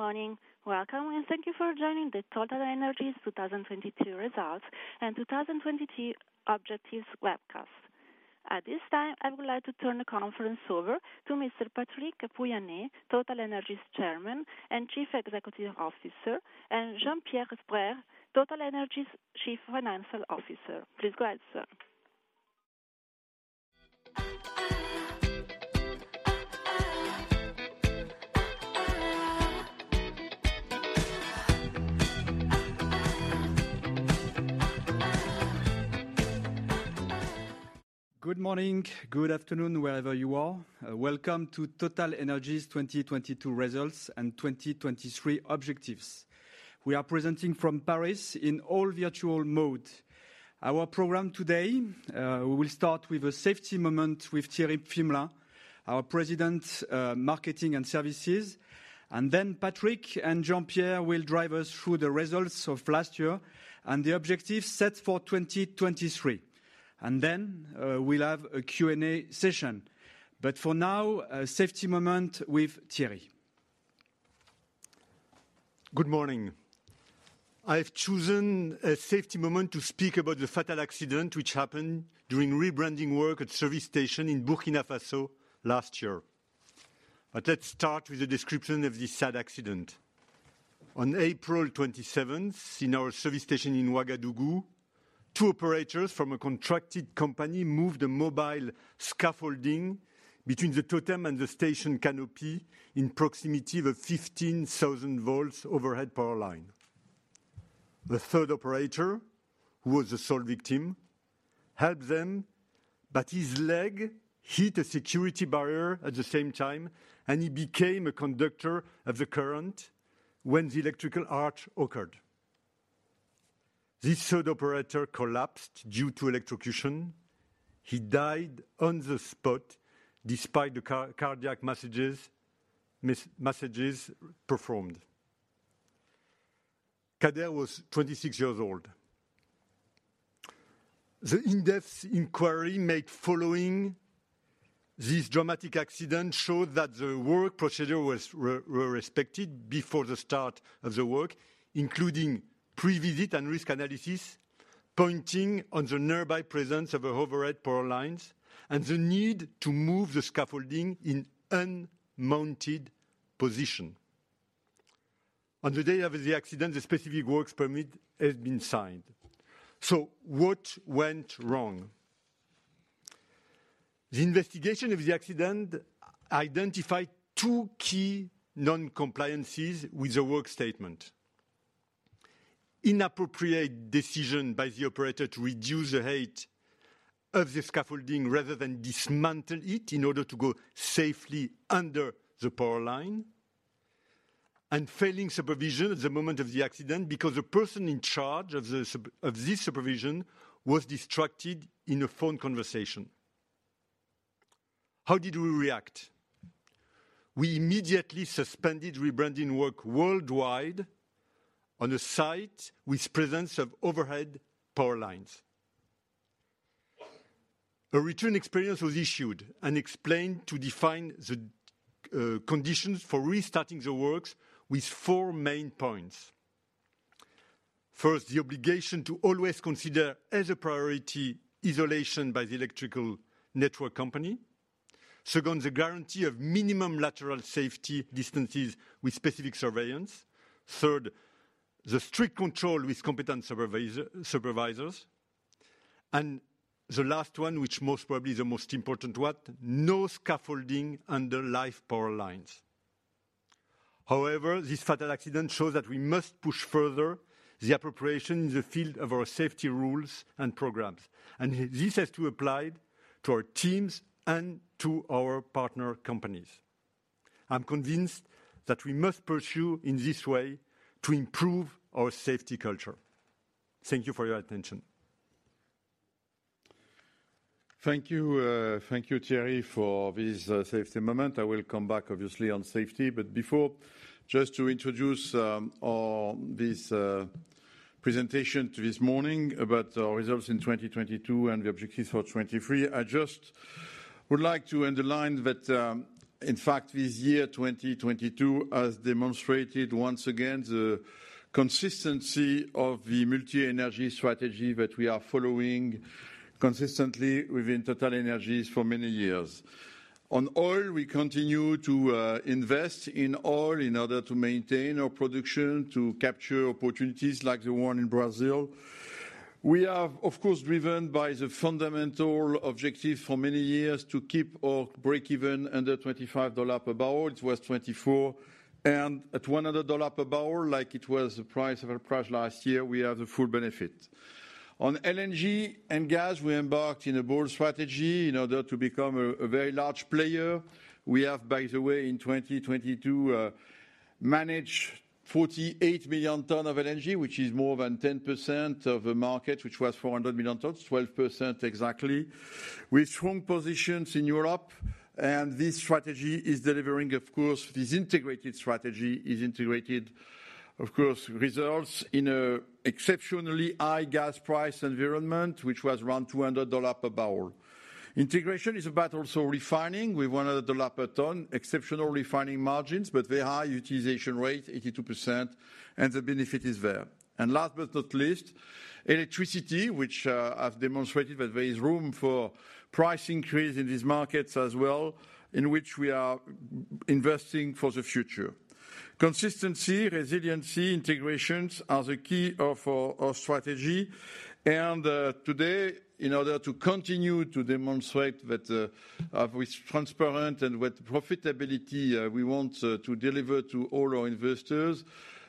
Good morning. Welcome, and thank you for joining the TotalEnergies 2022 Results and 2023 Objectives webcast. At this time, I would like to turn the conference over to Mr. Patrick Pouyanné, TotalEnergies Chairman and Chief Executive Officer, and Jean-Pierre Sbraire, TotalEnergies Chief Financial Officer. Please go ahead, sir. Good morning. Good afternoon, wherever you are. Welcome to TotalEnergies 2022 Results and 2023 Objectives. We are presenting from Paris in all virtual mode. Our program today, we will start with a safety moment with Thierry Pflimlin, our President, Marketing and Services. Patrick and Jean-Pierre will drive us through the results of last year and the objectives set for 2023. We'll have a Q&A session. For now, a safety moment with Thierry. Good morning. I've chosen a safety moment to speak about the fatal accident which happened during rebranding work at service station in Burkina Faso last year. Let's start with a description of this sad accident. On April 27th, in our service station in Ouagadougou, two operators from a contracted company moved a mobile scaffolding between the totem and the station canopy in proximity of a 15,000 volts overhead power line. The third operator, who was the sole victim, helped them, but his leg hit a security barrier at the same time, and he became a conductor of the current when the electrical arch occurred. This third operator collapsed due to electrocution. He died on the spot despite the car-cardiac messages performed. Kader was 26 years old. The in-depth inquiry made following this dramatic accident showed that the work procedure was respected before the start of the work, including pre-visit and risk analysis, pointing on the nearby presence of overhead power lines and the need to move the scaffolding in unmounted position. On the day of the accident, the specific works permit had been signed. What went wrong? The investigation of the accident identified two key non-compliances with the work statement. Inappropriate decision by the operator to reduce the height of the scaffolding rather than dismantle it in order to go safely under the power line, and failing supervision at the moment of the accident because the person in charge of this supervision was distracted in a phone conversation. How did we react? We immediately suspended rebranding work worldwide on a site with presence of overhead power lines. A return experience was issued and explained to define the conditions for restarting the works with four main points. First, the obligation to always consider as a priority isolation by the electrical network company. Second, the guarantee of minimum lateral safety distances with specific surveillance. Third, the strict control with competent supervisors. The last one, which most probably is the most important one, no scaffolding under live power lines. This fatal accident shows that we must push further the appropriation in the field of our safety rules and programs, and this has to apply to our teams and to our partner companies. I'm convinced that we must pursue in this way to improve our safety culture. Thank you for your attention. Thank you. Thank you, Thierry, for this safety moment. I will come back obviously on safety. Before, just to introduce this presentation to this morning about our results in 2022 and the objectives for 2023, I just would like to underline that, in fact, this year, 2022, has demonstrated once again the consistency of the multi-energy strategy that we are following consistently within TotalEnergies for many years. On oil, we continue to invest in oil in order to maintain our production, to capture opportunities like the one in Brazil. We are, of course, driven by the fundamental objective for many years to keep our breakeven under $25 per barrel. It was 24 and at $100 per barrel, like it was the price of our price last year, we have the full benefit. On LNG and gas, we embarked in a bold strategy in order to become a very large player. We have, by the way, in 2022. Manage 48 million ton of LNG, which is more than 10% of the market, which was 400 million tons, 12% exactly, with strong positions in Europe. This strategy is delivering, of course. This integrated strategy, of course, results in a exceptionally high gas price environment, which was around $200 per barrel. Integration is about also refining with $100 per ton, exceptional refining margins, but very high utilization rate, 82%, and the benefit is there. Last but not least, electricity, which I've demonstrated that there is room for price increase in these markets as well, in which we are investing for the future. Consistency, resiliency, integrations are the key of our strategy. Today, in order to continue to demonstrate that of with transparent and with profitability, we want to deliver to all our investors,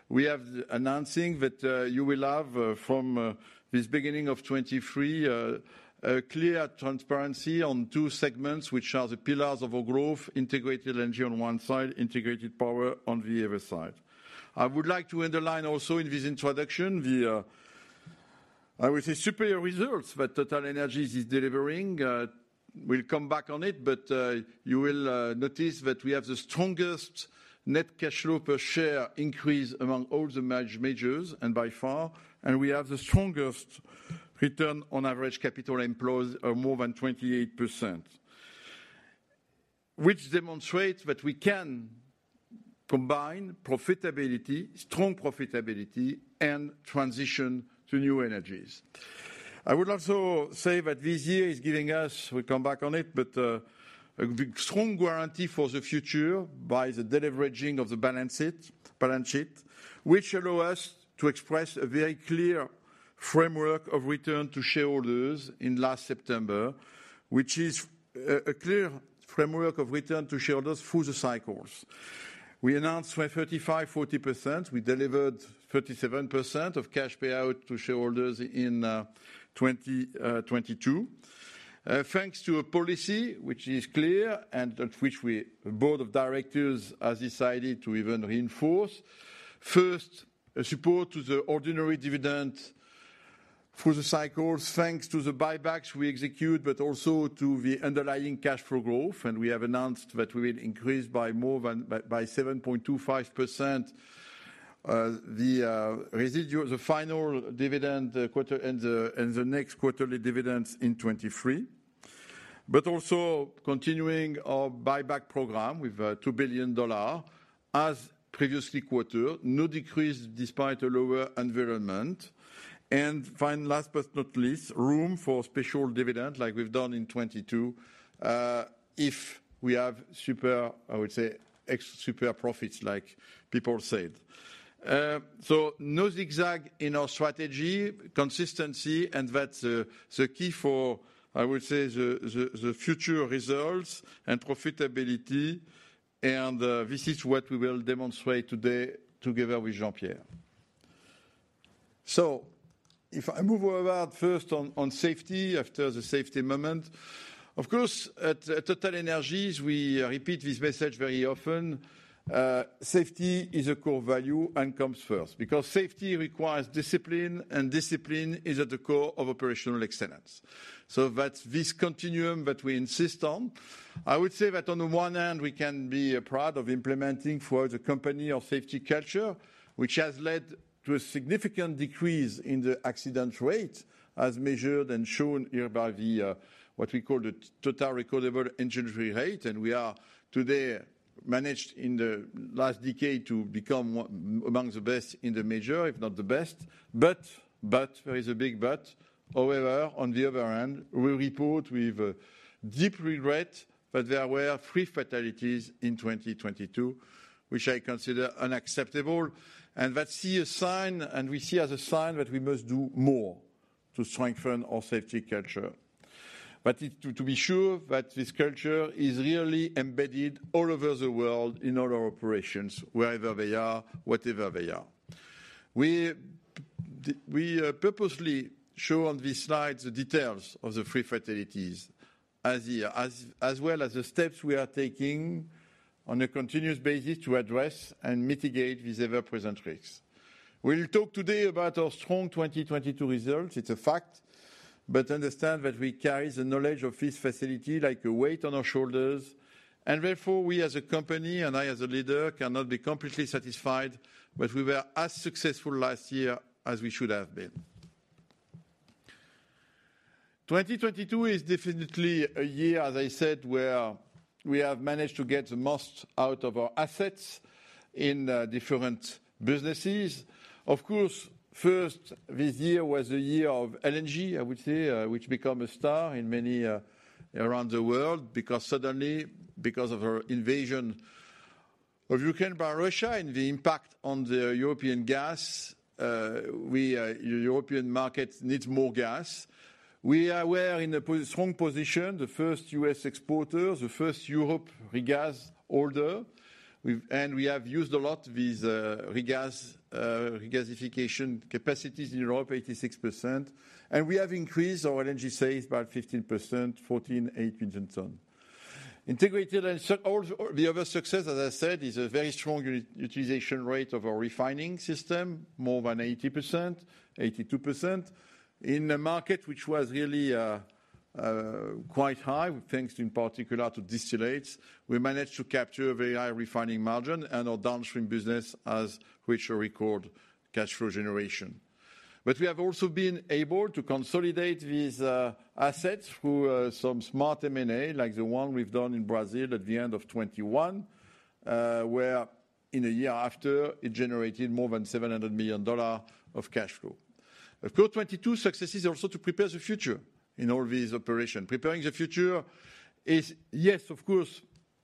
we have announcing that you will have from this beginning of 2023, a clear transparency on two segments, which are the pillars of our growth, Integrated LNG on one side, Integrated Power on the other side. I would like to underline also in this introduction the, I would say, superior results that TotalEnergies is delivering. We'll come back on it, but you will notice that we have the strongest net cash flow per share increase among all the majors, and by far, and we have the strongest Return on Average Capital Employed of more than 28%, which demonstrates that we can combine profitability, strong profitability, and transition to new energies. I would also say that this year is giving us, we'll come back on it, but, a big strong guarantee for the future by the deleveraging of the balance sheet, which allow us to express a very clear framework of return to shareholders in last September, which is a clear framework of return to shareholders through the cycles. We announced by 35%-40%. We delivered 37% of cash payout to shareholders in 2022. Thanks to a policy which is clear and at which we board of directors has decided to even reinforce, first, a support to the ordinary dividend through the cycles, thanks to the buybacks we execute, but also to the underlying cash flow growth. We have announced that we will increase by more than 7.25% the residual, the final dividend quarter and the next quarterly dividends in 2023, but also continuing our buyback program with $2 billion as previously quarter, no decrease despite a lower environment. Final, last but not least, room for special dividend like we've done in 2022, if we have super, I would say, ex super profits like people said. No zigzag in our strategy, consistency, and that's the key for, I would say, the future results and profitability. This is what we will demonstrate today together with Jean-Pierre. If I move forward first on safety after the safety moment, of course, at TotalEnergies, we repeat this message very often, safety is a core value and comes first because safety requires discipline, and discipline is at the core of operational excellence. That's this continuum that we insist on. I would say that on the one hand, we can be proud of implementing for the company of safety culture, which has led to a significant decrease in the accident rate as measured and shown here by the what we call the total recordable injury rate. We are today managed in the last decade to become among the best in the major, if not the best. There is a big but. On the other hand, we report with deep regret that there were three fatalities in 2022, which I consider unacceptable. We see as a sign that we must do more to strengthen our safety culture. To be sure that this culture is really embedded all over the world in all our operations, wherever they are, whatever they are. We purposely show on these slides the details of the three fatalities as well as the steps we are taking on a continuous basis to address and mitigate these ever-present risks. We'll talk today about our strong 2022 results. It's a fact, understand that we carry the knowledge of this facility like a weight on our shoulders, and therefore, we as a company and I as a leader cannot be completely satisfied that we were as successful last year as we should have been. 2022 is definitely a year, as I said, where we have managed to get the most out of our assets in different businesses. Of course, first, this year was the year of LNG, I would say, which become a star in many around the world because suddenly, because of our invasion of Ukraine by Russia and the impact on the European gas, we European market needs more gas. We were in a strong position, the first U.S. exporter, the first Europe regas holder. We have used a lot these regasification capacities in Europe, 86%. We have increased our LNG sales by 15%, 14.8 million ton. Integrated all the other success, as I said, is a very strong utilization rate of our refining system, more than 80%, 82%. In a market which was really quite high, thanks in particular to distillates, we managed to capture a very high refining margin and our downstream business has reached a record cash flow generation. We have also been able to consolidate these assets through some smart M&A, like the one we've done in Brazil at the end of 2021, where in a year after it generated more than $700 million of cash flow. Of course, 2022 successes also to prepare the future in all these operation. Preparing the future is yes, of course.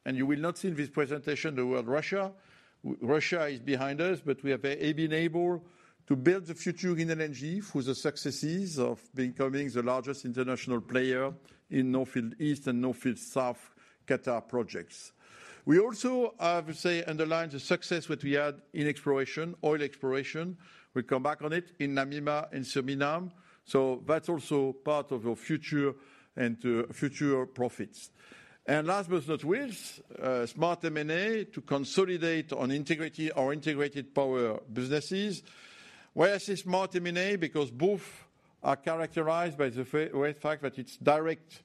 You will not see in this presentation the word Russia. Russia is behind us. We have been able to build the future in LNG through the successes of becoming the largest international player in North Field East and North Field South Qatar projects. We also have, say, underlined the success that we had in exploration, oil exploration. We come back on it in Namibia and Suriname. That's also part of our future and future profits. Last but not least, smart M&A to consolidate on integrity or integrated power businesses. Why I say smart M&A? Both are characterized by the well, fact that it's direct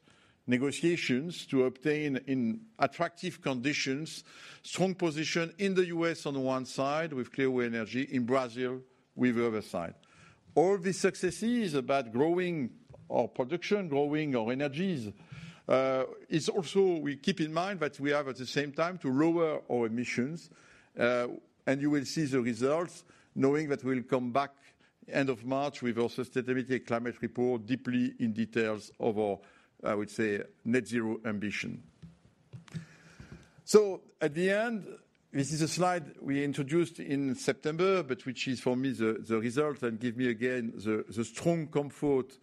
negotiations to obtain in attractive conditions, strong position in the U.S. on the one side with Clearway Energy, in Brazil with the other side. All these successes about growing our production, growing our energies, is also we keep in mind that we have at the same time to lower our emissions. You will see the results knowing that we'll come back end of March with our sustainability climate report deeply in details of our, I would say, net zero ambition. At the end, this is a slide we introduced in September, but which is for me the result and give me again the strong comfort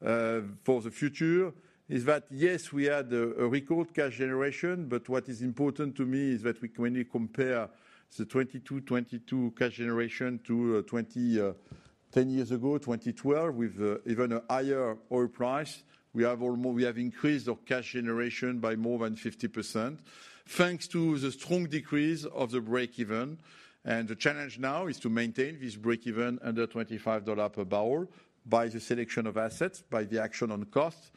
for the future is that yes, we had a record cash generation. What is important to me is that we when you compare the 2022 cash generation to 10 years ago, 2012, with even a higher oil price, we have almost, we have increased our cash generation by more than 50%, thanks to the strong decrease of the breakeven. The challenge now is to maintain this breakeven under $25 per barrel by the selection of assets, by the action on costs,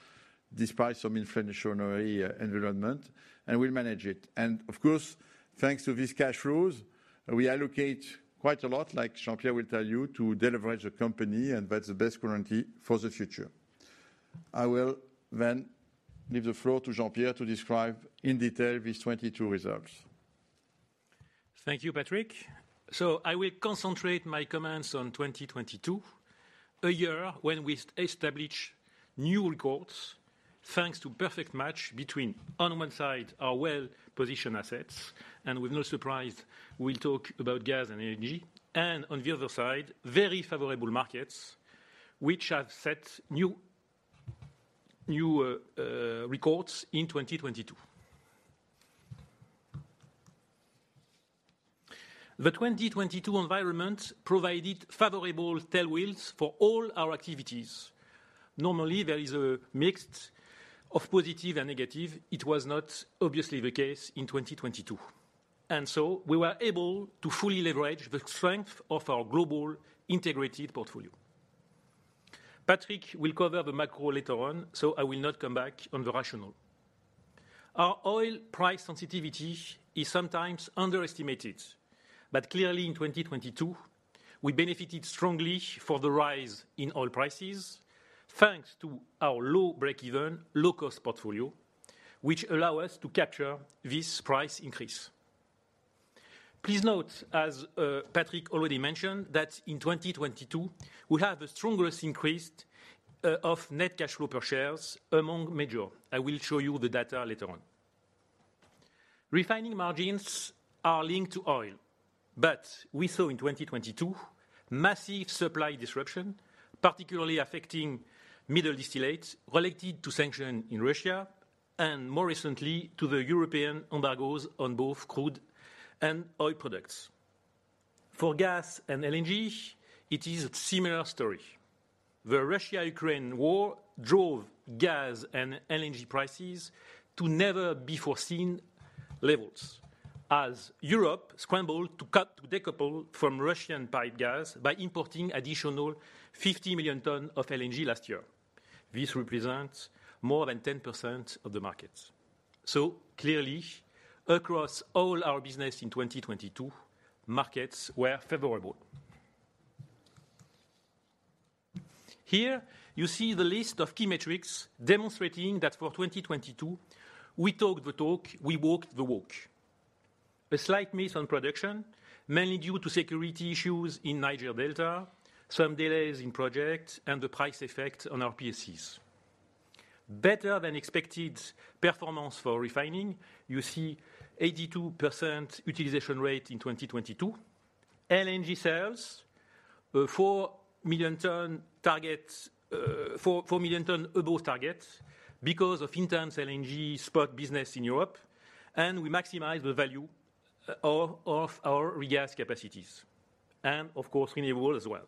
despite some inflationary environment, and we'll manage it. Of course, thanks to this cash flows, we allocate quite a lot, like Jean-Pierre will tell you, to deleverage the company, and that's the best guarantee for the future. I will leave the floor to Jean-Pierre to describe in detail these 2022 results. Thank you, Patrick. I will concentrate my comments on 2022, a year when we establish new records, thanks to perfect match between, on one side, our well-positioned assets, and with no surprise, we talk about gas and energy, and on the other side, very favorable markets which have set new records in 2022. The 2022 environment provided favorable tailwinds for all our activities. Normally, there is a mix of positive and negative. It was not obviously the case in 2022. We were able to fully leverage the strength of our global integrated portfolio. Patrick will cover the macro later on, I will not come back on the rational. Our oil price sensitivity is sometimes underestimated. Clearly in 2022, we benefited strongly for the rise in oil prices, thanks to our low breakeven, low cost portfolio, which allow us to capture this price increase. Please note, as Patrick already mentioned, that in 2022, we have the strongest increase of net cash flow per shares among major. I will show you the data later on. Refining margins are linked to oil. We saw in 2022 massive supply disruption, particularly affecting middle distillates related to sanction in Russia and more recently to the European embargoes on both crude and oil products. For gas and LNG, it is a similar story. The Russia-Ukraine war drove gas and LNG prices to never before seen levels as Europe scrambled to decouple from Russian pipe gas by importing additional 50 million tons of LNG last year. This represents more than 10% of the markets. Across all our business in 2022, markets were favorable. Here you see the list of key metrics demonstrating that for 2022, we talked the talk, we walked the walk. A slight miss on production, mainly due to security issues in Niger Delta, some delays in projects and the price effect on our PSCs. Better than expected performance for refining. You see 82% utilization rate in 2022. LNG sales, four million tons target, four million tons above target because of intense LNG spot business in Europe, we maximize the value of our regas capacities. Renewables as well.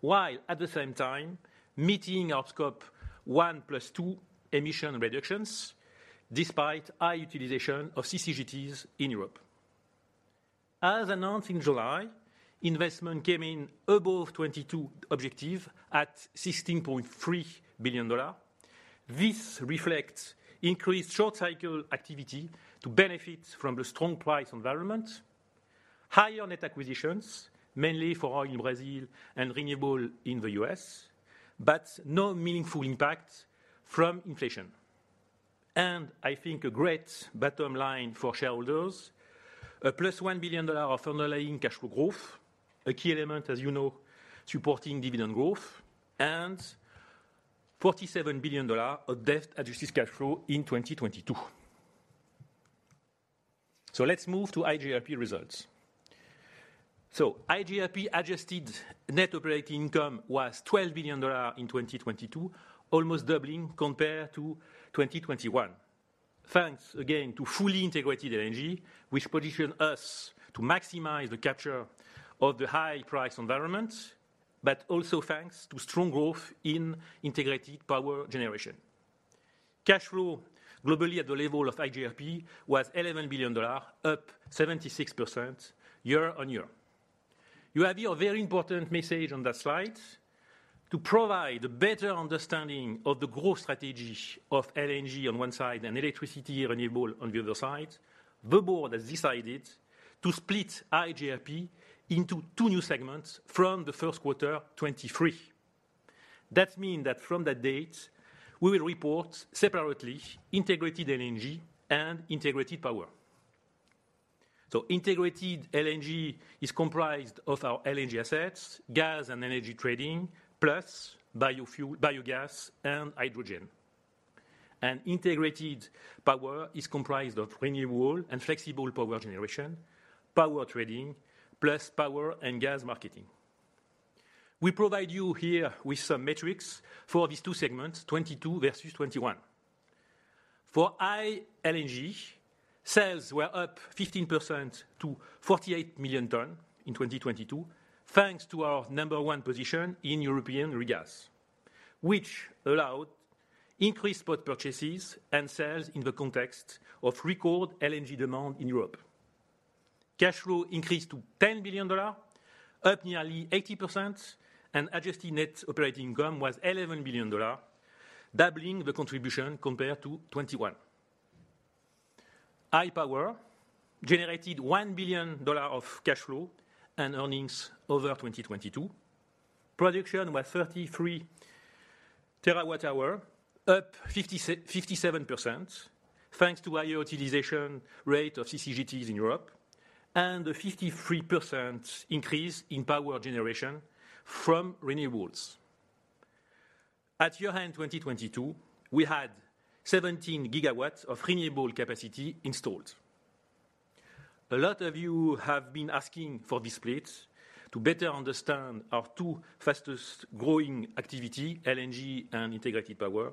While at the same time meeting our Scope 1 plus two emission reductions despite high utilization of CCGTs in Europe. As announced in July, investment came in above 2022 objective at $16.3 billion. This reflects increased short-cycle activity to benefit from the strong price environment, higher net acquisitions, mainly for oil in Brazil and renewables in the U.S., but no meaningful impact from inflation. I think a great bottom line for shareholders, a + $1 billion of underlying cash flow growth, a key element, as you know, supporting dividend growth, and $47 billion of debt adjusted cash flow in 2022. Let's move to IGFP results. IGFP adjusted net operating income was $12 billion in 2022, almost doubling compared to 2021. Thanks again to fully integrated LNG, which position us to maximize the capture of the high price environment, but also thanks to strong growth in integrated power generation. Cash flow globally at the level of IGFP was $11 billion, up 76% year-on-year. You have here a very important message on that slide. To provide a better understanding of the growth strategy of LNG on one side and electricity renewable on the other side, the board has decided to split IGFP into two new segments from the first quarter 2023. That mean that from that date, we will report separately integrated LNG and integrated power. Integrated LNG is comprised of our LNG assets, gas and energy trading, plus biogas and hydrogen. Integrated power is comprised of renewable and flexible power generation, power trading, plus power and gas marketing. We provide you here with some metrics for these two segments, 2022 versus 2021. For ILNG, sales were up 15% to 48 million ton in 2022, thanks to our number one position in European regas, which allowed increased spot purchases and sales in the context of record LNG demand in Europe. Cash flow increased to $10 billion, up nearly 80%, and Adjusted net operating income was $11 billion, doubling the contribution compared to 2021. IPower generated $1 billion of cash flow and earnings over 2022. Production was 33TWh, up 57%, thanks to higher utilization rate of CCGTs in Europe and a 53% increase in power generation from renewables. At year-end 2022, we had 17GW of renewable capacity installed. A lot of you have been asking for this split to better understand our two fastest growing activity, LNG and integrated power.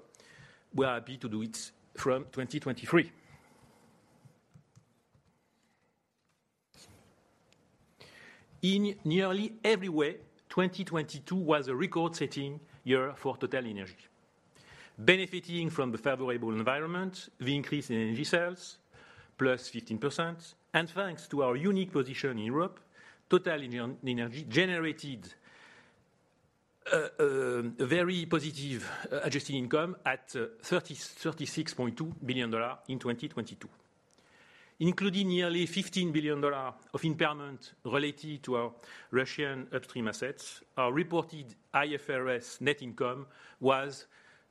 We are happy to do it from 2023. In nearly every way, 2022 was a record-setting year for TotalEnergies. Benefiting from the favorable environment, the increase in energy sales plus 15%, and thanks to our unique position in Europe, TotalEnergies generated a very positive adjusted income at $36.2 billion in 2022. Including nearly $15 billion of impairment related to our Russian upstream assets, our reported IFRS net income was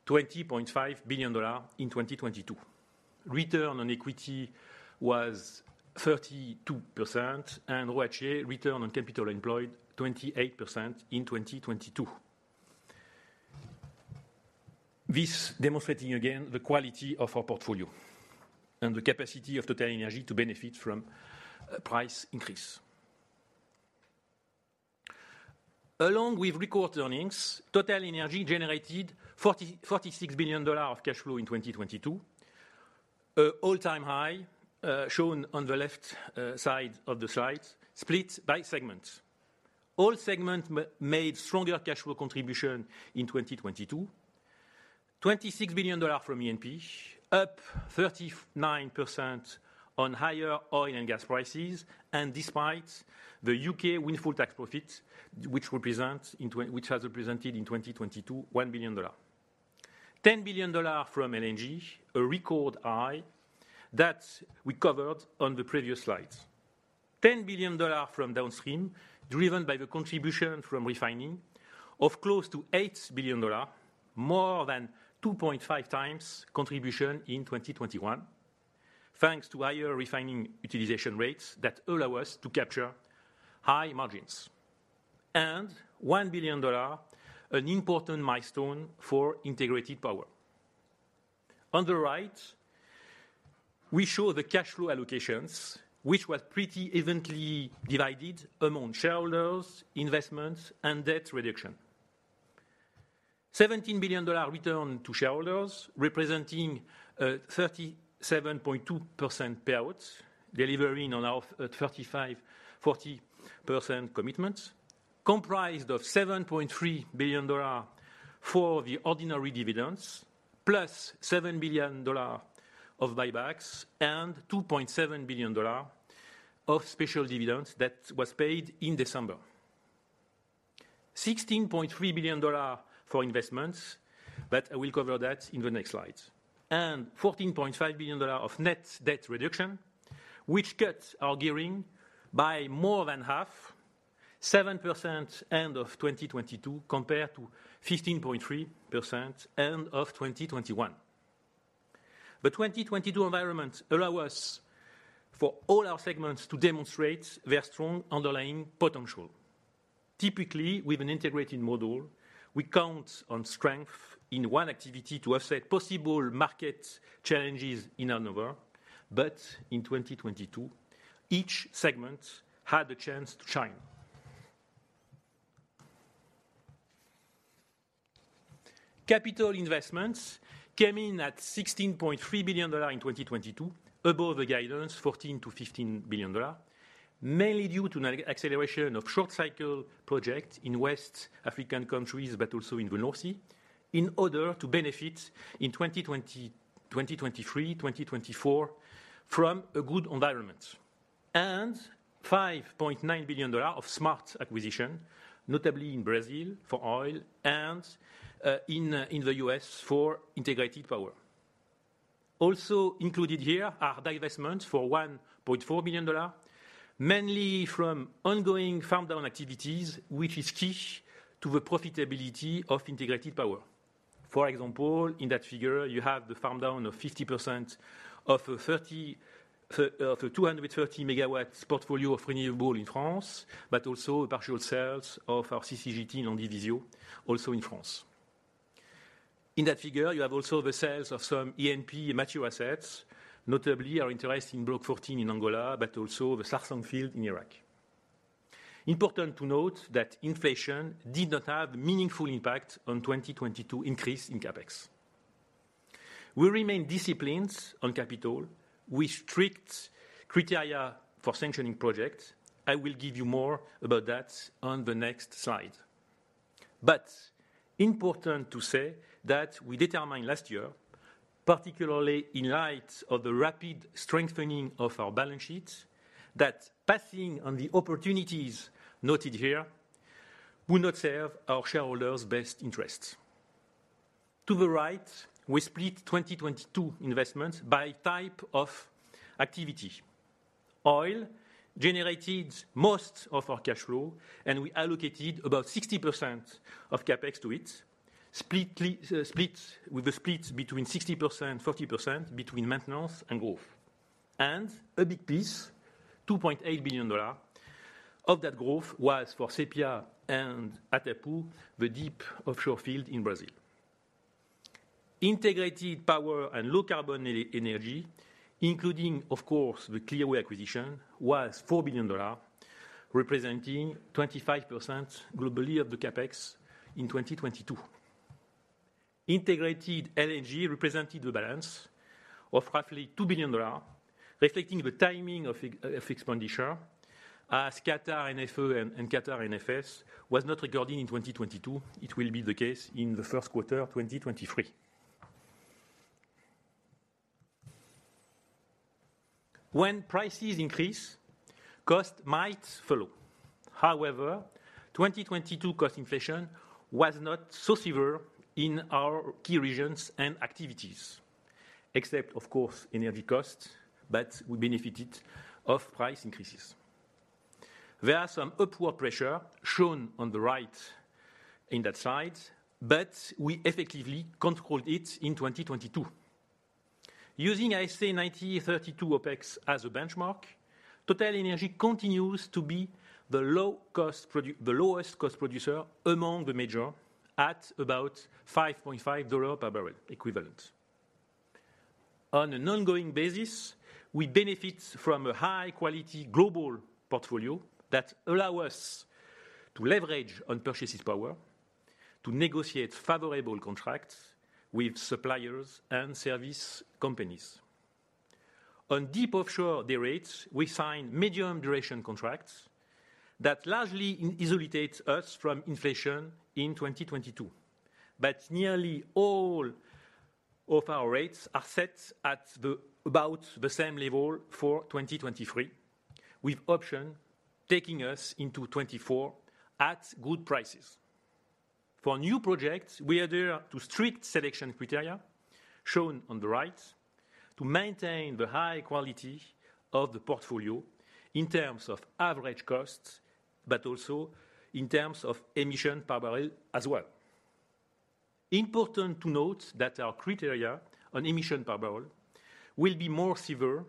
$20.5 billion in 2022. Return on quity was 32% and ROCE Return on Capital Employed 28% in 2022. This demonstrating again the quality of our portfolio and the capacity of TotalEnergies to benefit from a price increase. Along with record earnings, TotalEnergies generated $46 billion of cash flow in 2022, a all-time high, shown on the left side of the slide, split by segment. All segment made stronger cash flow contribution in 2022. $26 billion from E&P, up 39% on higher oil and gas prices, and despite the U.K. windfall tax profits, which has represented in 2022 $1 billion. $10 billion from LNG, a record high that we covered on the previous slides. $10 billion from downstream, driven by the contribution from refining of close to $8 billion, more than 2.5 times contribution in 2021, thanks to higher refining utilization rates that allow us to capture high margins. And $1 billion, an important milestone for Integrated Power. On the right, we show the cash flow allocations, which was pretty evenly divided among shareholders, investments, and debt reduction. $17 billion return to shareholders representing 37.2% payouts, delivering on our 35%-40% commitments. Comprised of $7.3 billion for the ordinary dividends, plus $7 billion of buybacks and $2.7 billion of special dividends that was paid in December. $16.3 billion for investments, I will cover that in the next slide. $14.5 billion of net debt reduction, which cuts our gearing by more than half, 7% end of 2022 compared to 15.3% end of 2021. The 2022 environment allow us for all our segments to demonstrate their strong underlying potential. Typically, with an integrated model, we count on strength in one activity to offset possible market challenges in another. In 2022, each segment had a chance to shine. Capital investments came in at $16.3 billion in 2022 above the guidance $14 billion-$15 billion, mainly due to an acceleration of short cycle projects in West African countries, but also in the North Sea, in order to benefit in 2020, 2023, 2024 from a good environment. $5.9 billion of smart acquisition, notably in Brazil for oil and in the U.S. for Integrated Power. Also included here are divestments for $1.4 billion, mainly from ongoing farm down activities, which is key to the profitability of Integrated Power. For example, in that figure, you have the farm down of 50% of a 230MW portfolio of renewable in France, but also partial sales of our CCGT in Landivisiau, also in France. In that figure, you have also the sales of some E&P mature assets, notably our interest in Block 14 in Angola, but also the Sarsang field in Iraq. Important to note that inflation did not have meaningful impact on 2022 increase in CapEx. We remain disciplined on capital with strict criteria for sanctioning projects. I will give you more about that on the next slide. Important to say that we determined last year, particularly in light of the rapid strengthening of our balance sheets, that passing on the opportunities noted here would not serve our shareholders' best interests. To the right, we split 2022 investments by type of activity. Oil generated most of our cash flow, and we allocated about 60% of CapEx to it, splitly, split between 60%, 40% between maintenance and growth. A big piece, $2.8 billion of that growth was for Sépia and Atapu, the deep offshore field in Brazil. Integrated power and low carbon energy, including of course the Clearway acquisition, was $4 billion, representing 25% globally of the CapEx in 2022. Integrated LNG represented the balance of roughly $2 billion, reflecting the timing of expenditure as Qatar NFE and Qatar NFS was not recording in 2022. It will be the case in the first quarter 2023. When prices increase, cost might follow. However, 2022 cost inflation was not so severe in our key regions and activities, except of course energy costs, but we benefited of price increases. There are some upward pressure shown on the right in that slide, but we effectively controlled it in 2022. Using ISA 9032 OpEx as a benchmark, TotalEnergies continues to be the lowest cost producer among the major at about $5.5 per barrel equivalent. On an ongoing basis, we benefit from a high quality global portfolio that allow us to leverage on purchasing power to negotiate favorable contracts with suppliers and service companies. On deep offshore day rates, we signed medium duration contracts that largely insulates us from inflation in 2022. Nearly all of our rates are set about the same level for 2023, with option taking us into 2024 at good prices. For new projects, we adhere to strict selection criteria shown on the right to maintain the high quality of the portfolio in terms of average costs, but also in terms of emission per barrel as well. Important to note that our criteria on emission per barrel will be more severe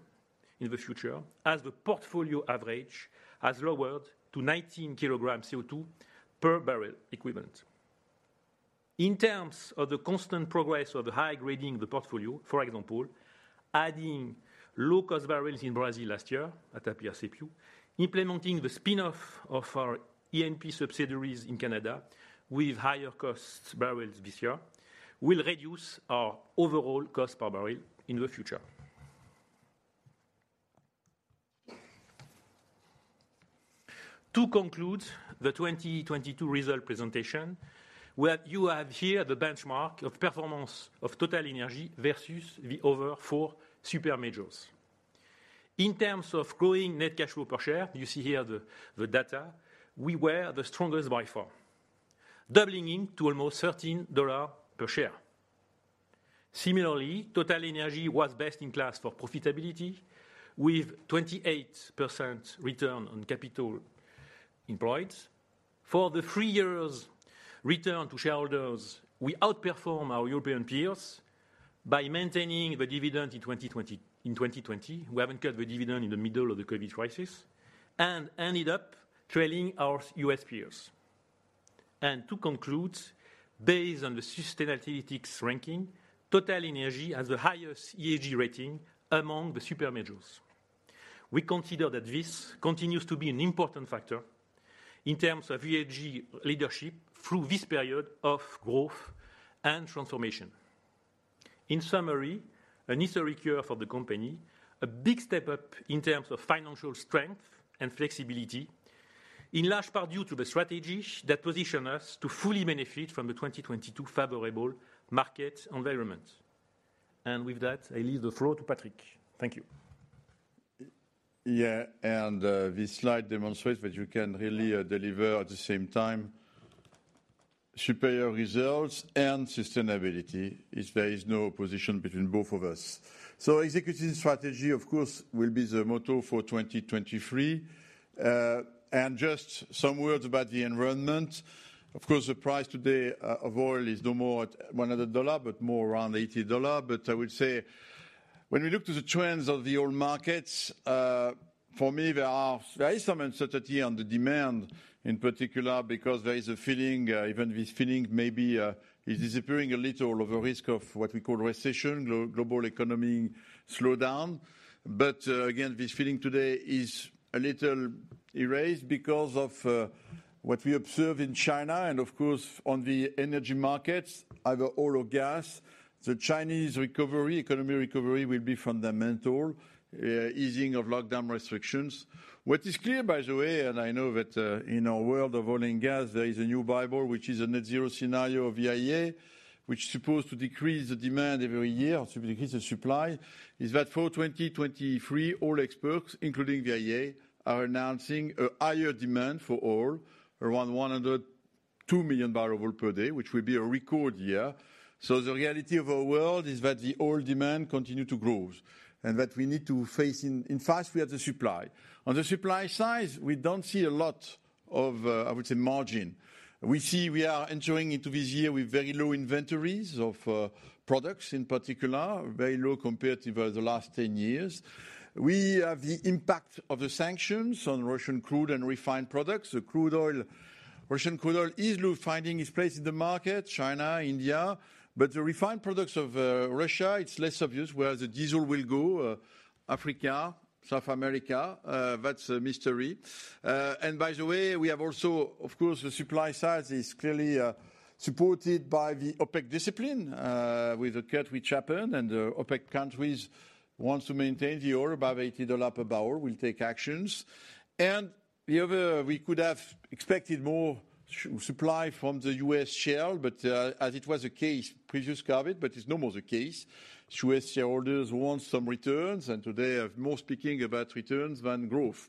in the future as the portfolio average has lowered to 19kg CO2 per barrel equivalent. In terms of the constant progress of the high grading the portfolio, for example, adding low cost barrels in Brazil last year at Atapu and Sépia, implementing the spin-off of our E&P subsidiaries in Canada with higher cost barrels this year, will reduce our overall cost per barrel in the future. To conclude the 2022 result presentation, where you have here the benchmark of performance of TotalEnergies versus the other four supermajors. In terms of growing net cash flow per share, you see here the data, we were the strongest by far, doubling it to almost $13 per share. Similarly, TotalEnergies was best in class for profitability with 28% return on capital employed. For the three years return to shareholders, we outperform our European peers by maintaining the dividend in 2020. In 2020, we haven't cut the dividend in the middle of the COVID crisis and ended up trailing our U.S. peers. To conclude, based on the Sustainalytics ranking, TotalEnergies has the highest ESG rating among the super majors. We consider that this continues to be an important factor in terms of ESG leadership through this period of growth and transformation. In summary, a necessary cure for the company, a big step up in terms of financial strength and flexibility, in large part due to the strategy that position us to fully benefit from the 2022 favorable market environment. With that, I leave the floor to Patrick. Thank you. This slide demonstrates that you can really deliver at the same time superior results and sustainability if there is no opposition between both of us. Executing strategy, of course, will be the motto for 2023. Just some words about the environment. Of course, the price today of oil is no more at $100, but more around $80. I would say when we look to the trends of the oil markets, for me, there is some uncertainty on the demand in particular because there is a feeling, even this feeling maybe is disappearing a little of a risk of what we call recession, global economy slowdown. Again, this feeling today is a little erased because of what we observe in China and of course on the energy markets, either oil or gas. The Chinese recovery, economy recovery will be fundamental, easing of lockdown restrictions. What is clear, by the way, and I know that in our world of oil and gas, there is a new Bible, which is a net zero scenario of IEA, which is supposed to decrease the demand every year to increase the supply, is that for 2023, all experts, including the IEA, are announcing a higher demand for oil around 102 million barrel per day, which will be a record year. The reality of our world is that the oil demand continue to grows and that we need to face in fact we have the supply. On the supply side, we don't see a lot of, I would say margin. We see we are entering into this year with very low inventories of products in particular, very low compared to the last 10 years. We have the impact of the sanctions on Russian crude and refined products. The crude oil, Russian crude oil is finding its place in the market, China, India. The refined products of Russia, it's less obvious where the diesel will go, Africa, South America. That's a mystery. By the way, we have also, of course, the supply side is clearly supported by the OPEC discipline, with the cut which happened and the OPEC countries wants to maintain the oil above $80 per barrel will take actions. The other, we could have expected more supply from the U.S. shale, as it was the case previous COVID, it's no more the case. U.S. shareholders want some returns, today are more speaking about returns than growth.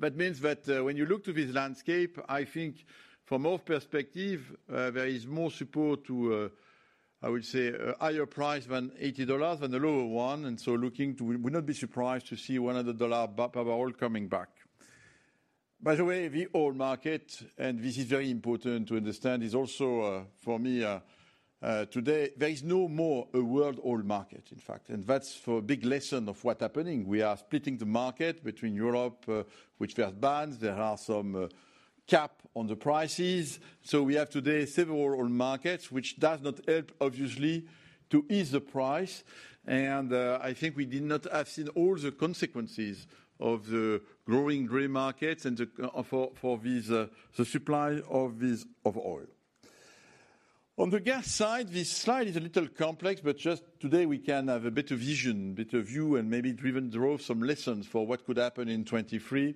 That means that, when you look to this landscape, I think from our perspective, there is more support to, I would say a higher price than $80 than the lower one. We would not be surprised to see $100 per barrel coming back. By the way, the oil market, this is very important to understand, is also today there is no more a world oil market, in fact. That's for a big lesson of what's happening. We are splitting the market between Europe, which there are bans. There are some cap on the prices. We have today several oil markets which does not help obviously to ease the price. I think we did not have seen all the consequences of the growing gray markets and the supply of this, of oil. On the gas side, this slide is a little complex, just today we can have a better vision, better view, and maybe to even draw some lessons for what could happen in 2023.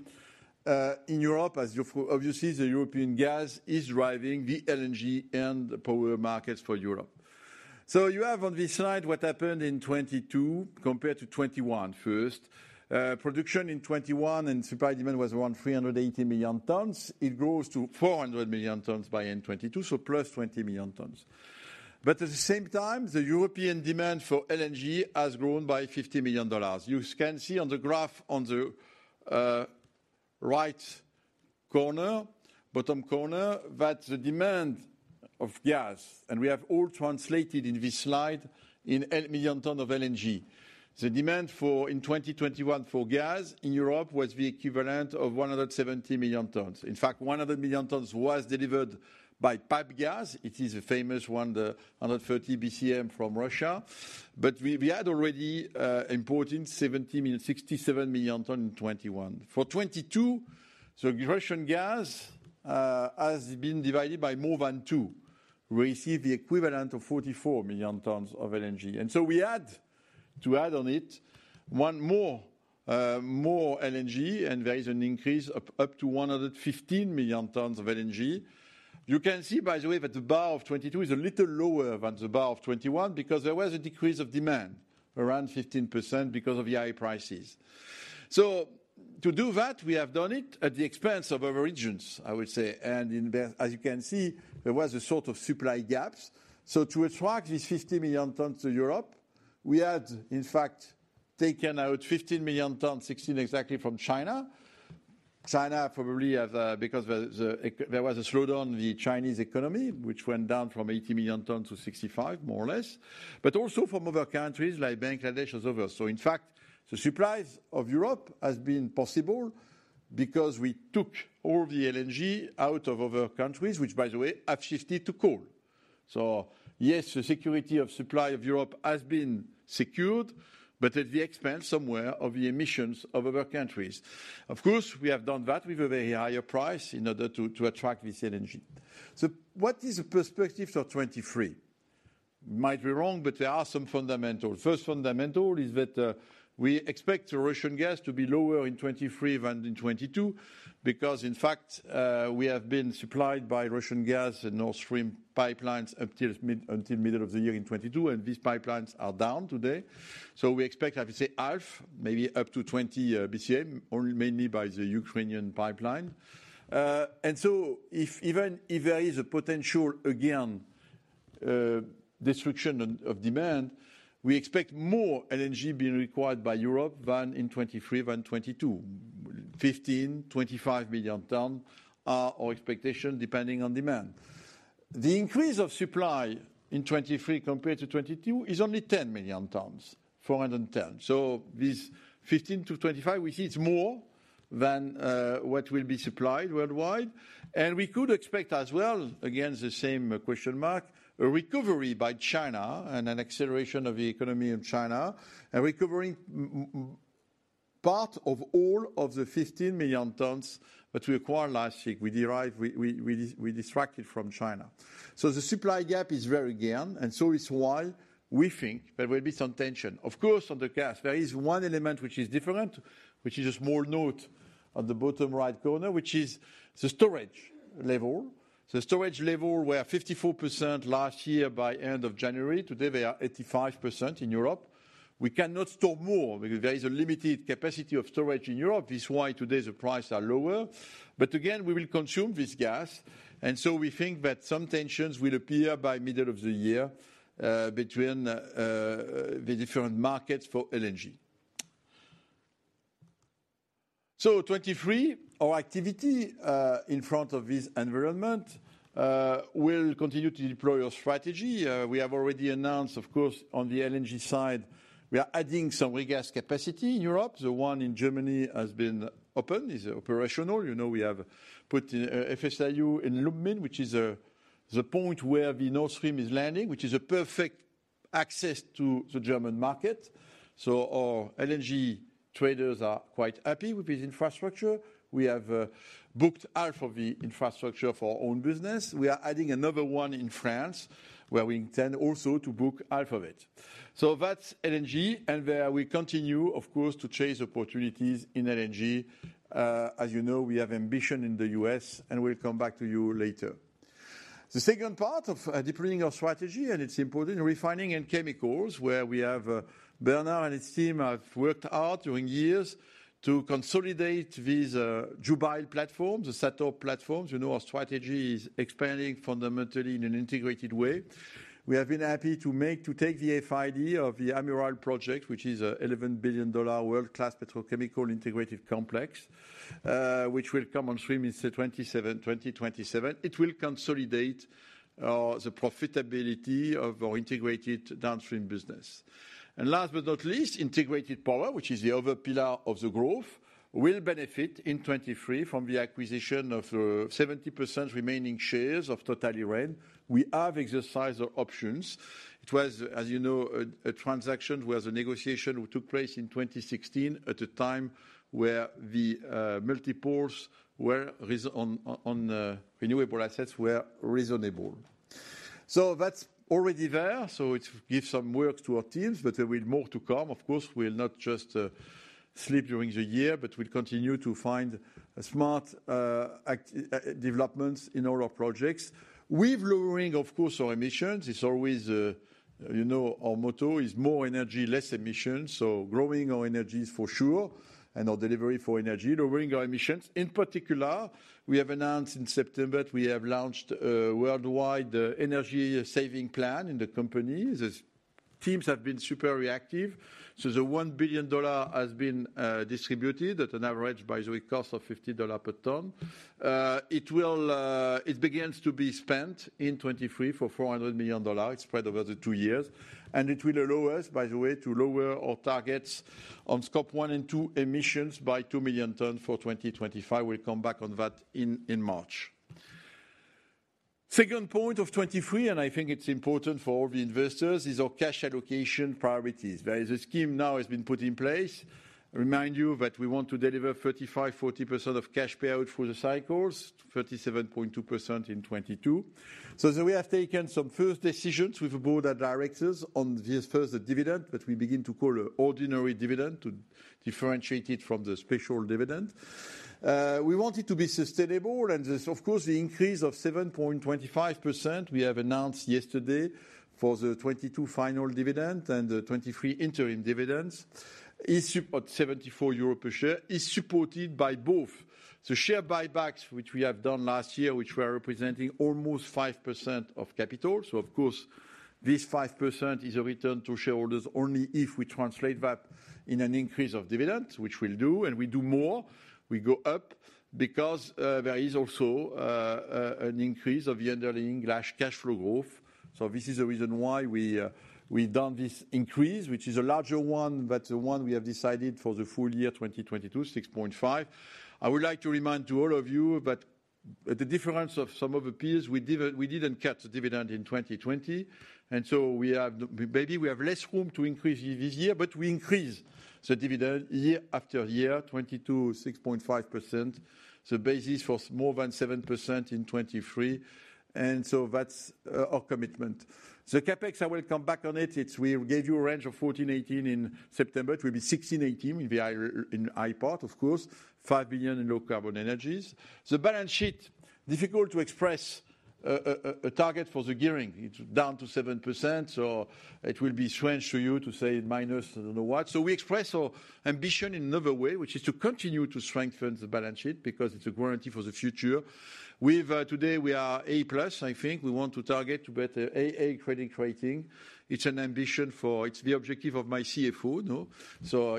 In Europe, as you obviously, the European gas is driving the LNG and power markets for Europe. You have on this slide what happened in 2022 compared to 2021 first. Production in 2021 and supply demand was around 380 million tons. It grows to 400 million tons by end 2022, so plus 20 million tons. At the same time, the European demand for LNG has grown by $50 million. You can see on the graph on the right corner, bottom corner, that the demand of gas, and we have all translated in this slide in million ton of LNG. The demand for, in 2021 for gas in Europe was the equivalent of 170 million tons. In fact, 100 million tons was delivered by pipe gas. It is a famous one, the 130 BCM from Russia. We had already imported 67 million ton in 2021. For 2022, the Russian gas has been divided by more than two. We receive the equivalent of 44 million tons of LNG. We had to add on it one more LNG and there is an increase of up to 115 million tons of LNG. You can see, by the way, that the bar of 2022 is a little lower than the bar of 2021 because there was a decrease of demand, around 15% because of the high prices. To do that, we have done it at the expense of other regions, I would say. In there, as you can see, there was a sort of supply gaps. To attract these 50 million tons to Europe, we had in fact taken out 15 million tons, 16 exactly from China. China probably have, because there was a slowdown the Chinese economy, which went down from 80 million tons to 65, more or less, but also from other countries like Bangladesh and others. In fact, the supplies of Europe has been possible because we took all the LNG out of other countries, which by the way, have shifted to coal. Yes, the security of supply of Europe has been secured, but at the expense somewhere of the emissions of other countries. Of course, we have done that with a very higher price in order to attract this LNG. What is the perspective for 2023? Might be wrong, but there are some fundamentals. First fundamental is that we expect Russian gas to be lower in 2023 than in 2022 because in fact, we have been supplied by Russian gas and Nord Stream pipelines up till mid, until middle of the year in 2022, and these pipelines are down today. We expect, I would say half, maybe up to 20 BCM, only mainly by the Ukrainian pipeline. If even if there is a potential, again, destruction of demand, we expect more LNG being required by Europe than in 2023 than 2022. 15-25 million tons are our expectation, depending on demand. The increase of supply in 2023 compared to 2022 is only 10 million tons, 410. This 15-25, which is more than what will be supplied worldwide. We could expect as well, again, the same question mark, a recovery by China and an acceleration of the economy in China and recovering part of all of the 15 million tons that we acquired last year. We derive, we distract it from China. The supply gap is there again. It's why we think there will be some tension. Of course, on the gas, there is one element which is different, which is a small note on the bottom right corner, which is the storage level. The storage level were at 54% last year by end of January. Today they are 85% in Europe. We cannot store more because there is a limited capacity of storage in Europe. This is why today the price are lower. We will consume this gas, and so we think that some tensions will appear by middle of the year, between the different markets for LNG. 2023, our activity in front of this environment, will continue to deploy our strategy. We have already announced, of course, on the LNG side, we are adding some regas capacity in Europe. The one in Germany has been opened, is operational. You know, we have put FSRU in Lubmin, which is the point where the Nord Stream is landing, which is a perfect access to the German market. Our LNG traders are quite happy with this infrastructure. We have booked half of the infrastructure for our own business. We are adding another one in France, where we intend also to book half of it. That's LNG. There we continue, of course, to chase opportunities in LNG. As you know, we have ambition in the U.S., and we'll come back to you later. The second part of deploying our strategy, it's important, refining and chemicals, where we have Bernard and his team have worked hard during years to consolidate these Jubail platforms, the SATORP platforms. You know, our strategy is expanding fundamentally in an integrated way. We have been happy to take the FID of the Amiral project, which is a $11 billion world-class petrochemical integrated complex, which will come on stream in 2027. It will consolidate the profitability of our integrated downstream business. Last but not least, Integrated Power, which is the other pillar of the growth, will benefit in 2023 from the acquisition of the 70% remaining shares of Total Eren. We have exercised our options. It was, as you know, a transaction where the negotiation took place in 2016 at a time where the multiples were reasonable on renewable assets. That's already there. It gives some work to our teams, but there will more to come. Of course, we'll not just sleep during the year, but we'll continue to find smart act, developments in all our projects. With lowering, of course, our emissions. It's always, you know, our motto is more energy, less emissions. Growing our energies for sure and our delivery for energy, lowering our emissions. In particular, we have announced in September that we have launched a worldwide energy saving plan in the company. The teams have been super reactive. The $1 billion has been distributed at an average, by the way, cost of $50 per ton. It will begin to be spent in 2023 for $400 million. It's spread over the two years. It will allow us, by the way, to lower our targets on Scope 1 and 2 emissions by two million tons for 2025. We'll come back on that in March. Second point of 2023. I think it's important for all the investors, is our cash allocation priorities. There is a scheme now has been put in place. Remind you that we want to deliver 35%-40% of cash payout through the cycles, 37.2% in 2022. As we have taken some first decisions with the board of directors on this first dividend that we begin to call ordinary dividend to differentiate it from the special dividend. We want it to be sustainable, and this of course, the increase of 7.25% we have announced yesterday for the 2022 final dividend and the 2023 interim dividends at 74 euro per share, is supported by both the share buybacks, which we have done last year, which were representing almost 5% of capital. Of course, this 5% is a return to shareholders only if we translate that in an increase of dividends, which we'll do, and we do more. We go up because there is also an increase of the underlying lash cash flow growth. This is the reason why we've done this increase, which is a larger one than the one we have decided for the full year 2022, 6.5%. I would like to remind to all of you that the difference of some of the peers, we didn't cut the dividend in 2020. We have maybe less room to increase it this year, but we increase the dividend year after year, 2022, 6.5%. The base is for more than 7% in 2023. That's our commitment. The CapEx, I will come back on it. It's we gave you a range of $14 billion-$18 billion in September. It will be $16 billion-$18 billion, will be higher in the high part, of course, $5 billion in low carbon energies. The balance sheet, difficult to express a target for the gearing. It's down to 7%, so it will be strange to you to say minus I don't know what. We express our ambition in another way, which is to continue to strengthen the balance sheet because it's a guarantee for the future. We've today we are A+, I think. We want to target to better AA credit rating. It's an ambition for. It's the objective of my CFO, no?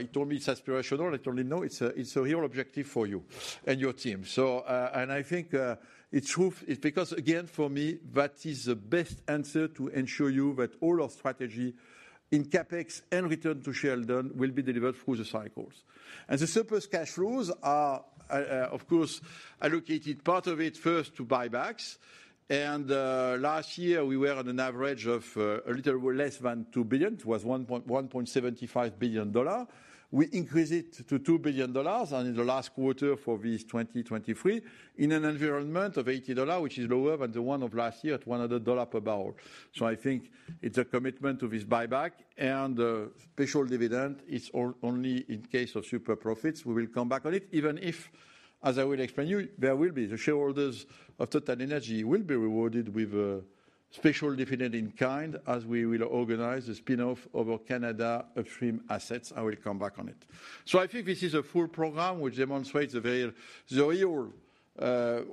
He told me it's aspirational. I told him, "No, it's a real objective for you and your team." And I think it's true because again, for me that is the best answer to ensure you that all our strategy in CapEx and return to shareholder will be delivered through the cycles. The surplus cash flows are, of course, allocated part of it first to buybacks. Last year we were on an average of a little less than $2 billion. It was $1.75 billion. We increase it to $2 billion and in the last quarter for this 2023 in an environment of $80, which is lower than the one of last year at $100 per barrel. I think it's a commitment to this buyback and special dividend is only in case of super profits. We will come back on it. Even if, as I will explain you, the shareholders of TotalEnergies will be rewarded with a special dividend in kind as we will organize the spin-off of our Canada upstream assets. I will come back on it. I think this is a full program which demonstrates the very, the real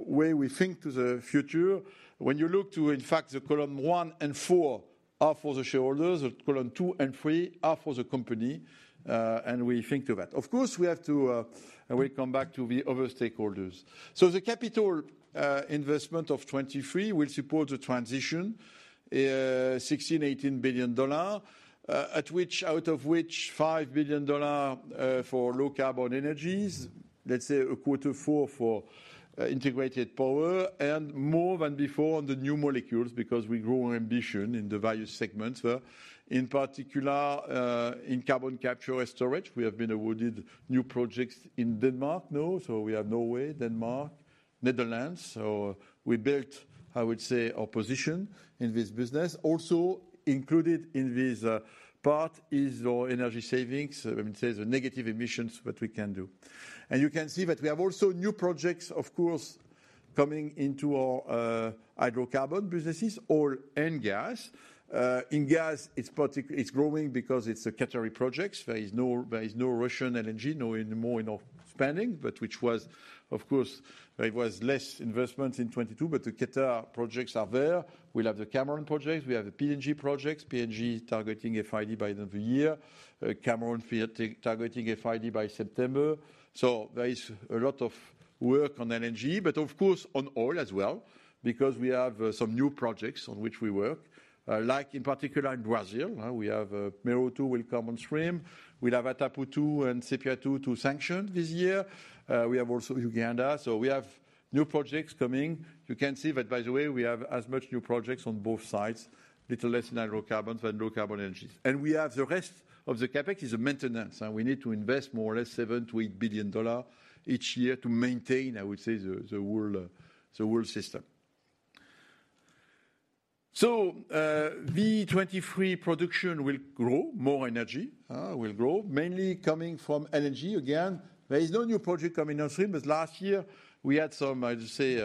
way we think to the future. When you look to in fact the column 1 and 4 are for the shareholders, column 2 and 3 are for the company, and we think to that. Of course, we have to, we come back to the other stakeholders. The capital investment of 2023 will support the transition, $16 billion-$18 billion, at which out of which $5 billion for low carbon energies, let's say a quarter for integrated power, and more than before on the new molecules because we grow ambition in the various segments. In particular, in carbon capture and storage, we have been awarded new projects in Denmark. No? We have Norway, Denmark, Netherlands. We built, I would say, our position in this business. Also included in this part is our energy savings. Let me say the negative emissions that we can do. You can see that we have also new projects of course coming into our hydrocarbon businesses, oil and gas. In gas it's growing because it's the Qatari projects. There is no Russian LNG, no more, no expanding, but which was of course there was less investment in 2022, but the Qatari projects are there. We'll have the Cameron projects. We have the PNG projects. PNG targeting FID by the end of the year. Cameron targeting FID by September. There is a lot of work on LNG, of course on oil as well because we have some new projects on which we work. Like in particular in Brazil, we have Mero-2 will come on stream. We'll have Atapu-2 and Sépia-2 to sanction this year. We have also Uganda. We have new projects coming. You can see that by the way, we have as much new projects on both sides, little less in hydrocarbons than low carbon energies. We have the rest of the CapEx is a maintenance, and we need to invest more or less $7 billion-$8 billion each year to maintain, I would say the world system. The 2023 production will grow. More energy will grow, mainly coming from LNG again. There is no new project coming on stream. Last year we had some, I just say,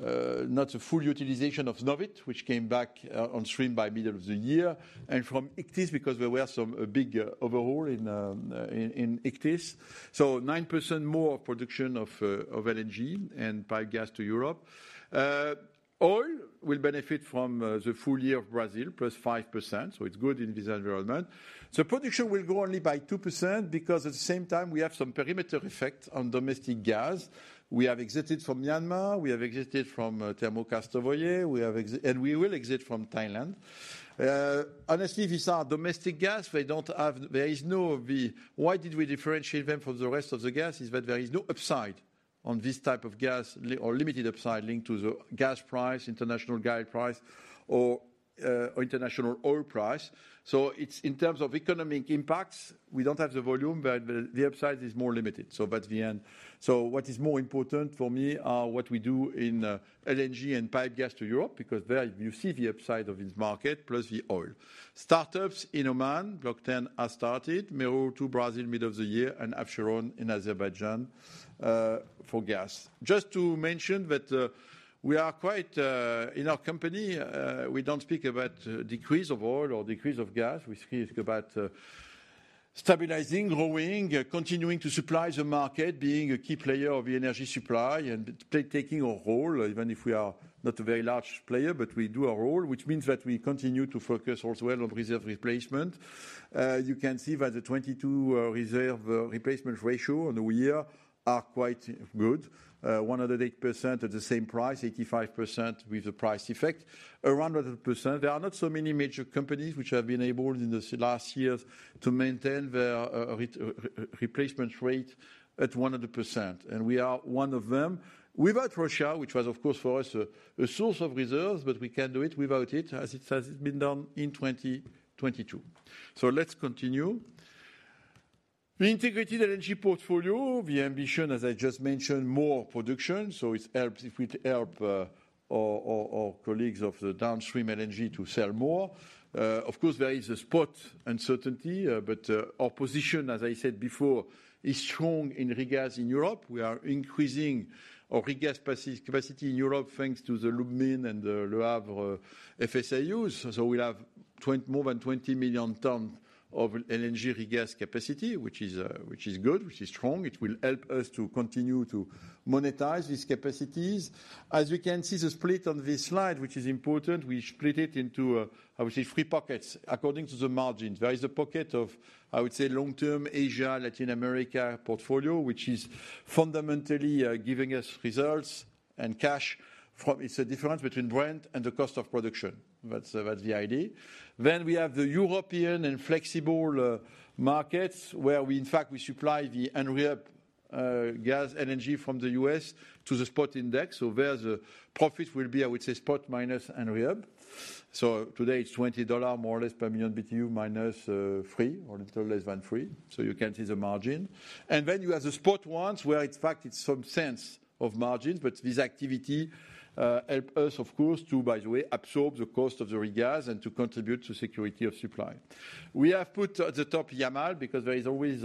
not a full utilization of NOVATEK, which came back on stream by middle of the year, and from Actis because there were some big overhaul in Actis. 9% more production of LNG and pipe gas to Europe. Oil will benefit from the full year of Brazil plus 5%. It's good in this environment. Production will grow only by 2% because at the same time we have some perimeter effect on domestic gas. We have exited from Myanmar. We have exited from Termokarstovoye. We will exit from Thailand. Honestly, these are domestic gas. There is no the... Why did we differentiate them from the rest of the gas is that there is no upside. On this type of gas or limited upside linked to the gas price, international guide price or international oil price. It's in terms of economic impacts, we don't have the volume, but the upside is more limited. What is more important for me are what we do in LNG and pipe gas to Europe, because there you see the upside of this market, plus the oil. Startups in Oman, Block 10 has started. Mero to Brazil middle of the year and Absheron in Azerbaijan for gas. Just to mention that we are quite in our company, we don't speak about decrease of oil or decrease of gas. We speak about stabilizing, growing, continuing to supply the market, being a key player of the energy supply and taking a role, even if we are not a very large player, but we do a role, which means that we continue to focus also on reserve replacement. You can see that the 2022 reserve replacement ratio on the year are quite good. 108% at the same price, 85% with the price effect. Around 100%. There are not so many major companies which have been able in the last years to maintain their replacement rate at 100%, and we are one of them. Without Russia, which was of course for us a source of reserves, but we can do it without it, as it has been done in 2022. Let's continue. The integrated LNG portfolio, the ambition, as I just mentioned, more production. It helps if we help our colleagues of the downstream LNG to sell more. Of course, there is a spot uncertainty, our position, as I said before, is strong in regas in Europe. We are increasing our regas capacity in Europe, thanks to the Lubmin and the Le Havre FSRUs. We'll have more than 20 million tons of LNG regas capacity, which is good, which is strong. It will help us to continue to monetize these capacities. As you can see the split on this slide, which is important, we split it into, I would say three pockets according to the margins. There is a pocket of, I would say, long-term Asia, Latin America portfolio, which is fundamentally giving us results and cash from, it's the difference between Brent and the cost of production. That's the idea. We have the European and flexible markets where we in fact, we supply the Henry Hub gas, LNG from the US to the spot index. There, the profits will be, I would say, spot minus Henry Hub. Today it's $20 more or less per million BTU minus 3 or a little less than 3. You can see the margin. You have the spot ones where in fact it's some sense of margins, but this activity help us, of course, to, by the way, absorb the cost of the regas and to contribute to security of supply. We have put at the top Yamal because there is always.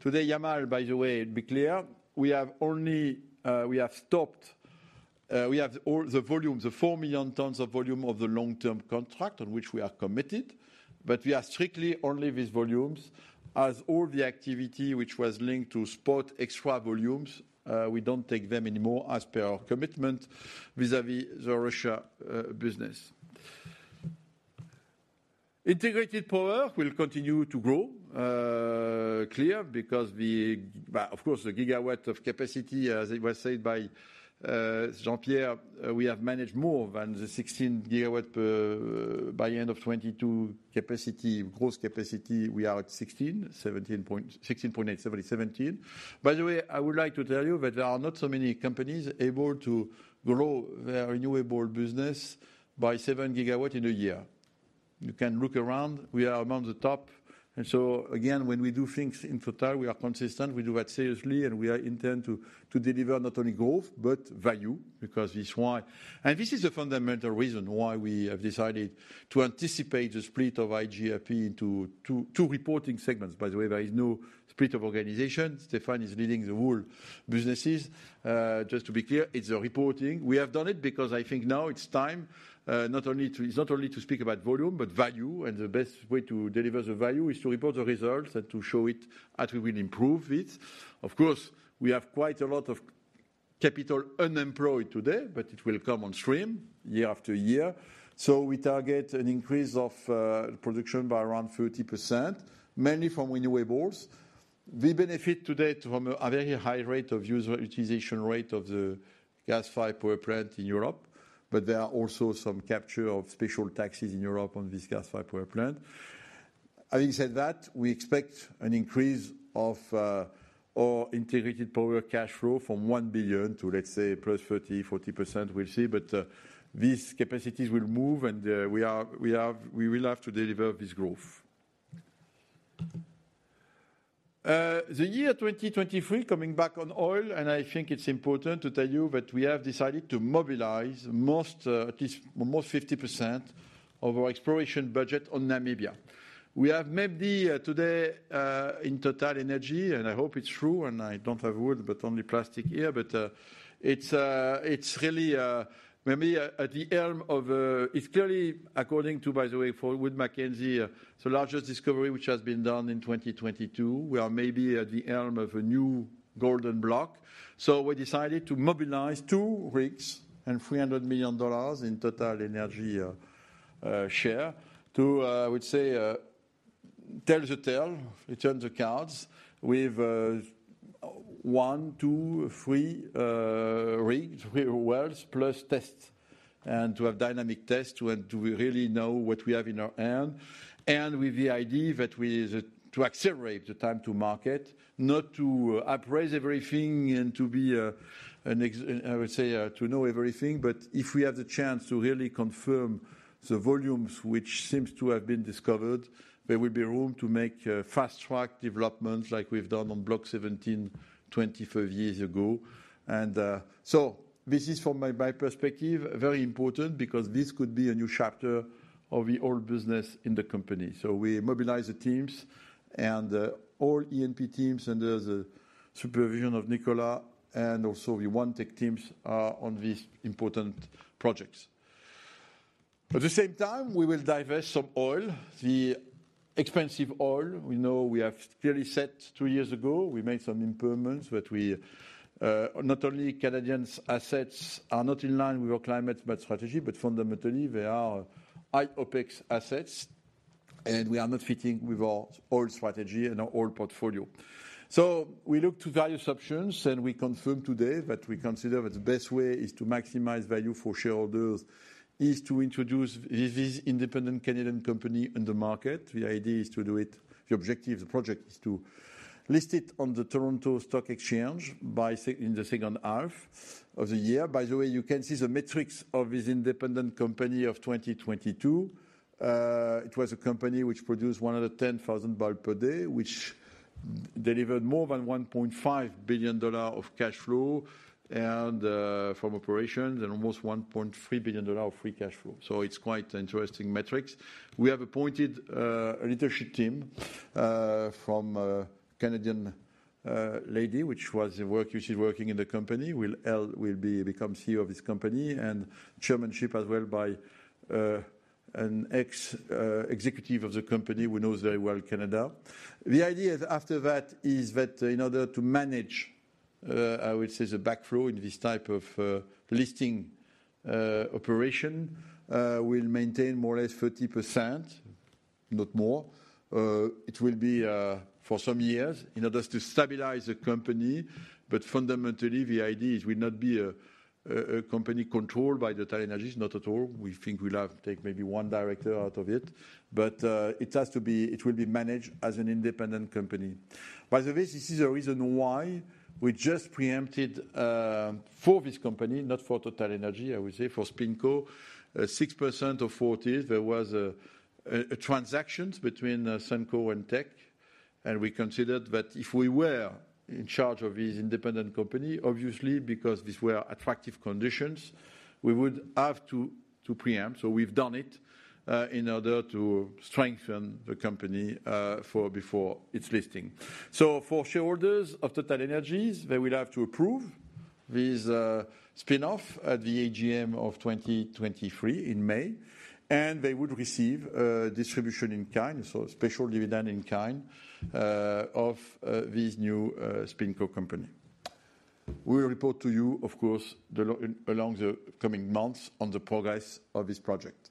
Today, Yamal, by the way, be clear, we have only, we have stopped, we have all the volume, the 4 million tons of volume of the long-term contract on which we are committed, but we are strictly only these volumes as all the activity which was linked to spot extra volumes, we don't take them anymore as per our commitment vis-à-vis the Russia business. Integrated Power will continue to grow. Clear, because of course, the gigawatt of capacity, as it was said by Jean-Pierre, we have managed more than the 16 gigawatt by end of 2022 capacity, gross capacity, we are at 16, 17 point, 16.8, 17. By the way, I would like to tell you that there are not so many companies able to grow their renewable business by 7GW in a year. You can look around. We are among the top. Again, when we do things in TotalEnergies, we are consistent, we do that seriously, and we intend to deliver not only growth but value because it's why. This is a fundamental reason why we have decided to anticipate the split of IGFP into two reporting segments. By the way, there is no split of organization. Stéphane is leading the whole businesses. Just to be clear, it's a reporting. We have done it because I think now it's time not only to speak about volume, but value. The best way to deliver the value is to report the results and to show it that we will improve it. Of course, we have quite a lot of capital unemployed today, but it will come on stream year after year. We target an increase of production by around 30%, mainly from renewables. We benefit today from a very high utilization rate of the gas-fired power plant in Europe, but there are also some capture of special taxes in Europe on this gas-fired power plant. Having said that, we expect an increase of our integrated power cash flow from $1 billion to, let's say, +30%-40%, we'll see. These capacities will move and we will have to deliver this growth. The year 2023, coming back on oil, and I think it's important to tell you that we have decided to mobilize most, at least, almost 50% of our exploration budget on Namibia. We have maybe today, in TotalEnergies, and I hope it's true, and I don't have wood, but only plastic here. It's really maybe at the helm of... It's clearly according to, by the way, for Wood Mackenzie, the largest discovery which has been done in 2022. We are maybe at the helm of a new golden block. We decided to mobilize two rigs and $300 million in TotalEnergies share to, I would say, tell the tale, return the cards with one, two, three rigs, wells, plus tests, and to have dynamic tests to really know what we have in our hand. With the idea that we, to accelerate the time to market, not to appraise everything and to be, an ex- I would say, to know everything, but if we have the chance to really confirm the volumes, which seems to have been discovered, there will be room to make fast-track developments like we've done on Block 17 25 years ago. So this is from my perspective, very important because this could be a new chapter of the old business in the company. So we mobilize the teams and all E&P teams under the supervision of Nicolas and also the OneTech teams are on these important projects. At the same time, we will divest some oil. The expensive oil we know we have clearly set two years ago. We made some improvements, but we, not only Canadian assets are not in line with our climate, but strategy, but fundamentally, they are high OpEx assets, and we are not fitting with our oil strategy and our oil portfolio. We look to various options, and we confirm today that we consider that the best way is to maximize value for shareholders is to introduce this independent Canadian company in the market. The idea is to do it. The objective of the project is to list it on the Toronto Stock Exchange in the second half of the year. By the way, you can see the metrics of this independent company of 2022. It was a company which produced 110,000 barrel per day, which delivered more than $1.5 billion of cash flow from operations and almost $1.3 billion of free cash flow. It's quite interesting metrics. We have appointed a leadership team from a Canadian lady, she's working in the company, will become CEO of this company and chairmanship as well by an ex executive of the company who knows very well Canada. The idea after that is that in order to manage, I would say the backflow in this type of listing operation, we'll maintain more or less 30%, not more. It will be for some years in order to stabilize the company, but fundamentally, the idea is will not be a company controlled by the TotalEnergies, not at all. We think we'll have take maybe one director out of it, but it has to be. It will be managed as an independent company. By the way, this is the reason why we just preempted for this company, not for TotalEnergies, I would say, for SpinCo, 6% of Fort Hills. There was a transactions between Suncor and Teck, and we considered that if we were in charge of this independent company, obviously because these were attractive conditions, we would have to preempt. We've done it in order to strengthen the company for before its listing. For shareholders of TotalEnergies, they will have to approve this spin-off at the AGM of 2023 in May, and they would receive a distribution in kind, so special dividend in kind, of this new SpinCo company. We will report to you, of course, along the coming months on the progress of this project.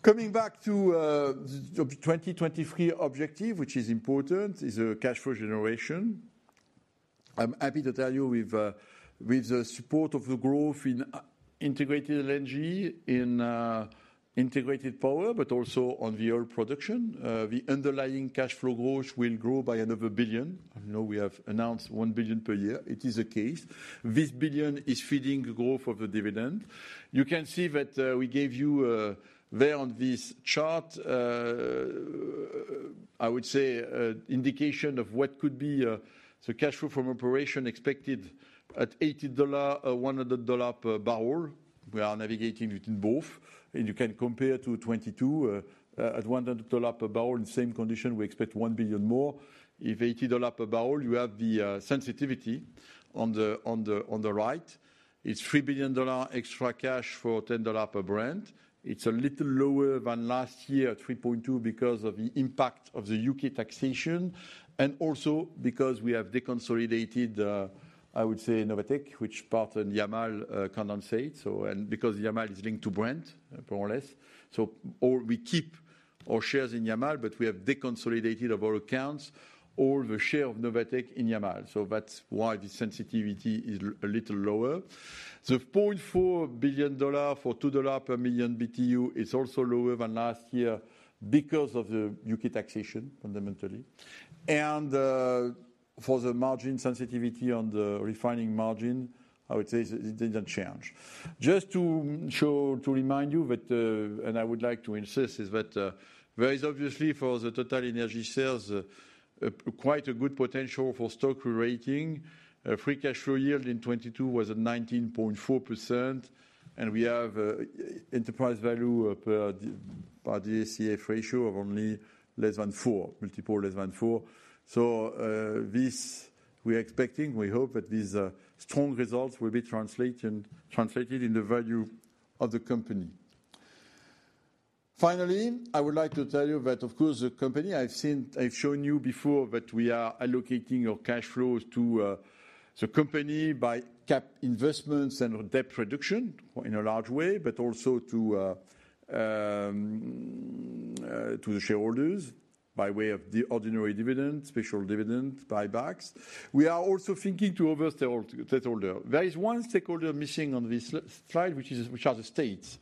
Coming back to the 2023 objective, which is important, is cash flow generation. I'm happy to tell you with the support of the growth in integrated LNG, in integrated power, but also on the oil production, the underlying cash flow growth will grow by another $1 billion. I know we have announced $1 billion per year. It is the case. This $1 billion is feeding the growth of the dividend. You can see that we gave you there on this chart, I would say an indication of what could be the cash flow from operations expected at $80 or $100 per barrel. We are navigating between both, and you can compare to 2022, at $100 per barrel in the same condition, we expect $1 billion more. If $80 per barrel, you have the sensitivity on the right. It's $3 billion extra cash for $10 per Brent. It's a little lower than last year at $3.2 billion because of the impact of the U.K. taxation and also because we have deconsolidated, I would say, NOVATEK, which partner Yamal condensate. Because Yamal is linked to Brent, more or less. We keep all shares in Yamal, but we have deconsolidated of our accounts all the share of NOVATEK in Yamal. that's why the sensitivity is a little lower. The $0.4 billion for $2 per million BTU is also lower than last year because of the U.K. taxation, fundamentally. for the margin sensitivity on the refining margin, I would say it didn't change. Just to show, to remind you that, and I would like to insist is that, there is obviously for the TotalEnergies sales, quite a good potential for stock rating. free cash flow yield in 2022 was at 19.4%, and we have enterprise value per by the CF ratio of only less than four, multiple less than four. This we're expecting, we hope that these strong results will be translated in the value of the company. Finally, I would like to tell you that, of course, the company I've shown you before that we are allocating our cash flows to the company by cap investments and debt reduction in a large way, but also to the shareholders by way of the ordinary dividend, special dividend, buybacks. We are also thinking to other stakeholder. There is one stakeholder missing on this slide, which are the states.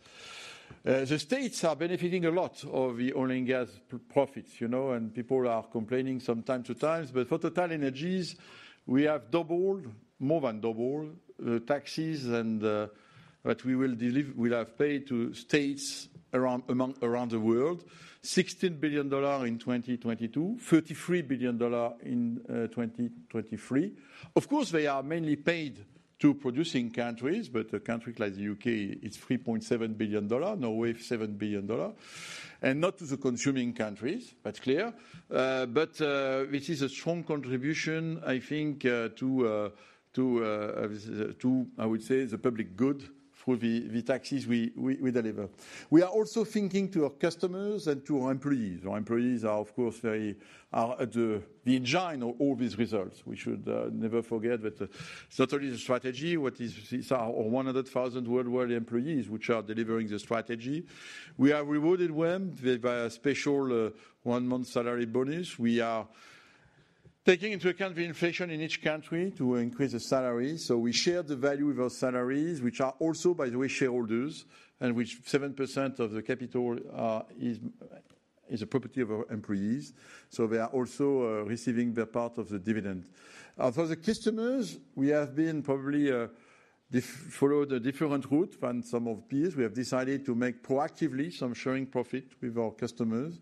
The states are benefiting a lot of the oil and gas profits, you know, and people are complaining some time to times. For TotalEnergies, we have doubled, more than doubled, taxes and that we will deliver, we'll have paid to states around, among, around the world. $16 billion in 2022, $33 billion in 2023. Of course, they are mainly paid to producing countries, but a country like the UK, it's $3.7 billion, Norway $7 billion. Not to the consuming countries, that's clear. This is a strong contribution, I think, to, this is, to, I would say, the public good through the taxes we deliver. We are also thinking to our customers and to our employees. Our employees are of course very, at the engine of all these results. We should never forget that it's not only the strategy, our 100,000 worldwide employees which are delivering the strategy. We have rewarded them with special one-month salary bonus. We are taking into account the inflation in each country to increase the salary. We share the value of our salaries, which are also, by the way, shareholders, and which 7% of the capital is a property of our employees. They are also receiving their part of the dividend. For the customers, we have been probably followed a different route than some of peers. We have decided to make proactively some sharing profit with our customers,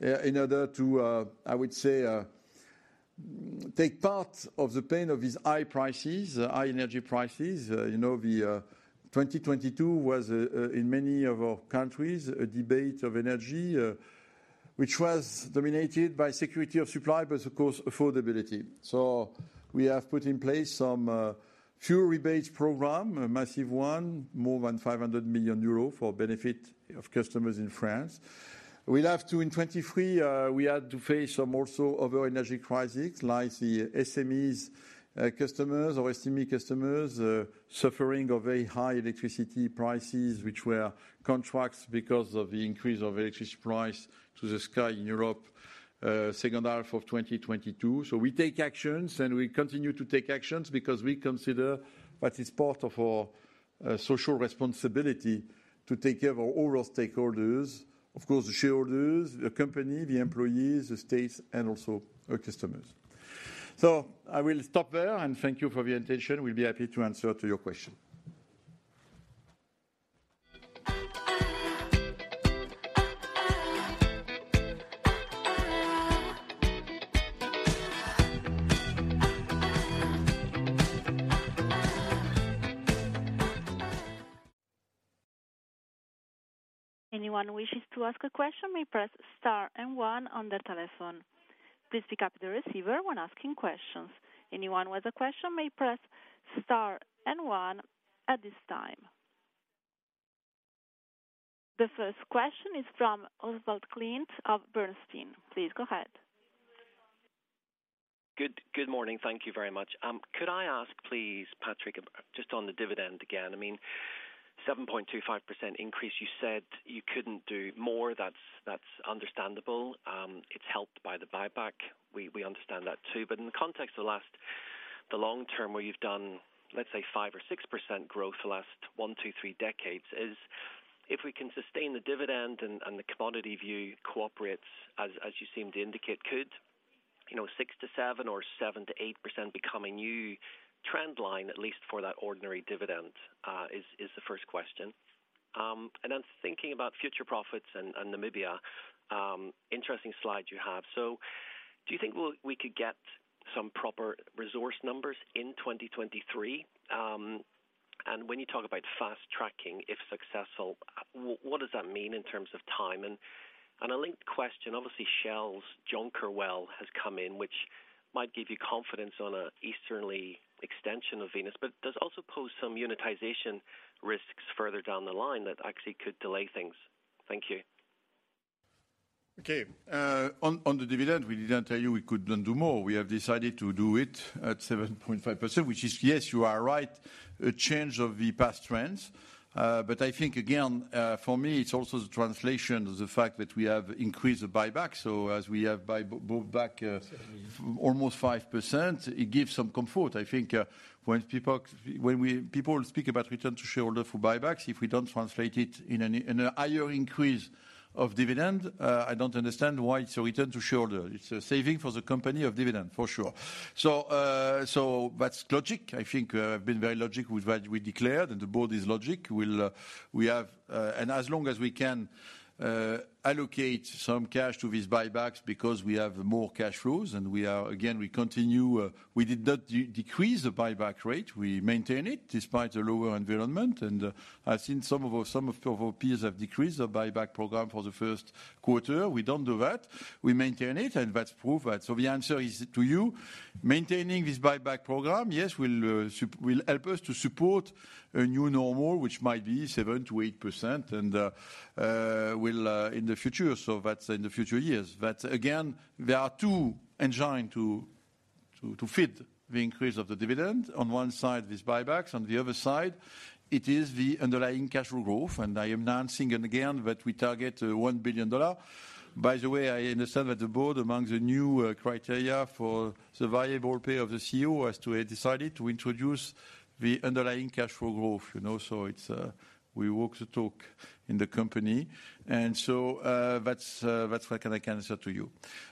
in order to, I would say, take part of the pain of these high prices, high energy prices. You know, the 2022 was in many of our countries, a debate of energy, which was dominated by security of supply, but of course, affordability. We have put in place some fuel rebates program, a massive one, more than 500 million euros for benefit of customers in France. We had to face some also other energy crisis like the SMEs customers or SME customers suffering of very high electricity prices, which were contracts because of the increase of electricity price to the sky in Europe, second half of 2022. We take actions, and we continue to take actions because we consider that it's part of our social responsibility to take care of all our stakeholders, of course, the shareholders, the company, the employees, the states, and also our customers. I will stop there and thank you for the attention. We'll be happy to answer to your question. Anyone who wishes to ask a question may press star and one on their telephone. Please pick up the receiver when asking questions. Anyone with a question may press star and one at this time. The first question is from Oswald Clint of Bernstein. Please go ahead. Good morning. Thank you very much. Could I ask please, Patrick, just on the dividend again. I mean, 7.25% increase, you said you couldn't do more. That's understandable. It's helped by the buyback. We understand that too. In the context of the last, the long term, where you've done, let's say 5% or 6% growth the last 1, 2, 3 decades, if we can sustain the dividend and the commodity view cooperates, as you seem to indicate, could, you know, 6%-7% or 7%-8% become a new trend line, at least for that ordinary dividend, is the first question. And then thinking about future profits and Namibia, interesting slide you have. Do you think we'll get some proper resource numbers in 2023? When you talk about fast-tracking, if successful, what does that mean in terms of time? A linked question, obviously Shell's Jonker well has come in, which might give you confidence on a easterly extension of Venus, but does also pose some unitization risks further down the line that actually could delay things. Thank you. Okay. On the dividend, we didn't tell you we couldn't do more. We have decided to do it at 7.5%, which is, yes, you are right, a change of the past trends. I think again, for me, it's also the translation of the fact that we have increased the buyback. As we have bought back, almost 5%, it gives some comfort. I think, when people speak about return to shareholder for buybacks, if we don't translate it in a higher increase of dividend, I don't understand why it's a return to shareholder. It's a saving for the company of dividend, for sure. That's logic. I think, I've been very logic with what we declared, and the board is logic. We have. As long as we can allocate some cash to these buybacks because we have more cash flows and we are, again, we continue, we did not decrease the buyback rate. We maintain it despite the lower environment. I've seen some of our peers have decreased their buyback program for the first quarter. We don't do that. We maintain it, and that's proof. The answer is to you, maintaining this buyback program, yes, will help us to support a new normal, which might be 7%-8% and will in the future. That's in the future years. Again, there are two engines to fit the increase of the dividend on one side is buybacks, on the other side, it is the underlying cash flow growth. I am announcing it again that we target $1 billion. By the way, I understand that the board, among the new criteria for the variable pay of the CEO, as to he decided to introduce the underlying cash flow growth, you know. It's, we walk the talk in the company. That's, that's what I can answer to you.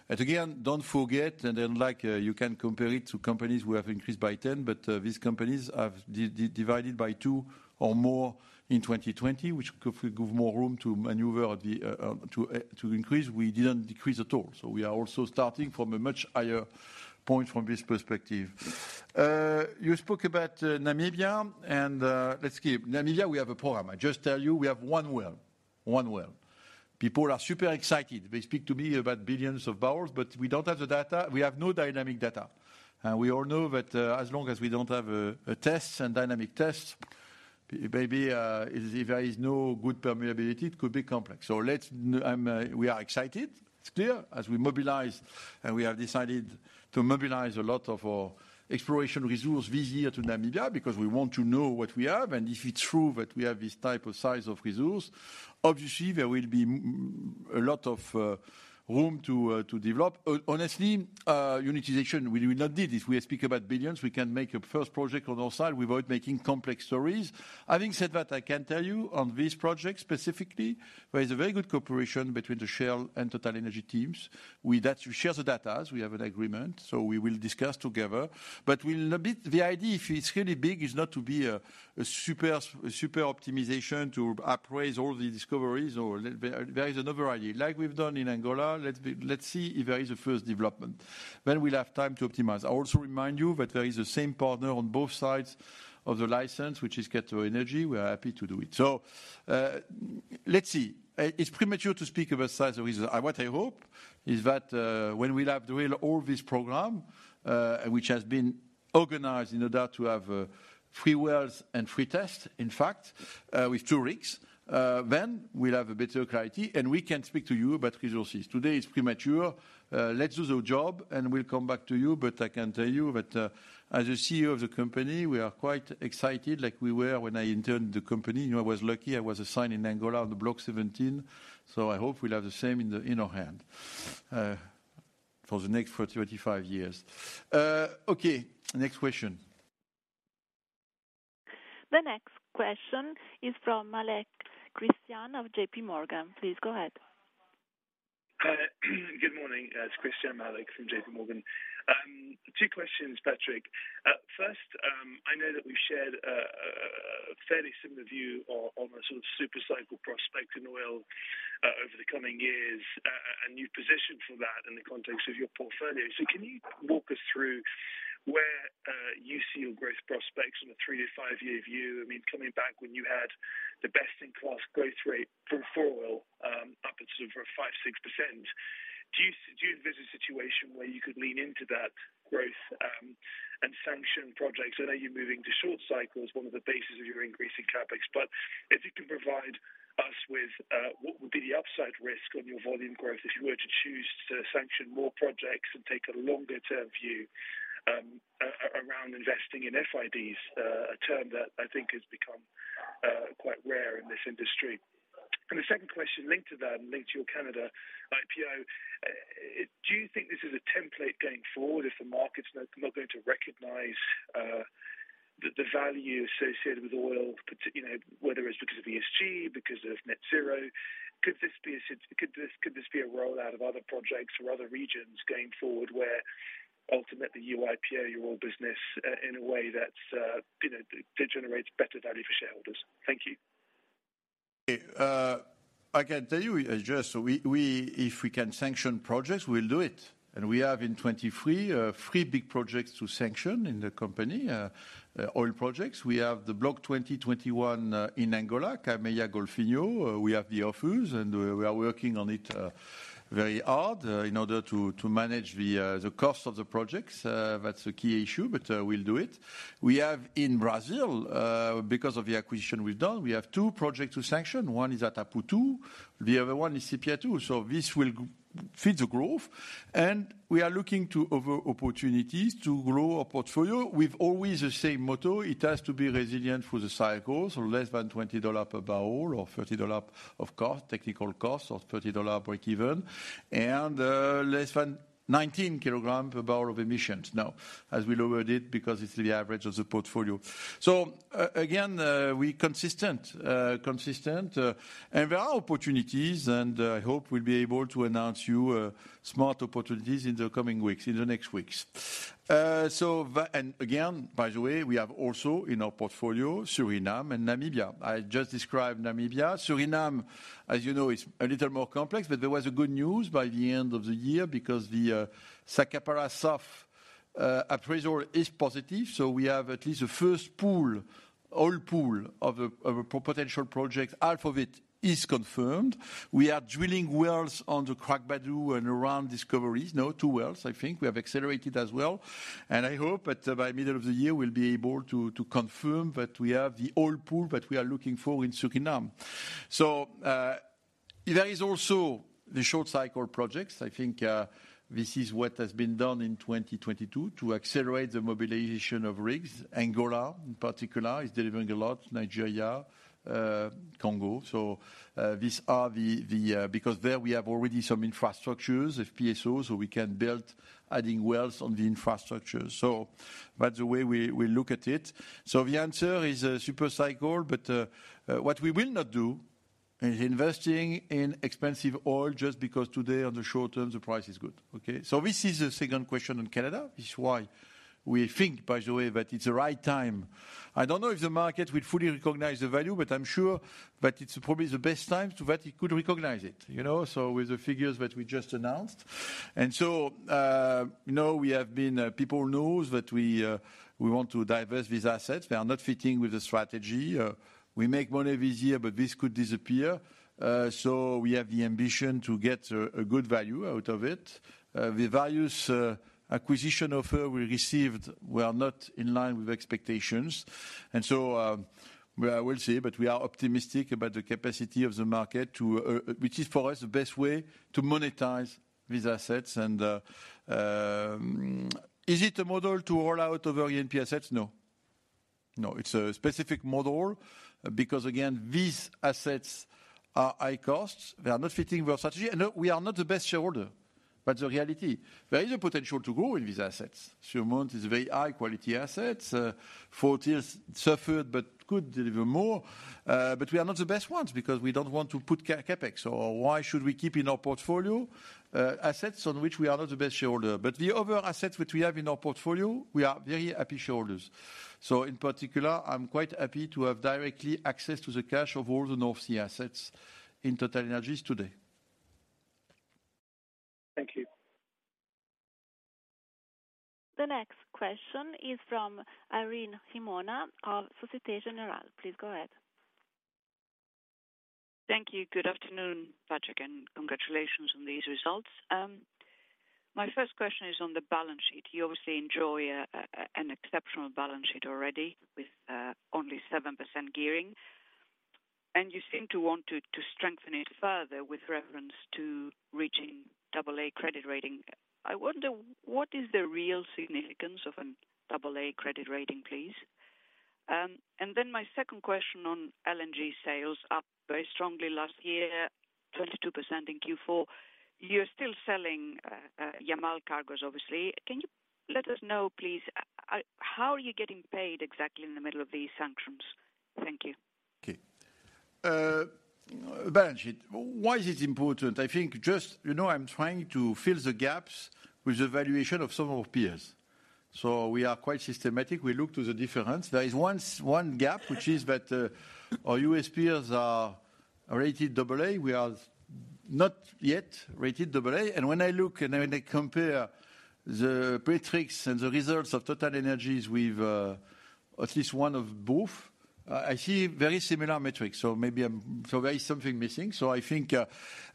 Again, don't forget, unlike, you can compare it to companies who have increased by 10, but these companies have divided by two or more in 2020, which could give more room to maneuver to increase. We didn't decrease at all. We are also starting from a much higher point from this perspective. You spoke about Namibia, let's keep. Namibia, we have a program. I just tell you, we have one well. People are super excited. They speak to me about billions of barrels, but we don't have the data. We have no dynamic data. We all know that, as long as we don't have a test, a dynamic test, maybe, if there is no good permeability, it could be complex. We are excited. It's clear as we mobilize, and we have decided to mobilize a lot of our exploration resource this year to Namibia because we want to know what we have, and if it's true that we have this type of size of resource. Obviously, there will be a lot of room to develop. Honestly, unitization, we will not did this. We speak about billions. We can make a first project on our side without making complex stories. Having said that, I can tell you on this project specifically, there is a very good cooperation between the Shell and TotalEnergies teams. We share the data as we have an agreement, so we will discuss together. We'll a bit. The idea, if it's really big, is not to be a super optimization to appraise all the discoveries or there is another idea. Like we've done in Angola, let's see if there is a first development. We'll have time to optimize. I also remind you that there is the same partner on both sides of the license, which is GATOR Energy. We are happy to do it. Let's see. It's premature to speak of a size of resource. What I hope is that, when we have drilled all this program, which has been organized in order to have, three wells and three tests, in fact, with two rigs, then we'll have a better clarity and we can speak to you about resources. Today it's premature. Let's do the job and we'll come back to you. I can tell you that, as a CEO of the company, we are quite excited like we were when I entered the company. You know, I was lucky. I was assigned in Angola on the Block 17, so I hope we'll have the same in the, in our hand, for the next 35 years. Okay. Next question. The next question is from Christyan Malek of J.P. Morgan. Please go ahead. Good morning, it's Christyan Malek from J.P. Morgan. Two questions, Patrick. First, I know that we've shared a fairly similar view on the sort of super cycle prospect in oil over the coming years, and you've positioned for that in the context of your portfolio. Can you walk us through where you see your growth prospects from a three to five-year view? I mean, coming back when you had the best-in-class growth rate for oil, upwards of 5%, 6%. Do you envisage a situation where you could lean into that growth and sanction projects? I know you're moving to short cycles, one of the bases of your increase in CapEx. If you can provide us with what would be the upside risk on your volume growth if you were to choose to sanction more projects and take a longer-term view around investing in FIDs, a term that I think has become quite rare in this industry. The second question linked to that and linked to your Canada IPO, do you think this is a template going forward if the market's not going to recognize the value associated with oil, you know, whether it's because of ESG, because of net zero? Could this be a rollout of other projects or other regions going forward, where ultimately you IPO your oil business in a way that, you know, generates better value for shareholders? Thank you. I can tell you just we, if we can sanction projects, we'll do it. We have in 2023, thre big projects to sanction in the company, oil projects. We have the Block 20 and 21 in Angola, Cameia-Golfinho. We have the Ophir, and we are working on it very hard in order to manage the cost of the projects. That's a key issue, but we'll do it. We have in Brazil, because of the acquisition we've done, we have two projects to sanction. One is at Atapu, the other one is Sépia-2. This will feed the growth. We are looking to other opportunities to grow our portfolio with always the same motto. It has to be resilient through the cycles, so less than $20 per barrel or $30 of cost, technical cost, or $30 breakeven, and less than 19kg per barrel of emissions now as we lowered it because it's the average of the portfolio. Again, we consistent, and there are opportunities, and I hope we'll be able to announce you smart opportunities in the coming weeks, in the next weeks. Again, by the way, we have also in our portfolio Suriname and Namibia. I just described Namibia. Suriname, as you know, is a little more complex, but there was a good news by the end of the year because the Sapakara South appraisal is positive. We have at least the first pool, oil pool of a potential project. Half of it is confirmed. We are drilling wells on the Uncertain and around discoveries. Now two wells, I think. We have accelerated as well. I hope that by middle of the year, we'll be able to confirm that we have the oil pool that we are looking for in Suriname. There is also the short cycle projects. I think, this is what has been done in 2022 to accelerate the mobilization of rigs. Angola, in particular, is delivering a lot, Nigeria, Congo. These are the because there we have already some infrastructures, FPSOs, so we can build adding wells on the infrastructure. That's the way we look at it. The answer is a super cycle, but what we will not do is investing in expensive oil just because today on the short term, the price is good. Okay? This is the second question on Canada. It's why we think, by the way, that it's the right time. I don't know if the market will fully recognize the value, but I'm sure that it's probably the best time so that it could recognize it, you know. With the figures that we just announced. Now we have been, people know that we want to divest these assets. They are not fitting with the strategy. We make money this year, but this could disappear, so we have the ambition to get a good value out of it. The various, acquisition offer we received were not in line with expectations. Well, I will say, but we are optimistic about the capacity of the market to, which is, for us, the best way to monetize these assets. Is it a model to roll out over E&P assets? No. No, it's a specific model because again, these assets are high costs. They are not fitting our strategy. No, we are not the best shareholder. The reality, there is a potential to grow in these assets. Surmont is a very high-quality asset. Fort Hills suffered but could deliver more. We are not the best ones because we don't want to put CapEx. Why should we keep in our portfolio, assets on which we are not the best shareholder? The other assets which we have in our portfolio, we are very happy shareholders. In particular, I'm quite happy to have directly access to the cash of all the North Sea assets in TotalEnergies today. Thank you. The next question is from Irene Himona of Société Générale. Please go ahead. Thank you. Good afternoon, Patrick. Congratulations on these results. My first question is on the balance sheet. You obviously enjoy an exceptional balance sheet already with only 7% gearing, and you seem to want to strengthen it further with reference to reaching double A credit rating. I wonder, what is the real significance of an double A credit rating, please? My second question on LNG sales up very strongly last year, 22% in Q4. You're still selling Yamal cargos, obviously. Can you let us know, please, how are you getting paid exactly in the middle of these sanctions? Thank you. Okay. Balance sheet. Why is it important? I think just, you know, I'm trying to fill the gaps with the valuation of some of our peers. We are quite systematic. We look to the difference. There is one gap, which is that our U.S. peers are rated AA. We are not yet rated AA. When I look and when I compare the metrics and the results of TotalEnergies with at least one of both, I see very similar metrics. Maybe there is something missing. I think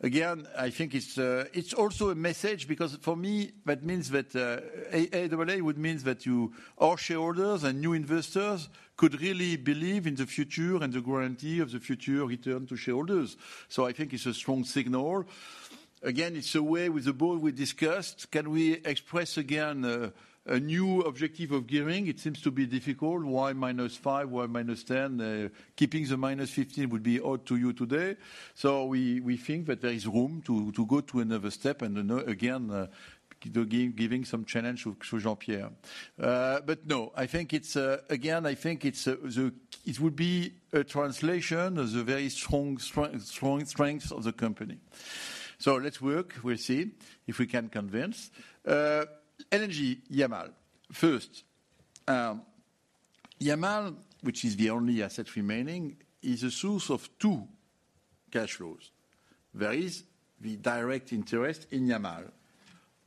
again, I think it's also a message because for me, that means that a, AA would means that you, our shareholders and new investors could really believe in the future and the guarantee of the future return to shareholders. I think it's a strong signal. Again, it's a way with the board we discussed. Can we express again, a new objective of gearing? It seems to be difficult. Y-5? Y-10? Keeping the -15 would be odd to you today. We think that there is room to go to another step and, you know, again, giving some challenge to Jean-Pierre. No, I think it's again, I think it's the, it would be a translation of the very strong strengths of the company. Let's work. We'll see if we can convince. energy Yamal. First, Yamal, which is the only asset remaining, is a source of two cash flows. There is the direct interest in Yamal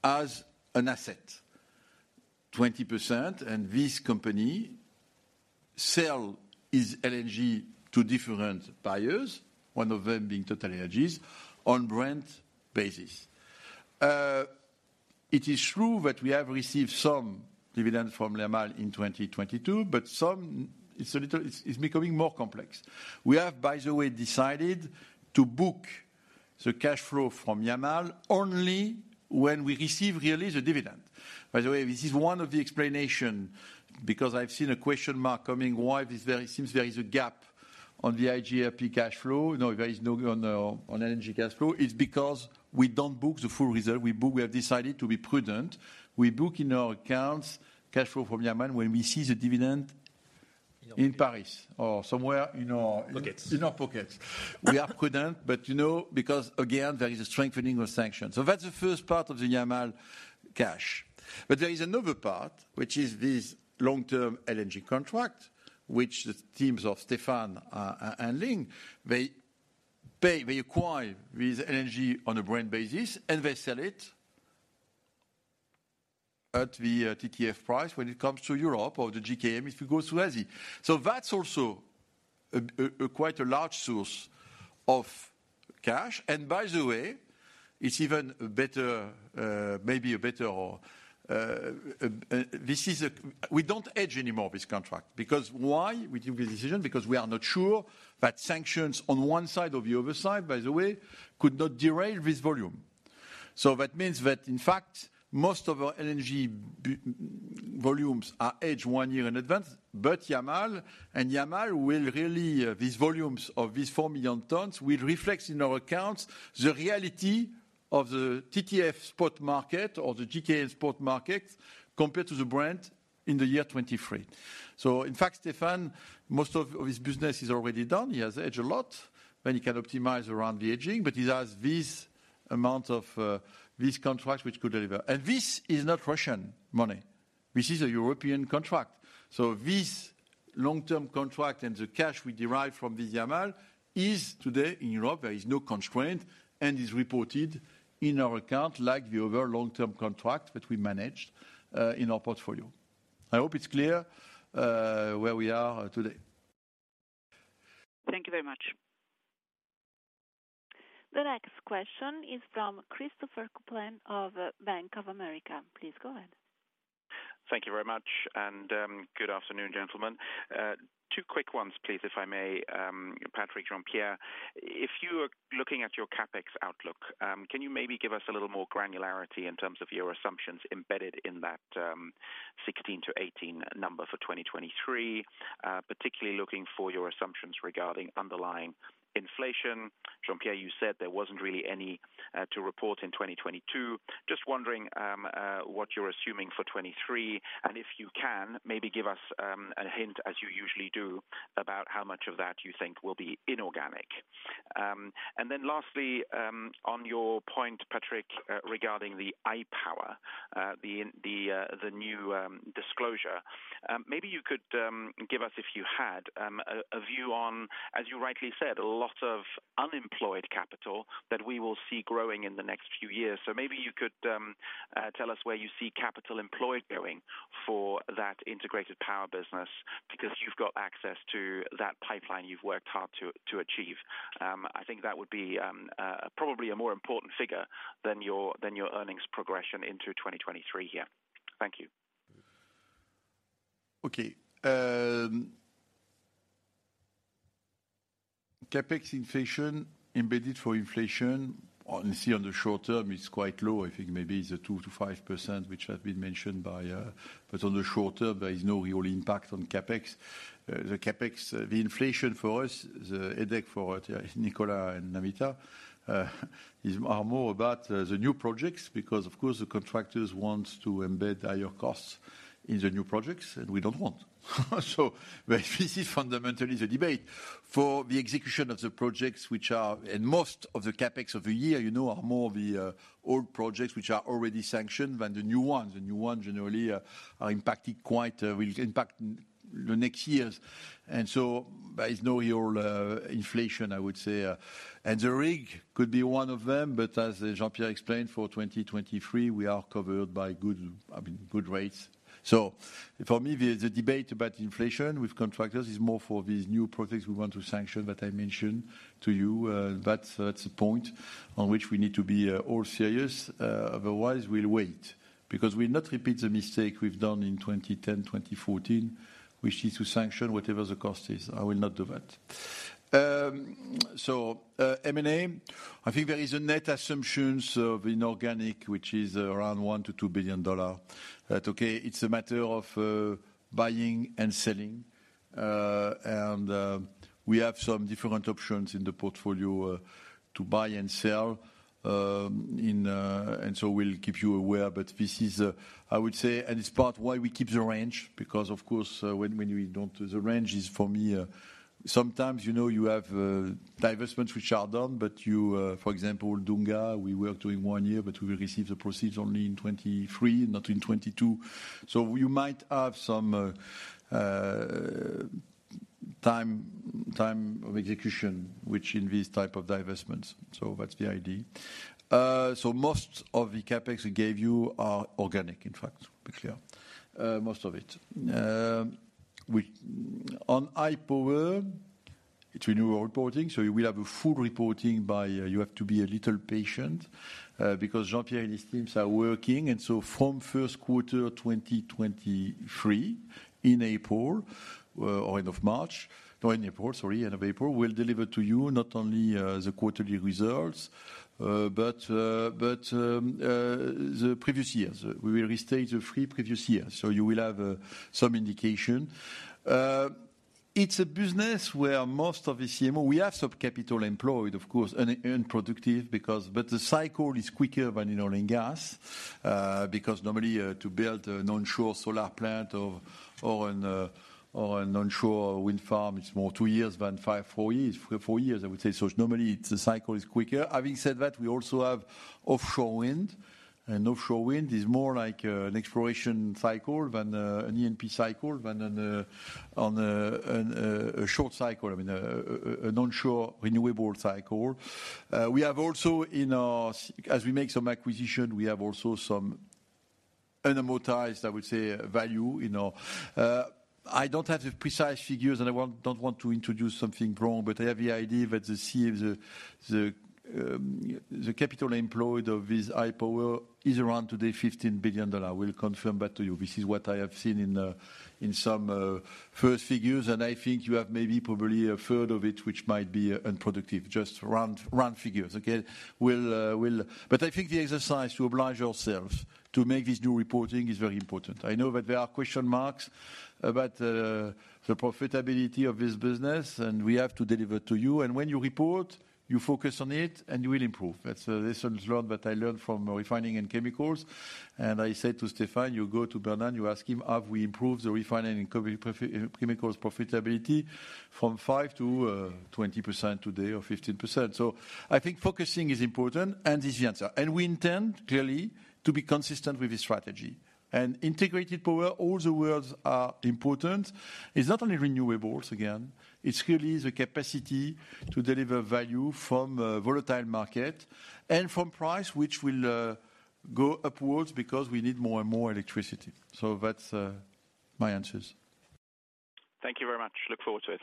as an asset, 20%, and this company sell its LNG to different buyers, one of them being TotalEnergies, on brand basis. It is true that we have received some dividends from Yamal in 2022, some it's a little, it's becoming more complex. We have, by the way, decided to book the cash flow from Yamal only when we receive really the dividend. This is one of the explanation because I've seen a question mark coming, why this very seems there is a gap on the IGFP cash flow. There is no on the LNG cash flow. It's because we don't book the full result. We have decided to be prudent. We book in our accounts cash flow from Yamal when we see the dividend in Paris or somewhere in our- Pockets. In our pockets. We are prudent, you know, because again, there is a strengthening of sanctions. That's the first part of the Yamal cash. There is another part, which is this long-term LNG contract, which the teams of Stéphane are handling. They pay, they acquire this LNG on a Brent basis, and they sell it at the TTF price when it comes to Europe or the JKM, if it goes through AZ. That's also a quite a large source of cash. By the way, it's even better, maybe a better, We don't hedge any more of this contract. Because why we took this decision? Because we are not sure that sanctions on one side or the other side, by the way, could not derail this volume. That means that, in fact, most of our LNG volumes are hedged one year in advance, but Yamal. Yamal will really, these four million tons will reflect in our accounts the reality of the TTF spot market or the JKM spot market compared to the Brent in the year 2023. In fact, Stéphane, most of his business is already done. He has hedged a lot, then he can optimize around the hedging, but he has this amount of these contracts which could deliver. This is not Russian money. This is a European contract. This long-term contract and the cash we derive from the Yamal is today in Europe, there is no constraint and is reported in our account like the other long-term contract that we managed in our portfolio. I hope it's clear where we are today. Thank you very much. The next question is from Christopher Kuplent of Bank of America. Please go ahead. Thank you very much, good afternoon, gentlemen. Two quick ones, please, if I may, Patrick, Jean-Pierre. If you are looking at your CapEx outlook, can you maybe give us a little more granularity in terms of your assumptions embedded in that 16-18 number for 2023? Particularly looking for your assumptions regarding underlying inflation. Jean-Pierre, you said there wasn't really any to report in 2022. Just wondering what you're assuming for 2023, and if you can, maybe give us a hint as you usually do, about how much of that you think will be inorganic. Then lastly, on your point, Patrick, regarding the iPower, the, the new disclosure. Maybe you could give us if you had a view on, as you rightly said, a lot of unemployed capital that we will see growing in the next few years. Maybe you could tell us where you see capital employed going for that Integrated Power Business because you've got access to that pipeline you've worked hard to achieve. I think that would be probably a more important figure than your earnings progression into 2023 here. Thank you. CapEx inflation embedded for inflation, honestly, on the short term is quite low. I think maybe it's a 2%-5% which has been mentioned by. On the short term, there is no real impact on CapEx. The CapEx, the inflation for us, the headache for Nicolas and Namita, are more about the new projects because of course the contractors wants to embed higher costs in the new projects than we don't want. This is fundamentally the debate. For the execution of the projects which are. Most of the CapEx of the year, you know, are more the old projects which are already sanctioned than the new ones. The new ones generally are impacted quite, will impact the next years. There is no real inflation I would say. The rig could be one of them, but as Jean-Pierre explained, for 2023 we are covered by good rates. For me the debate about inflation with contractors is more for these new projects we want to sanction that I mentioned to you. That's a point on which we need to be all serious, otherwise we'll wait because we'll not repeat the mistake we've done in 2010, 2014, which is to sanction whatever the cost is. I will not do that. M&A, I think there is a net assumptions of inorganic which is around $1 billion-$2 billion. That okay, it's a matter of buying and selling. We have some different options in the portfolio to buy and sell. We'll keep you aware. This is, I would say, and it's part why we keep the range because of course when we don't, the range is for me, sometimes you know you have divestments which are done, but you, for example, Dunga we work during one year but we will receive the proceeds only in 2023, not in 2022. You might have some time of execution which in these type of divestments. That's the idea. Most of the CapEx we gave you are organic, in fact, to be clear. Most of it. On iPower, it's a new reporting, we have a full reporting by, you have to be a little patient, because Jean-Pierre and his teams are working. From first quarter of 2023 in April, or end of March. In April, sorry, end of April, we'll deliver to you not only the quarterly results, but the previous years. We will restate the three previous years, so you will have some indication. It's a business where most of the CMO, we have some capital employed of course and productive because. The cycle is quicker than in oil and gas, because normally to build an onshore solar plant or an onshore wind farm is more two years than five, four years. Four years I would say. Normally, the cycle is quicker. Having said that, we also have offshore wind and offshore wind is more like an exploration cycle than an E&P cycle than on a short cycle. I mean a non-shore renewable cycle. We have also in our as we make some acquisition we have also some unamortized, I would say value, you know. I don't have the precise figures, I don't want to introduce something wrong, but I have the idea that the capital employed of this iPower is around today $15 billion. I will confirm that to you. This is what I have seen in some first figures. I think you have maybe probably a third of it which might be unproductive, just round figures, okay. We'll I think the exercise to oblige ourselves to make this new reporting is very important. I know that there are question marks about the profitability of this business, we have to deliver to you. When you report, you focus on it and you will improve. That's a lesson learned that I learned from refining and chemicals. I said to Stefan, you go to Bernard, you ask him, have we improved the refining and chemicals profitability from 5 to 20% today or 15%? I think focusing is important and is the answer. We intend, clearly, to be consistent with this strategy. Integrated Power, all the words are important. It's not only renewables, again. It's really the capacity to deliver value from a volatile market and from price which will go upwards because we need more and more electricity. That's my answers. Thank you very much. Look forward to it.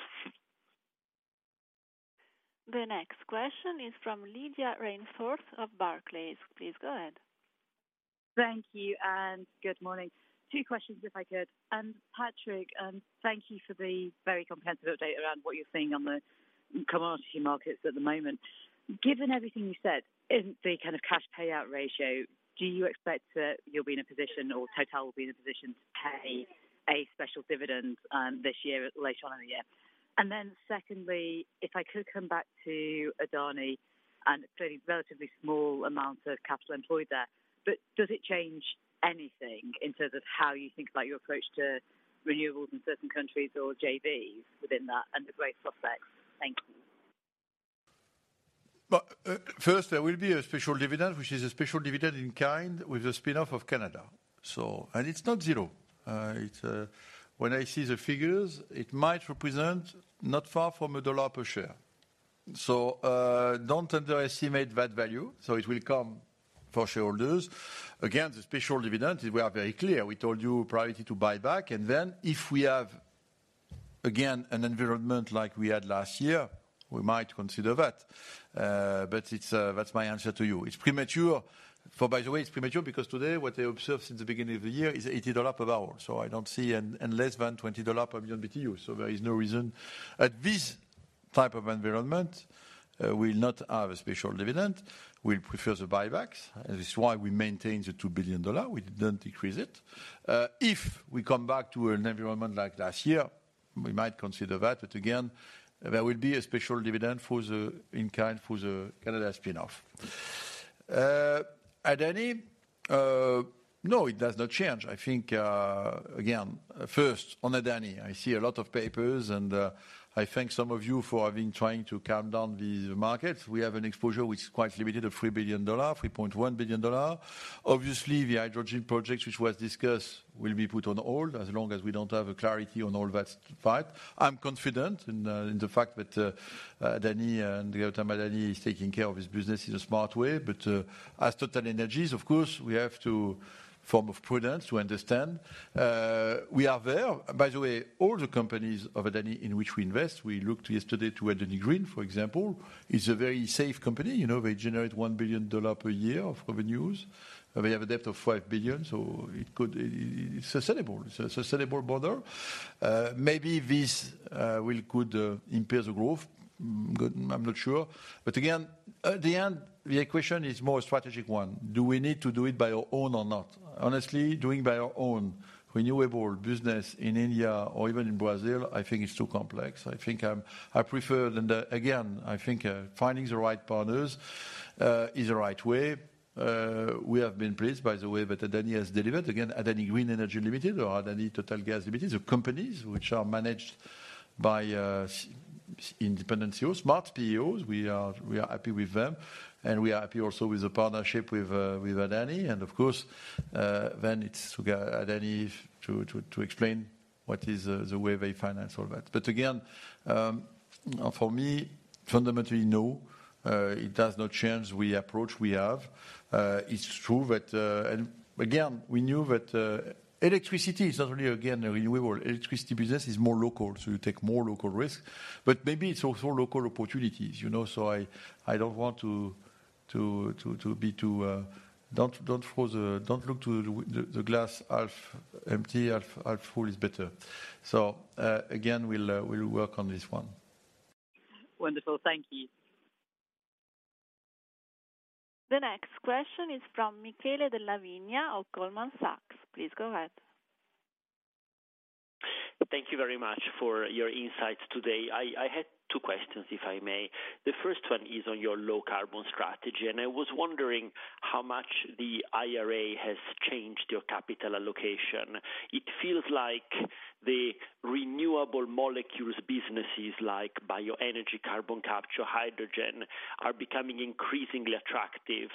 The next question is from Lydia Rainforth of Barclays. Please go ahead. Thank you. Good morning. Two questions, if I could. Patrick, thank you for the very comprehensive update around what you're seeing on the commodity markets at the moment. Given everything you said, in the kind of cash payout ratio, do you expect that you'll be in a position or Total will be in a position to pay a special dividend, this year or later on in the year? Secondly, if I could come back to Adani and it's only relatively small amount of capital employed there, but does it change anything in terms of how you think about your approach to renewables in certain countries or JVs within that and the growth prospects? Thank you. First there will be a special dividend, which is a special dividend in kind with the spin-off of Canada. It's not zero. It's when I see the figures, it might represent not far from $1 per share. Don't underestimate that value. It will come for shareholders. Again, the special dividend, we are very clear. We told you priority to buyback if we have, again, an environment like we had last year, we might consider that. That's my answer to you. It's premature. For by the way, it's premature because today what they observed since the beginning of the year is $80 per barrel. I don't see less than $20 per million BTU. There is no reason. At this type of environment, we'll not have a special dividend. We'll prefer the buybacks. This is why we maintain the $2 billion. We don't decrease it. If we come back to an environment like last year, we might consider that. Again, there will be a special dividend for the in-kind for the Canada spin-off. Adani, no, it does not change. I think, again, first on Adani, I see a lot of papers and I thank some of you for having trying to calm down the markets. We have an exposure which is quite limited of $3 billion, $3.1 billion. Obviously, the hydrogen project which was discussed will be put on hold as long as we don't have a clarity on all that part. I'm confident in the fact that Adani and Gautam Adani is taking care of his business in a smart way. As TotalEnergies, of course, we have to form a prudence to understand. We are there. By the way, all the companies of Adani in which we invest, we looked yesterday to Adani Green, for example, is a very safe company. You know, they generate $1 billion per year of revenues. They have a debt of $5 billion. It's sustainable. It's a sustainable model. Maybe this will could impair the growth. Good, I'm not sure. Again, at the end, the equation is more a strategic one. Do we need to do it by our own or not? Honestly, doing by our own renewable business in India or even in Brazil, I think it's too complex. I think I prefer than the... Again, I think finding the right partners is the right way. We have been pleased by the way that Adani has delivered. Adani Green Energy Limited or Adani Total Gas Limited, the companies which are managed by independent CEOs, smart CEOs. We are happy with them, and we are happy also with the partnership with Adani. Of course, then it's to go Adani to explain what is the way they finance all that. Again, for me, fundamentally, no, it does not change the approach we have. It's true that, we knew that, electricity is not really again, a renewable. Electricity business is more local, so you take more local risk. Maybe it's also local opportunities, you know. I don't want to be too, don't look to the glass half empty, half full is better. Again, we'll work on this one. Wonderful. Thank you. The next question is from Michele Della Vigna of Goldman Sachs. Please go ahead. Thank you very much for your insights today. I had two questions, if I may. The first one is on your low carbon strategy, and I was wondering how much the IRA has changed your capital allocation. It feels like the renewable molecules businesses like bioenergy, carbon capture, hydrogen, are becoming increasingly attractive,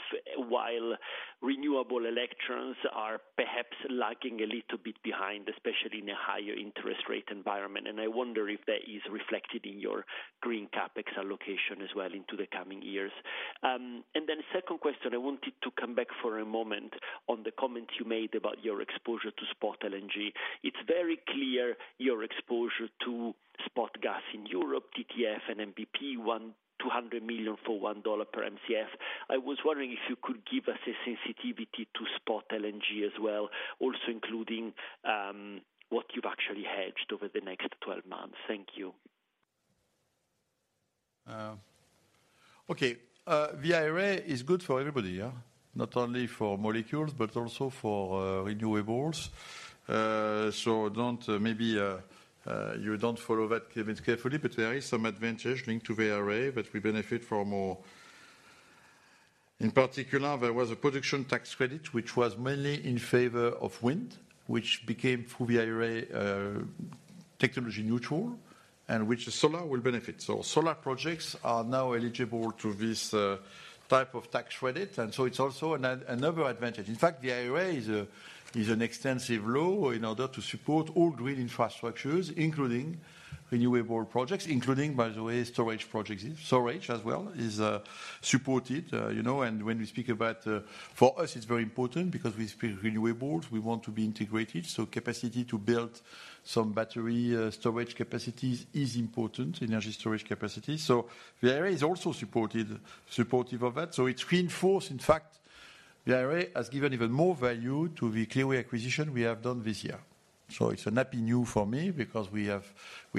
while renewable electrons are perhaps lagging a little bit behind, especially in a higher interest rate environment. I wonder if that is reflected in your green CapEx allocation as well into the coming years. Second question, I wanted to come back for a moment on the comments you made about your exposure to spot LNG. It's very clear your exposure to spot gas in Europe, TTF and NBP: $200 million for $1 per MCF. I was wondering if you could give us a sensitivity to spot LNG as well, also including what you've actually hedged over the next 12 months. Thank you. Okay. The IRA is good for everybody, yeah. Not only for molecules, but also for renewables. Don't maybe you don't follow that given carefully, but there is some advantage linked to the IRA that we benefit for more. In particular, there was a production tax credit which was mainly in favor of wind, which became through the IRA technology neutral, and which the solar will benefit. Solar projects are now eligible to this type of tax credit. It's also another advantage. In fact, the IRA is an extensive law in order to support all green infrastructures, including renewable projects, including, by the way, storage projects. Storage as well is supported, you know, and when we speak about, for us it's very important because we feel renewables, we want to be integrated. Capacity to build some battery storage capacities is important, energy storage capacity. The IRA is also supportive of that. It's reinforced. In fact, the IRA has given even more value to the Clearway acquisition we have done this year. It's a happy new for me because we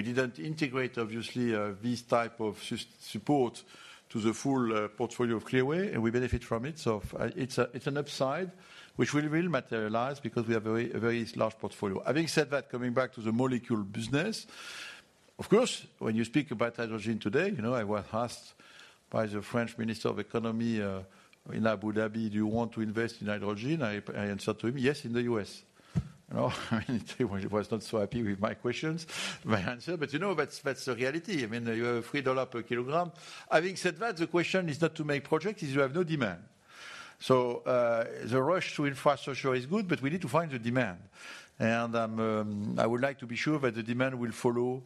didn't integrate obviously, this type of support to the full portfolio of Clearway, and we benefit from it. It's a, it's an upside which will really materialize because we have a very large portfolio. Having said that, coming back to the molecule business, of course, when you speak about hydrogen today, you know, I was asked by the French Minister of Economy, in Abu Dhabi, "Do you want to invest in hydrogen?" I answered to him, "Yes, in the U.S." You know, he was not so happy with my questions, my answer. You know, that's the reality. I mean, you have $3 per kilogram. Having said that, the question is not to make projects, is you have no demand. The rush to infrastructure is good, but we need to find the demand. I would like to be sure that the demand will follow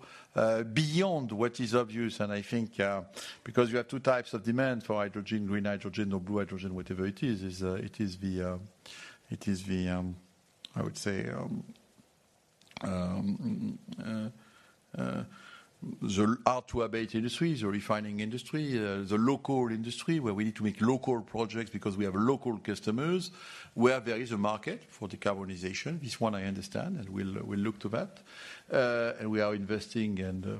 beyond what is obvious. I think, because you have two types of demand for hydrogen, green hydrogen or blue hydrogen, whatever it is. It is the hard-to-abate industries, the refining industry, the local industry, where we need to make local projects because we have local customers, where there is a market for decarbonization. This one I understand, and we'll look to that. We are investing and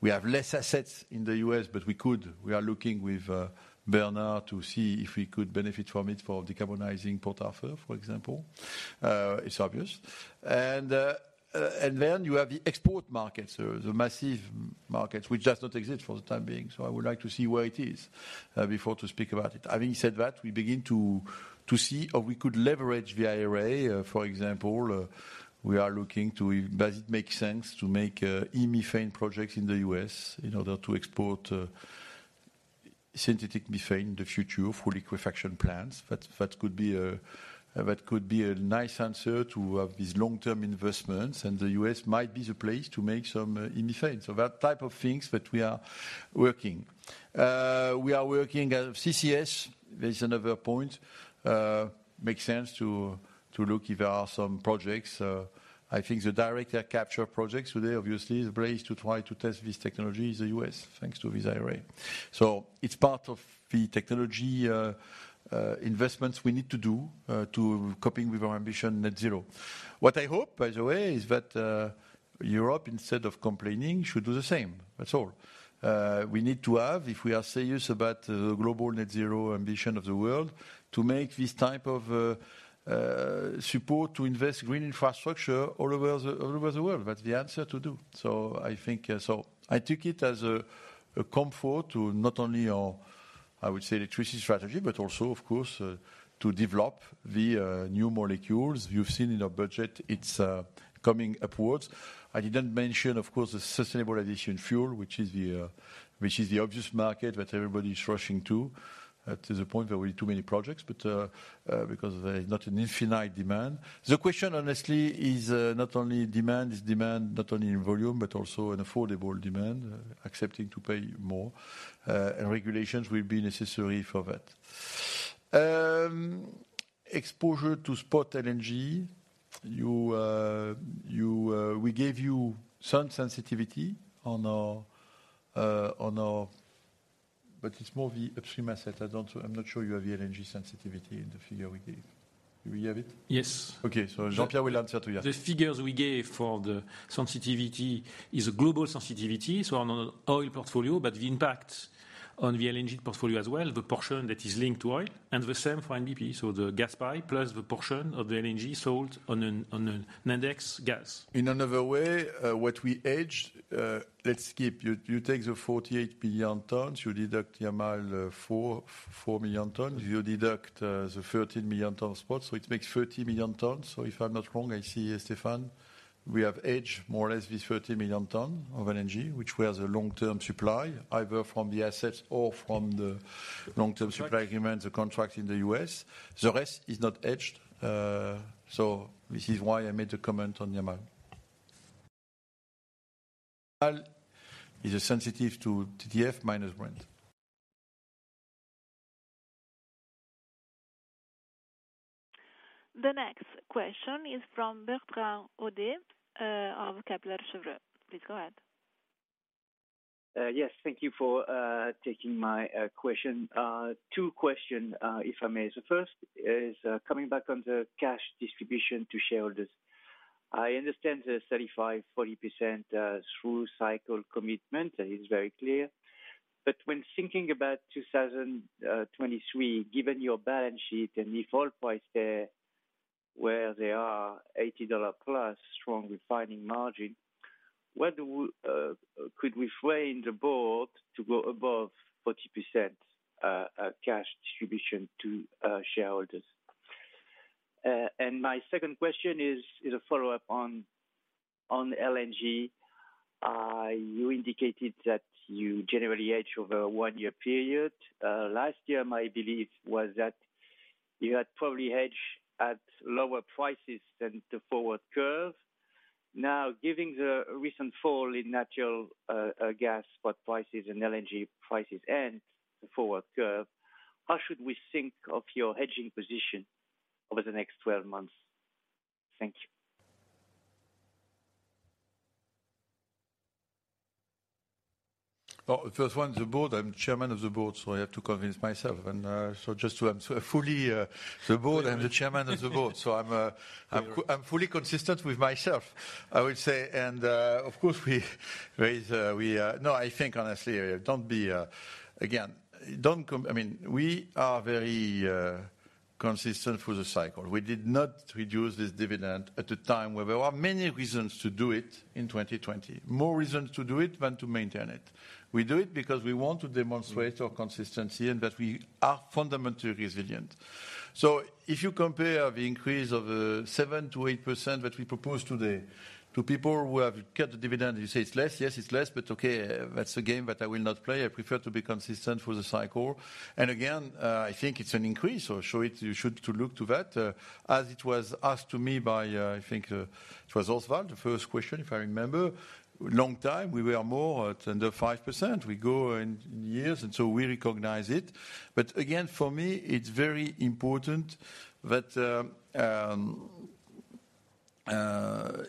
we have less assets in the U.S., but we could. We are looking with Bernard to see if we could benefit from it for decarbonizing Port Arthur, for example. It's obvious. Then you have the export markets, the massive markets, which does not exist for the time being. I would like to see where it is before to speak about it. Having said that, we begin to see or we could leverage the IRA. For example, we are looking to if does it make sense to make e-methane projects in the U.S. in order to export synthetic methane in the future for liquefaction plants. That could be a nice answer to have these long-term investments, the U.S. might be the place to make some e-methane. That type of things that we are working. We are working at CCS. There's another point. Makes sense to look if there are some projects. I think the direct air capture projects today obviously the place to try to test this technology is the U.S., thanks to this IRA. It's part of the technology investments we need to do to coping with our ambition net zero. What I hope, by the way, is that Europe, instead of complaining, should do the same. That's all. We need to have, if we are serious about the global net zero ambition of the world, to make this type of support to invest green infrastructure all over the world. That's the answer to do. I think, I take it as a comfort to not only our, I would say, electricity strategy, but also of course, to develop the new molecules. You've seen in our budget it's coming upwards. I didn't mention, of course, the sustainable aviation fuel, which is the obvious market that everybody's rushing to. To the point there will be too many projects, but because there is not an infinite demand. The question honestly is, not only demand, is demand not only in volume, but also an affordable demand, accepting to pay more. Regulations will be necessary for that. Exposure to spot LNG. You, we gave you some sensitivity on our. It's more the upstream asset. I'm not sure you have the LNG sensitivity in the figure we gave. Do we have it? Yes. Okay. Jean-Pierre will answer to you. The figures we gave for the sensitivity is global sensitivity, so on an oil portfolio, but the impact on the LNG portfolio as well, the portion that is linked to oil, and the same for NBP, so the gas buy plus the portion of the LNG sold on an index gas. In another way, what we hedged, let's keep. You take the 48 billion tons, you deduct Yamal, four million tons. You deduct the 13 million ton spot, so it makes 30 million tons. If I'm not wrong, I see Stefan, we have hedged more or less this 30 million ton of LNG, which we have the long-term supply, either from the assets or from the long-term supply agreement, the contract in the U.S. The rest is not hedged. This is why I made the comment on Yamal. Is sensitive to TTF minus Brent. The next question is from Bertrand Hodee of Kepler Cheuvreux. Please go ahead. Yes, thank you for taking my question. Two question, if I may. First is, coming back on the cash distribution to shareholders. I understand the 35%-40% through cycle commitment is very clear. When thinking about 2023, given your balance sheet and if oil price there, where they are $80+ strong refining margin, where do we, could we frame the board to go above 40% cash distribution to shareholders? My second question is a follow-up on LNG. You indicated that you generally hedge over a one-year period. Last year, my belief was that you had probably hedged at lower prices than the forward curve. Giving the recent fall in natural gas spot prices and LNG prices and the forward curve, how should we think of your hedging position over the next 12 months? Thank you. First one, the board, I'm chairman of the board, so I have to convince myself. So just to absolutely the board, I'm the chairman of the board. So I'm fully consistent with myself, I would say. Of course, we, there is, we. No, I think honestly, don't be again, I mean, we are very consistent through the cycle. We did not reduce this dividend at a time where there are many reasons to do it in 2020. More reasons to do it than to maintain it. We do it because we want to demonstrate our consistency and that we are fundamentally resilient. If you compare the increase of 7%-8% that we propose to the, to people who have kept the dividend, you say it's less. Yes, it's less. Okay, that's a game that I will not play. I prefer to be consistent through the cycle. Again, I think it's an increase, so show it, you should to look to that. As it was asked to me by, I think, it was Oswald, the first question, if I remember. Long time, we were more at under 5%. We go in years, so we recognize it. Again, for me, it's very important that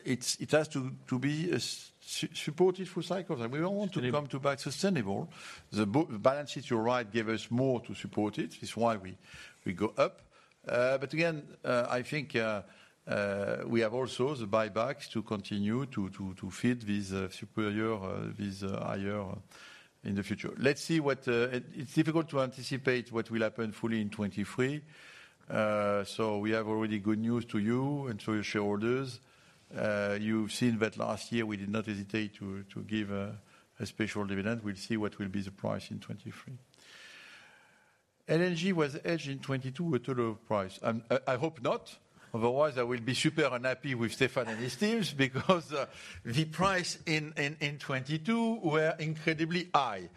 it has to be supported through cycles. We don't want to come to back sustainable. The balance sheet, you're right, gave us more to support it. It's why we go up. Again, I think we have also the buybacks to continue to feed these superior, these higher in the future. Let's see what it's difficult to anticipate what will happen fully in 2023. We have already good news to you and to your shareholders. You've seen that last year, we did not hesitate to give a special dividend. We'll see what will be the price in 2023. LNG was edged in 2022 with total price. I hope not. Otherwise, I will be super unhappy with Stéphane and his teams because the price in 2022 were incredibly high.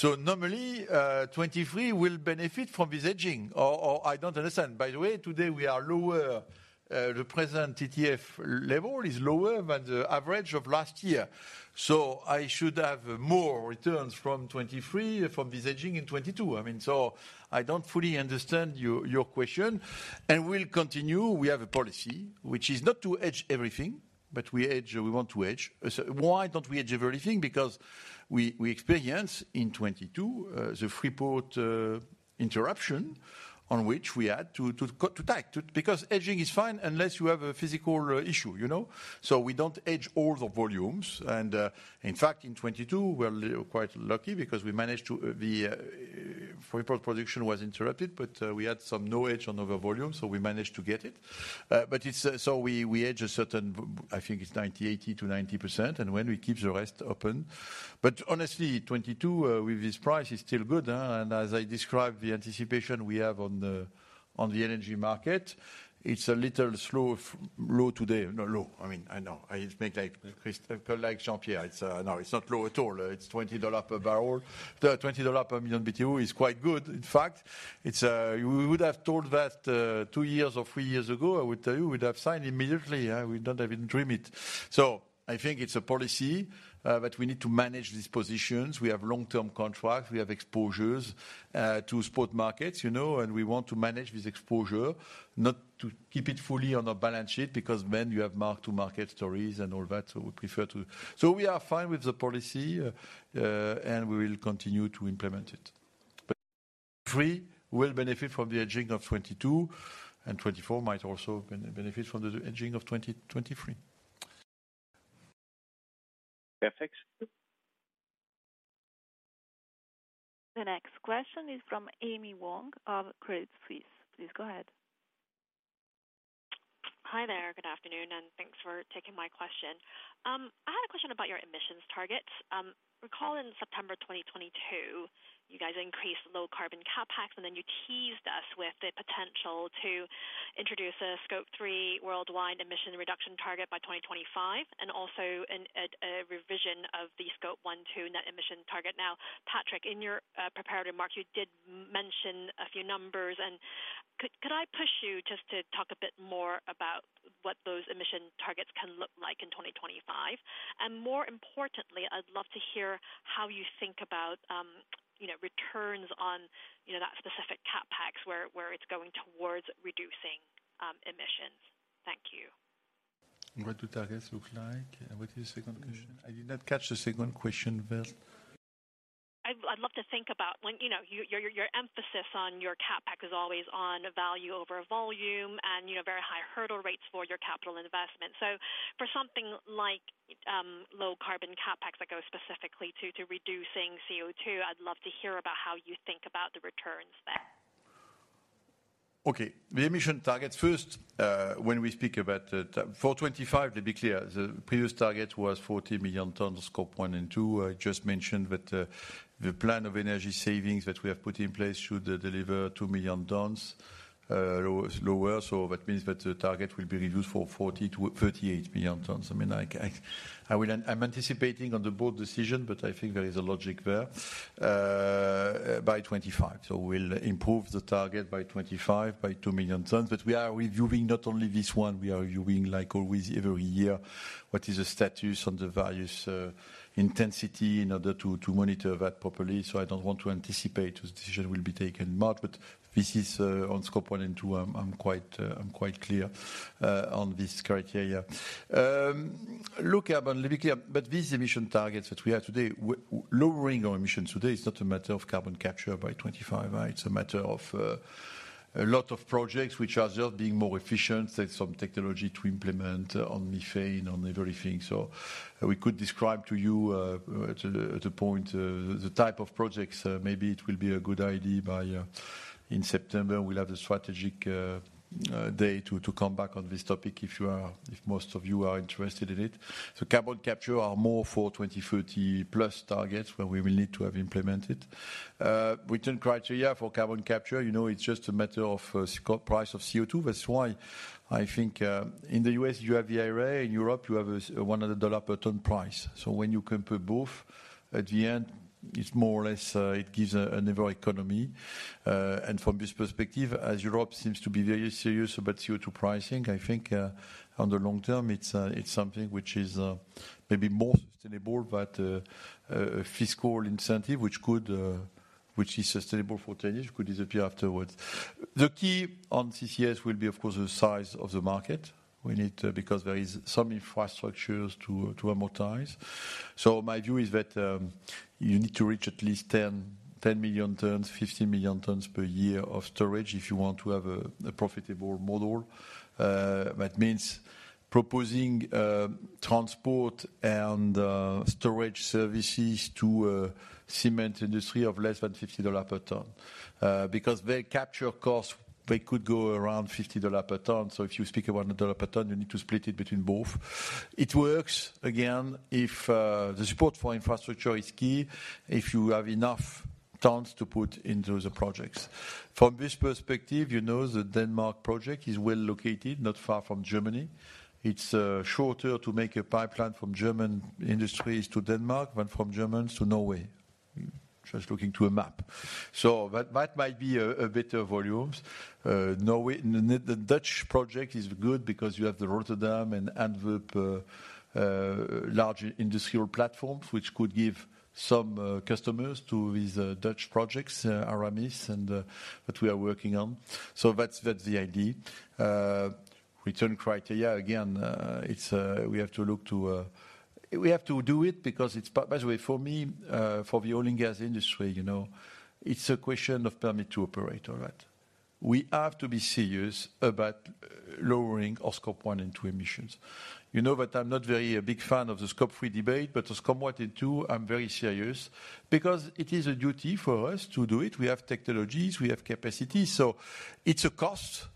Normally, 2023 will benefit from this edging, or I don't understand. By the way, today we are lower, the present TTF level is lower than the average of last year. I should have more returns from 2023 from this edging in 2022. I mean, I don't fully understand your question. We'll continue. We have a policy which is not to edge everything, but we want to edge. Why don't we edge everything? Because we experience in 2022, the Freeport interruption on which we had to tack. Because edging is fine unless you have a physical issue, you know? We don't edge all the volumes. In fact, in 2022, we're quite lucky because we managed to, the Freeport production was interrupted, but we had some no edge on other volumes, so we managed to get it. But it's, so we edge a certain I think it's 90%, 80%-90%, and when we keep the rest open. Honestly, 2022, with this price is still good, and as I described the anticipation we have on the, on the LNG market, it's a little slow, low today. No low. I mean, I know. I speak like Christopher, like Jean-Pierre. It's, no, it's not low at all. It's $20 per barrel. The $20 per million BTU is quite good. In fact, it's, we would have told that, two years or three years ago, I would tell you, we'd have signed immediately, we don't even dream it. I think it's a policy, that we need to manage these positions. We have long-term contracts, we have exposures, to spot markets, you know, and we want to manage this exposure, not to keep it fully on our balance sheet because then you have mark-to-market stories and all that. We are fine with the policy, and we will continue to implement it. 2023 will benefit from the hedging of 2022, and 2024 might also benefit from the hedging of 2023. Perfect. The next question is from Amy Wong of Credit Suisse. Please go ahead. Hi there. Good afternoon, and thanks for taking my question. I had a question about your emissions targets. Recall in September 2022, you guys increased low carbon CapEx, and then you teased us with the potential to introduce a Scope 3 worldwide emission reduction target by 2025, and also a revision of the Scope 1, 2 net emission target. Patrick, in your prepared remarks, you did mention a few numbers and Could I push you just to talk a bit more about what those emission targets can look like in 2025? More importantly, I'd love to hear how you think about, you know, returns on, you know, that specific CapEx where it's going towards reducing emissions. Thank you. What do targets look like? What's your second question? I did not catch the second question well. I'd love to think about when, you know, your emphasis on your CapEx is always on value over volume and, you know, very high hurdle rates for your capital investment. For something like low carbon CapEx that goes specifically to reducing CO2, I'd love to hear about how you think about the returns there. The emission targets first, when we speak about for 2025, to be clear, the previous target was 40 million tons of Scope 1 and 2. I just mentioned that the plan of energy savings that we have put in place should deliver two million tons lower. That means that the target will be reduced from 40 to 38 million tons. I mean, I'm anticipating on the board decision, but I think there is a logic there by 2025. We'll improve the target by 2025 by two million tons. We are reviewing not only this one, we are reviewing, like always every year, what is the status on the various intensity in order to monitor that properly. I don't want to anticipate the decision will be taken, Mark, but this is on Scope 1 and 2. I'm quite clear on this criteria. Look at, but let me clear, but these emission targets that we have today, lowering our emissions today is not a matter of carbon capture by 2025, right? It's a matter of a lot of projects which are just being more efficient. There's some technology to implement on methane, on everything. We could describe to you at a point the type of projects. Maybe it will be a good idea by in September, we'll have the strategic day to come back on this topic if most of you are interested in it. Carbon capture are more for 2030 plus targets where we will need to have implemented. Return criteria for carbon capture, you know, it's just a matter of scope price of CO2. That's why I think, in the U.S., you have the IRA. In Europe, you have a $100 per ton price. When you compare both, at the end, it's more or less, it gives a never economy. From this perspective, as Europe seems to be very serious about CO2 pricing, I think, on the long term, it's something which is, maybe more sustainable than a board, but, a fiscal incentive, which could, which is sustainable for 10 years, could disappear afterwards. The key on CCS will be, of course, the size of the market we need, because there is some infrastructures to amortize. My view is that you need to reach at least 10 million tons, 15 million tons per year of storage if you want to have a profitable model. That means proposing transport and storage services to cement industry of less than $50 per ton. Because their capture cost, they could go around $50 per ton. If you speak about $1 per ton, you need to split it between both. It works again, if the support for infrastructure is key, if you have enough tons to put into the projects. From this perspective, you know, the Denmark project is well located, not far from Germany. It's shorter to make a pipeline from German industries to Denmark than from Germans to Norway. Just looking to a map. That might be a better volumes. Norway. The Dutch project is good because you have the Rotterdam and Antwerp, large industrial platforms, which could give some customers to these Dutch projects, Aramis and that we are working on. That's the idea. Return criteria, again, it's. We have to do it because it's. By the way, for me, for the oil and gas industry, you know, it's a question of permit to operate, all right. We have to be serious about lowering our Scope 1 and 2 emissions. You know that I'm not very a big fan of the Scope 3 debate. The Scope 1 and 2, I'm very serious because it is a duty for us to do it. We have technologies, we have capacity. It's a cost.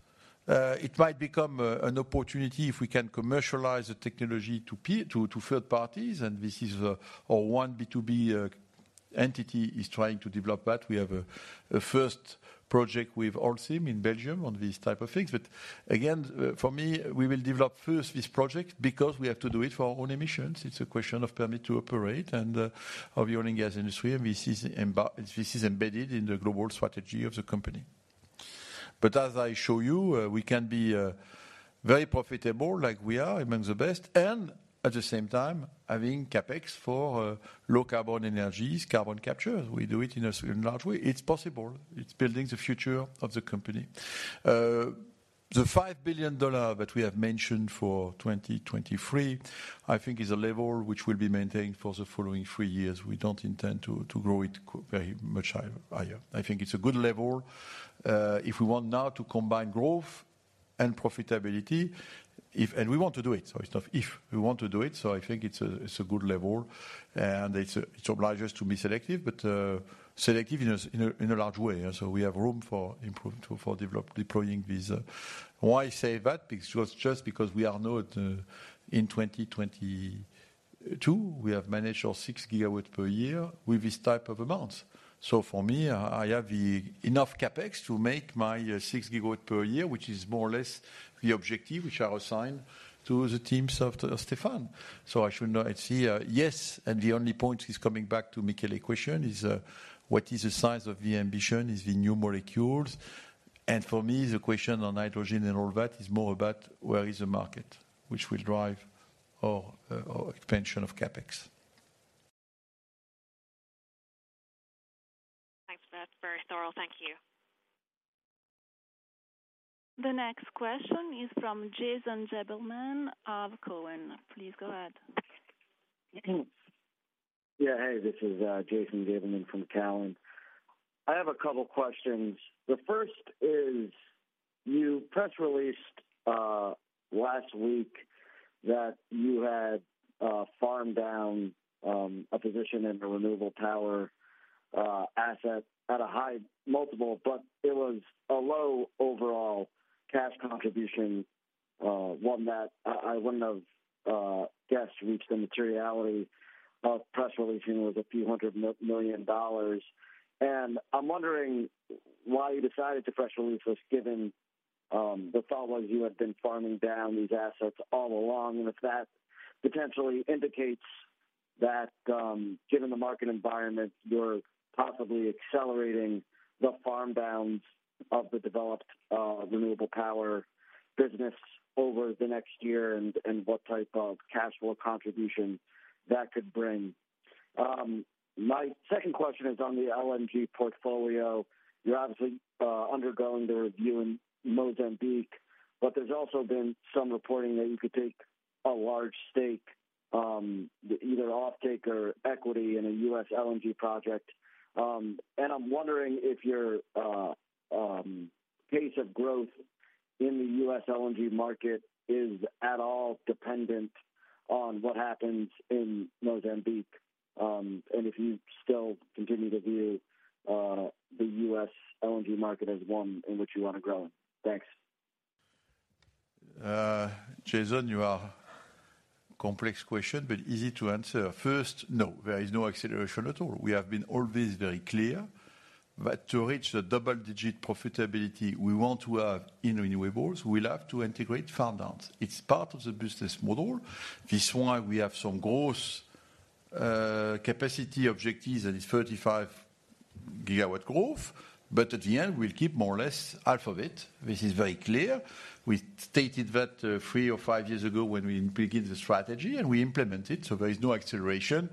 It might become an opportunity if we can commercialize the technology to third parties. This is our one B2B entity is trying to develop that. We have a first project with Alsym Energy in Belgium on these type of things. Again, for me, we will develop first this project because we have to do it for our own emissions. It's a question of permit to operate and of the oil and gas industry, and this is embedded in the global strategy of the company. As I show you, we can be very profitable like we are among the best, and at the same time having CapEx for low carbon energies, carbon capture, as we do it in a certain large way. It's possible. It's building the future of the company. The $5 billion that we have mentioned for 2023, I think is a level which will be maintained for the following three years. We don't intend to grow it very much higher. I think it's a good level. If we want now to combine growth and profitability, and we want to do it, so it's not if, we want to do it. I think it's a good level, and it obliges us to be selective, but selective in a large way. We have room for deploying this. Why I say that? Because just because we are now in 2022, we have managed our 6GW per year with this type of amounts. For me, I have enough CapEx to make my 6GW per year, which is more or less the objective which are assigned to the teams of Stéphane. I should not see, yes, the only point is coming back to Michele Della Vigna question is what is the size of the ambition? Is it new molecules? For me, the question on hydrogen and all that is more about where is the market, which will drive or expansion of CapEx. Thanks. That's very thorough. Thank you. The next question is from Jason Gabelman of TD Cowen. Please go ahead. Yeah. Hey, this is Jason Gabelman from TD Cowen. I have a couple questions. The first is, you press released last week that you had farmed down a position in the renewable power asset at a high multiple, but it was a low overall cash contribution. One that I wouldn't have guessed reached the materiality of press releasing was a few hundred million dollars. I'm wondering why you decided to press release this given the thought was you had been farming down these assets all along. If that potentially indicates that, given the market environment, you're possibly accelerating the farm downs of the developed renewable power business over the next year, and what type of cash flow contribution that could bring. My second question is on the LNG portfolio. You're obviously undergoing the review in Mozambique. There's also been some reporting that you could take a large stake, either offtake or equity in a U.S. LNG project. I'm wondering if your pace of growth in the U.S. LNG market is at all dependent on what happens in Mozambique. If you still continue to view the U.S. LNG market as one in which you wanna grow. Thanks. Jason, you are complex question, but easy to answer. First, no, there is no acceleration at all. We have been always very clear that to reach the double-digit profitability we want to have in renewables, we'll have to integrate farm-downs. It's part of the business model. This why we have some gross capacity objectives, that is 35GW growth. At the end we'll keep more or less half of it. This is very clear. We stated that three or five years ago when we begin the strategy and we implement it. There is no acceleration.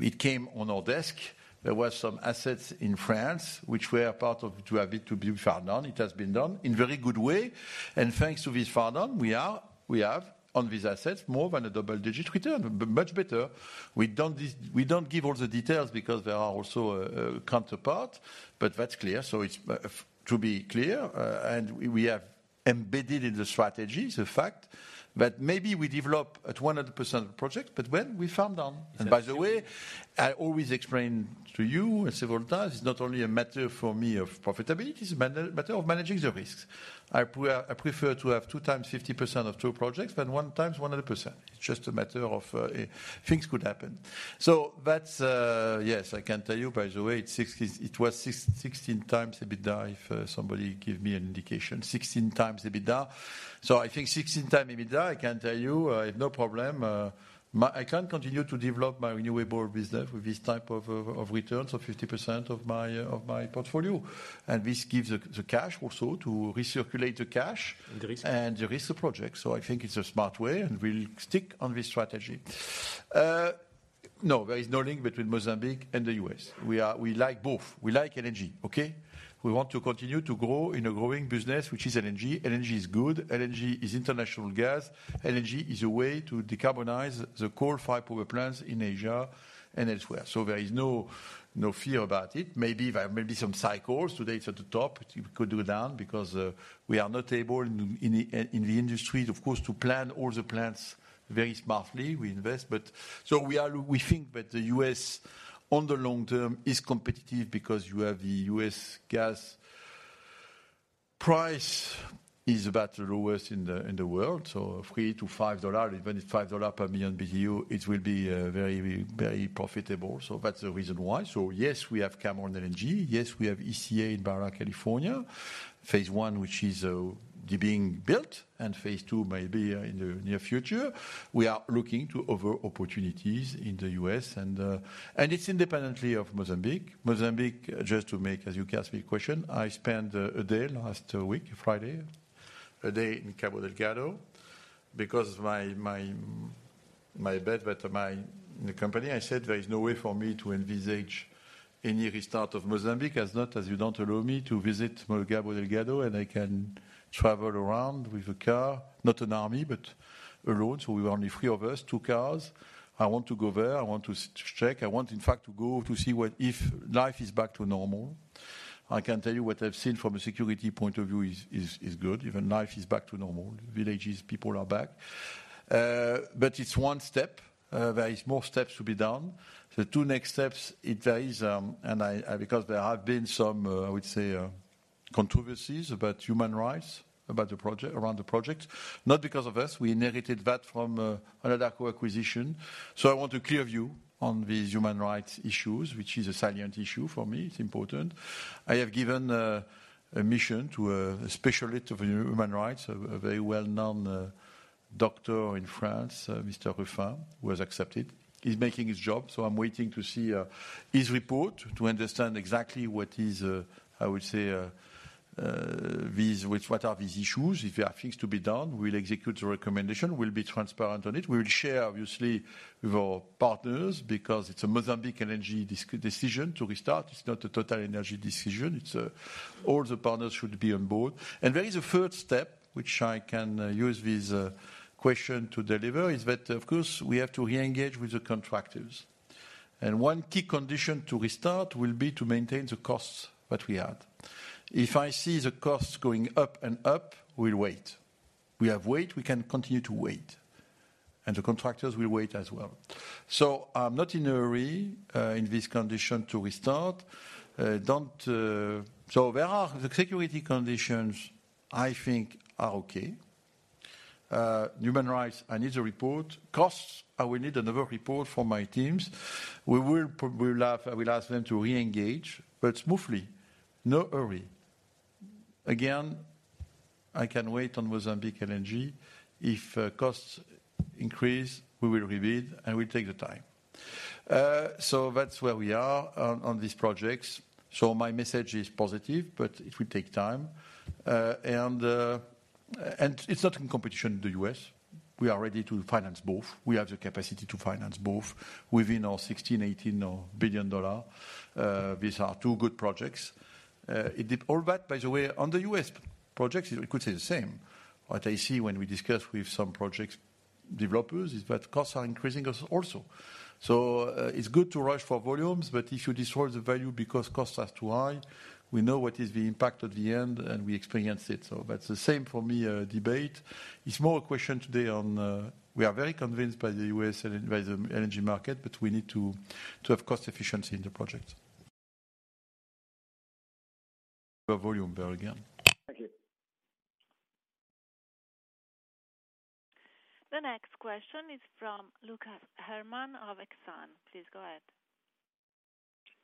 It came on our desk. There was some assets in France which were part of to have it to be farmed down. It has been done in very good way. Thanks to this farm down, we have on these assets more than a double-digit return, much better. We don't give all the details because there are also counterpart. That's clear. It's to be clear, we have embedded in the strategy the fact that maybe we develop at 100% project, but when we farm down. By the way, I always explain to you several times, it's not only a matter for me of profitability, it's matter of managing the risks. I prefer to have two times 50% of two projects than one time 100%. It's just a matter of things could happen. That's, yes, I can tell you by the way, it was 16x EBITDA, if somebody give me an indication. 16 times EBITDA. I think 16 times EBITDA, I can tell you, I have no problem. I can't continue to develop my renewable business with this type of returns of 50% of my portfolio. This gives the cash also to recirculate the cash. The risk. The risk project. I think it's a smart way, and we'll stick on this strategy. No, there is no link between Mozambique and the U.S. We like both. We like LNG, okay. We want to continue to grow in a growing business, which is LNG. LNG is good. LNG is international gas. LNG is a way to decarbonize the coal-fired power plants in Asia and elsewhere. There is no fear about it. Maybe there may be some cycles. Today it's at the top, it could go down because we are not able in the industry, of course, to plan all the plants very smartly. We invest. We think that the U.S., on the long term, is competitive because you have the U.S. gas price is about the lowest in the world, so $3-$5, even if $5 per million BTU, it will be very, very profitable. That's the reason why. Yes, we have Cameron LNG. Yes, we have ECA in Baja California, phase 1, which is being built and phase 2 may be in the near future. We are looking to other opportunities in the U.S. and it's independently of Mozambique. Mozambique, just to make, as you asked me a question, I spent a day last week, Friday, a day in Cabo Delgado because my bet with the company, I said, "There is no way for me to envisage any restart of Mozambique as not as you don't allow me to visit Cabo Delgado." I can travel around with a car, not an army, but alone. We were only three of us, two cars. I want to go there. I want to check. I want, in fact, to go to see what if life is back to normal. I can tell you what I've seen from a security point of view is good. Even life is back to normal. Villages, people are back. It's one step. There is more steps to be done. The two next steps, because there have been some, I would say, controversies about human rights, about the project, around the project. Not because of us, we inherited that from another co-acquisition. I want a clear view on these human rights issues, which is a salient issue for me. It's important. I have given a mission to a specialist of human rights, a very well-known NGO Doctor in France, Mr. Rufin, who has accepted. He's making his job, I'm waiting to see his report to understand exactly what is, I would say, what are these issues. If there are things to be done, we'll execute the recommendation. We'll be transparent on it. We will share, obviously, with our partners because it's a Mozambique energy decision to restart. It's not a TotalEnergies decision. It's all the partners should be on board. There is a third step which I can use this question to deliver, is that of course we have to re-engage with the contractors. One key condition to restart will be to maintain the costs that we had. If I see the costs going up and up, we'll wait. We have wait, we can continue to wait, and the contractors will wait as well. I'm not in a hurry in this condition to restart. There are the security conditions I think are okay. Human rights, I need a report. Costs, I will need another report from my teams. I will ask them to re-engage, but smoothly. No hurry. Again, I can wait on Mozambique LNG. If costs increase, we will rebid and we'll take the time. That's where we are on these projects. My message is positive, but it will take time. It's not in competition with the U.S. We are ready to finance both. We have the capacity to finance both within our $16 billion-$18 billion dollar. These are two good projects. It did all that, by the way, on the U.S. projects, we could say the same. What I see when we discuss with some projects developers is that costs are increasing as also. It's good to rush for volumes, but if you destroy the value because costs are too high, we know what is the impact at the end, and we experience it. That's the same for me, debate. It's more a question today on, we are very convinced by the U.S. by the LNG market, but we need to have cost efficiency in the project. volume there again. Thank you. The next question is from Lucas Herrmann of Exane. Please go ahead.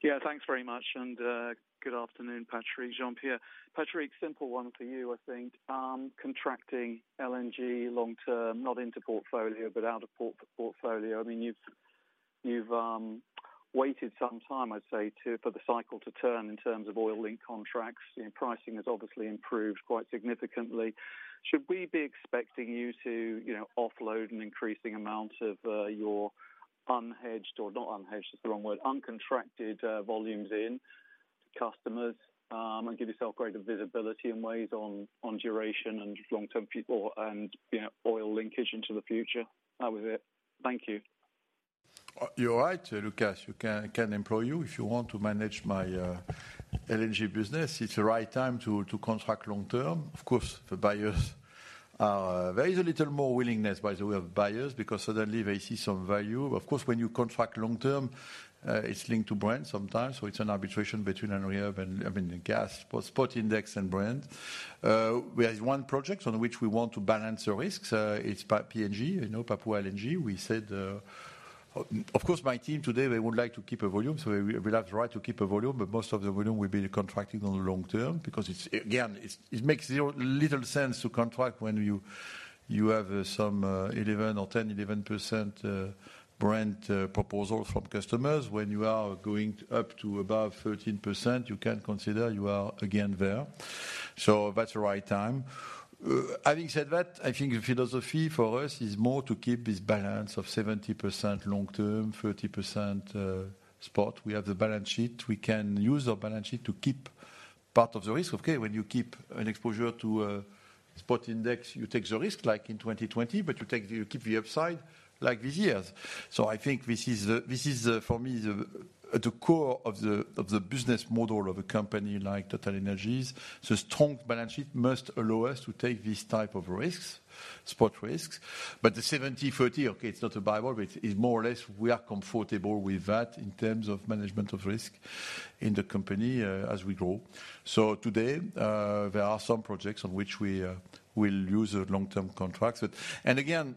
Yeah, thanks very much. Good afternoon, Patrick, Jean-Pierre. Patrick, simple one for you, I think. Contracting LNG long term, not into portfolio, but out of port-portfolio. I mean, you've waited some time, I'd say, for the cycle to turn in terms of oil link contracts. You know, pricing has obviously improved quite significantly. Should we be expecting you to, you know, offload an increasing amount of your unhedged, or not unhedged, that's the wrong word, uncontracted volumes in to customers and give yourself greater visibility in ways on duration and long-term people and, you know, oil linkage into the future? That was it. Thank you. You're right, Lucas. You can employ you if you want to manage my LNG business. It's the right time to contract long term. Of course, the buyers are. There is a little more willingness, by the way, of buyers because suddenly they see some value. Of course, when you contract long term, it's linked to Brent sometimes, so it's an arbitration between an reup and, I mean, gas, spot index and Brent. We have one project on which we want to balance the risks. It's PNG, you know, Papua LNG. We said, of course, my team today, they would like to keep a volume, so we'll have the right to keep a volume, but most of the volume will be contracting on the long term because it's again, it makes zero, little sense to contract when you have some 11 or 10-11% Brent proposal from customers. When you are going up to above 13%, you can consider you are again there. That's the right time. Having said that, I think the philosophy for us is more to keep this balance of 70% long term, 30% spot. We have the balance sheet. We can use our balance sheet to keep part of the risk. Okay, when you keep an exposure to a spot index, you take the risk like in 2020, but you keep the upside like these years. I think this is the, for me, the core of the business model of a company like TotalEnergies. The strong balance sheet must allow us to take these type of risks, spot risks. The 70/30, okay, it's not a Bible, but it's more or less we are comfortable with that in terms of management of risk in the company, as we grow. Today, there are some projects on which we will use the long-term contracts. Again,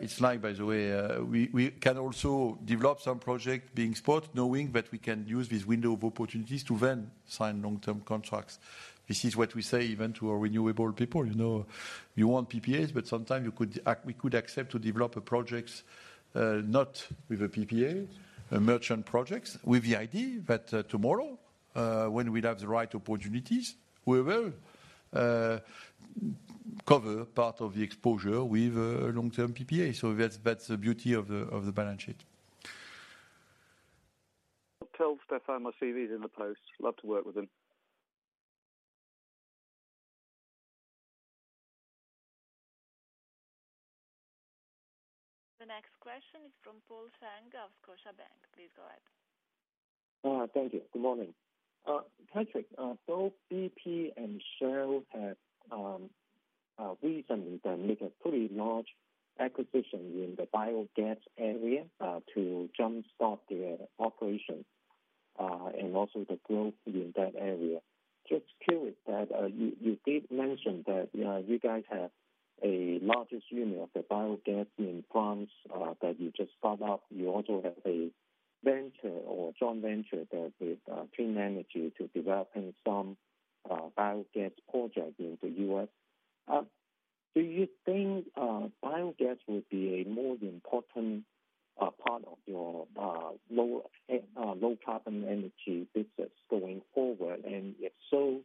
it's like by the way, we can also develop some project being spot, knowing that we can use this window of opportunities to then sign long-term contracts. This is what we say even to our renewable people. You know, you want PPAs, but sometimes we could accept to develop a project, not with a PPA, a merchant project, with the idea that tomorrow, when we'd have the right opportunities, we will cover part of the exposure with a long-term PPA. That's the beauty of the balance sheet. I'll tell Stéphane I'll see these in the post. Love to work with him. The next question is from Paul Cheng of Scotiabank. Please go ahead. Thank you. Good morning. Patrick, both BP and Shell have recently made a pretty large acquisition in the biogas area to jump-start their operation and also the growth in that area. Just curious that you did mention that you guys have a largest unit of the biogas in France that you just bought up. You also have a venture or joint venture that with Clean Energy to developing some- Biogas project in the U.S. Do you think biogas will be a more important part of your lower low carbon energy business going forward? If so,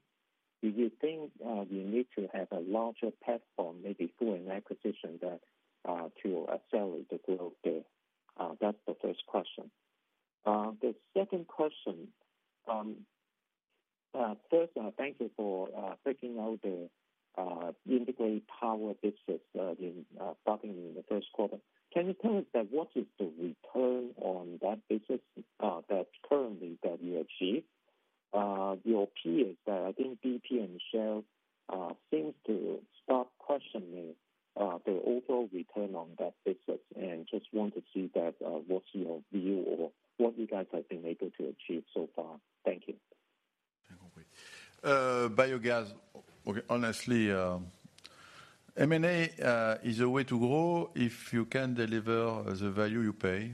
do you think you need to have a larger platform, maybe through an acquisition to accelerate the growth there? That's the first question. The second question. First, thank you for freaking out the Integrated Power Business in starting in the first quarter. Can you tell us that what is the return on that business that currently that you achieved? Your peers that I think BP and Shell seems to start questioning the overall return on that business and just want to see that what's your view or what you guys have been able to achieve so far. Thank you. Biogas. Honestly, M&A is a way to grow if you can deliver the value you pay.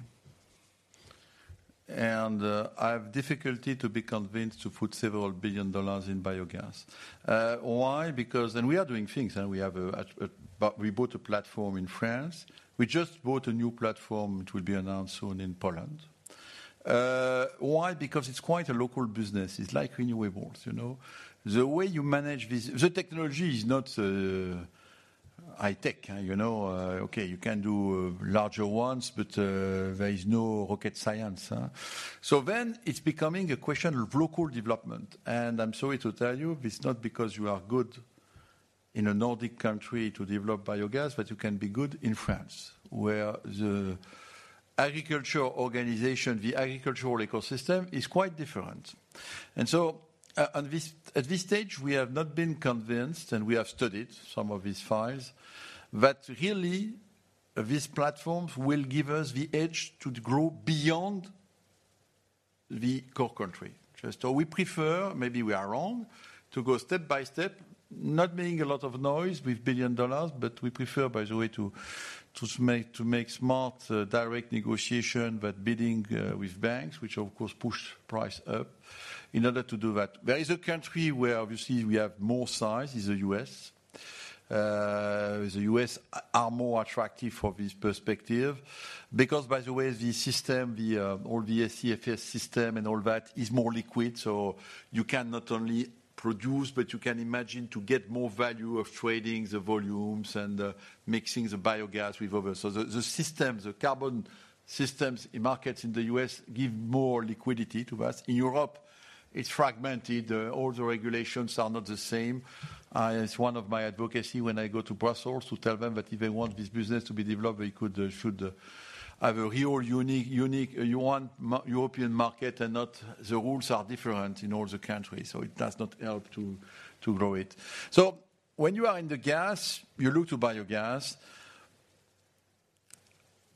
I have difficulty to be convinced to put several billion dollars in biogas. Why? We are doing things and we bought a platform in France. We just bought a new platform which will be announced soon in Poland. Why? It's quite a local business. It's like renewables, you know. The way you manage this, the technology is not high tech, you know. You can do larger ones, but there is no rocket science, huh. It's becoming a question of local development. I'm sorry to tell you, it's not because you are good in a Nordic country to develop biogas, but you can be good in France, where the agriculture organization, the agricultural ecosystem is quite different. On this stage, we have not been convinced, and we have studied some of these files, that really these platforms will give us the edge to grow beyond the core country. We prefer, maybe we are wrong, to go step by step, not making a lot of noise with billion dollars, but we prefer, by the way, to make smart direct negotiation, but bidding with banks, which of course push price up in order to do that. There is a country where obviously we have more size, is the U.S. The U.S. are more attractive for this perspective because, by the way, the system, the all the ACFS system and all that is more liquid. You can not only produce, but you can imagine to get more value of trading the volumes and mixing the biogas with others. The system, the carbon systems in markets in the U.S. give more liquidity to us. In Europe, it's fragmented. All the regulations are not the same. It's one of my advocacy when I go to Brussels to tell them that if they want this business to be developed, they should have a real unique European market and not the rules are different in all the countries, so it does not help to grow it. When you are in the gas, you look to biogas.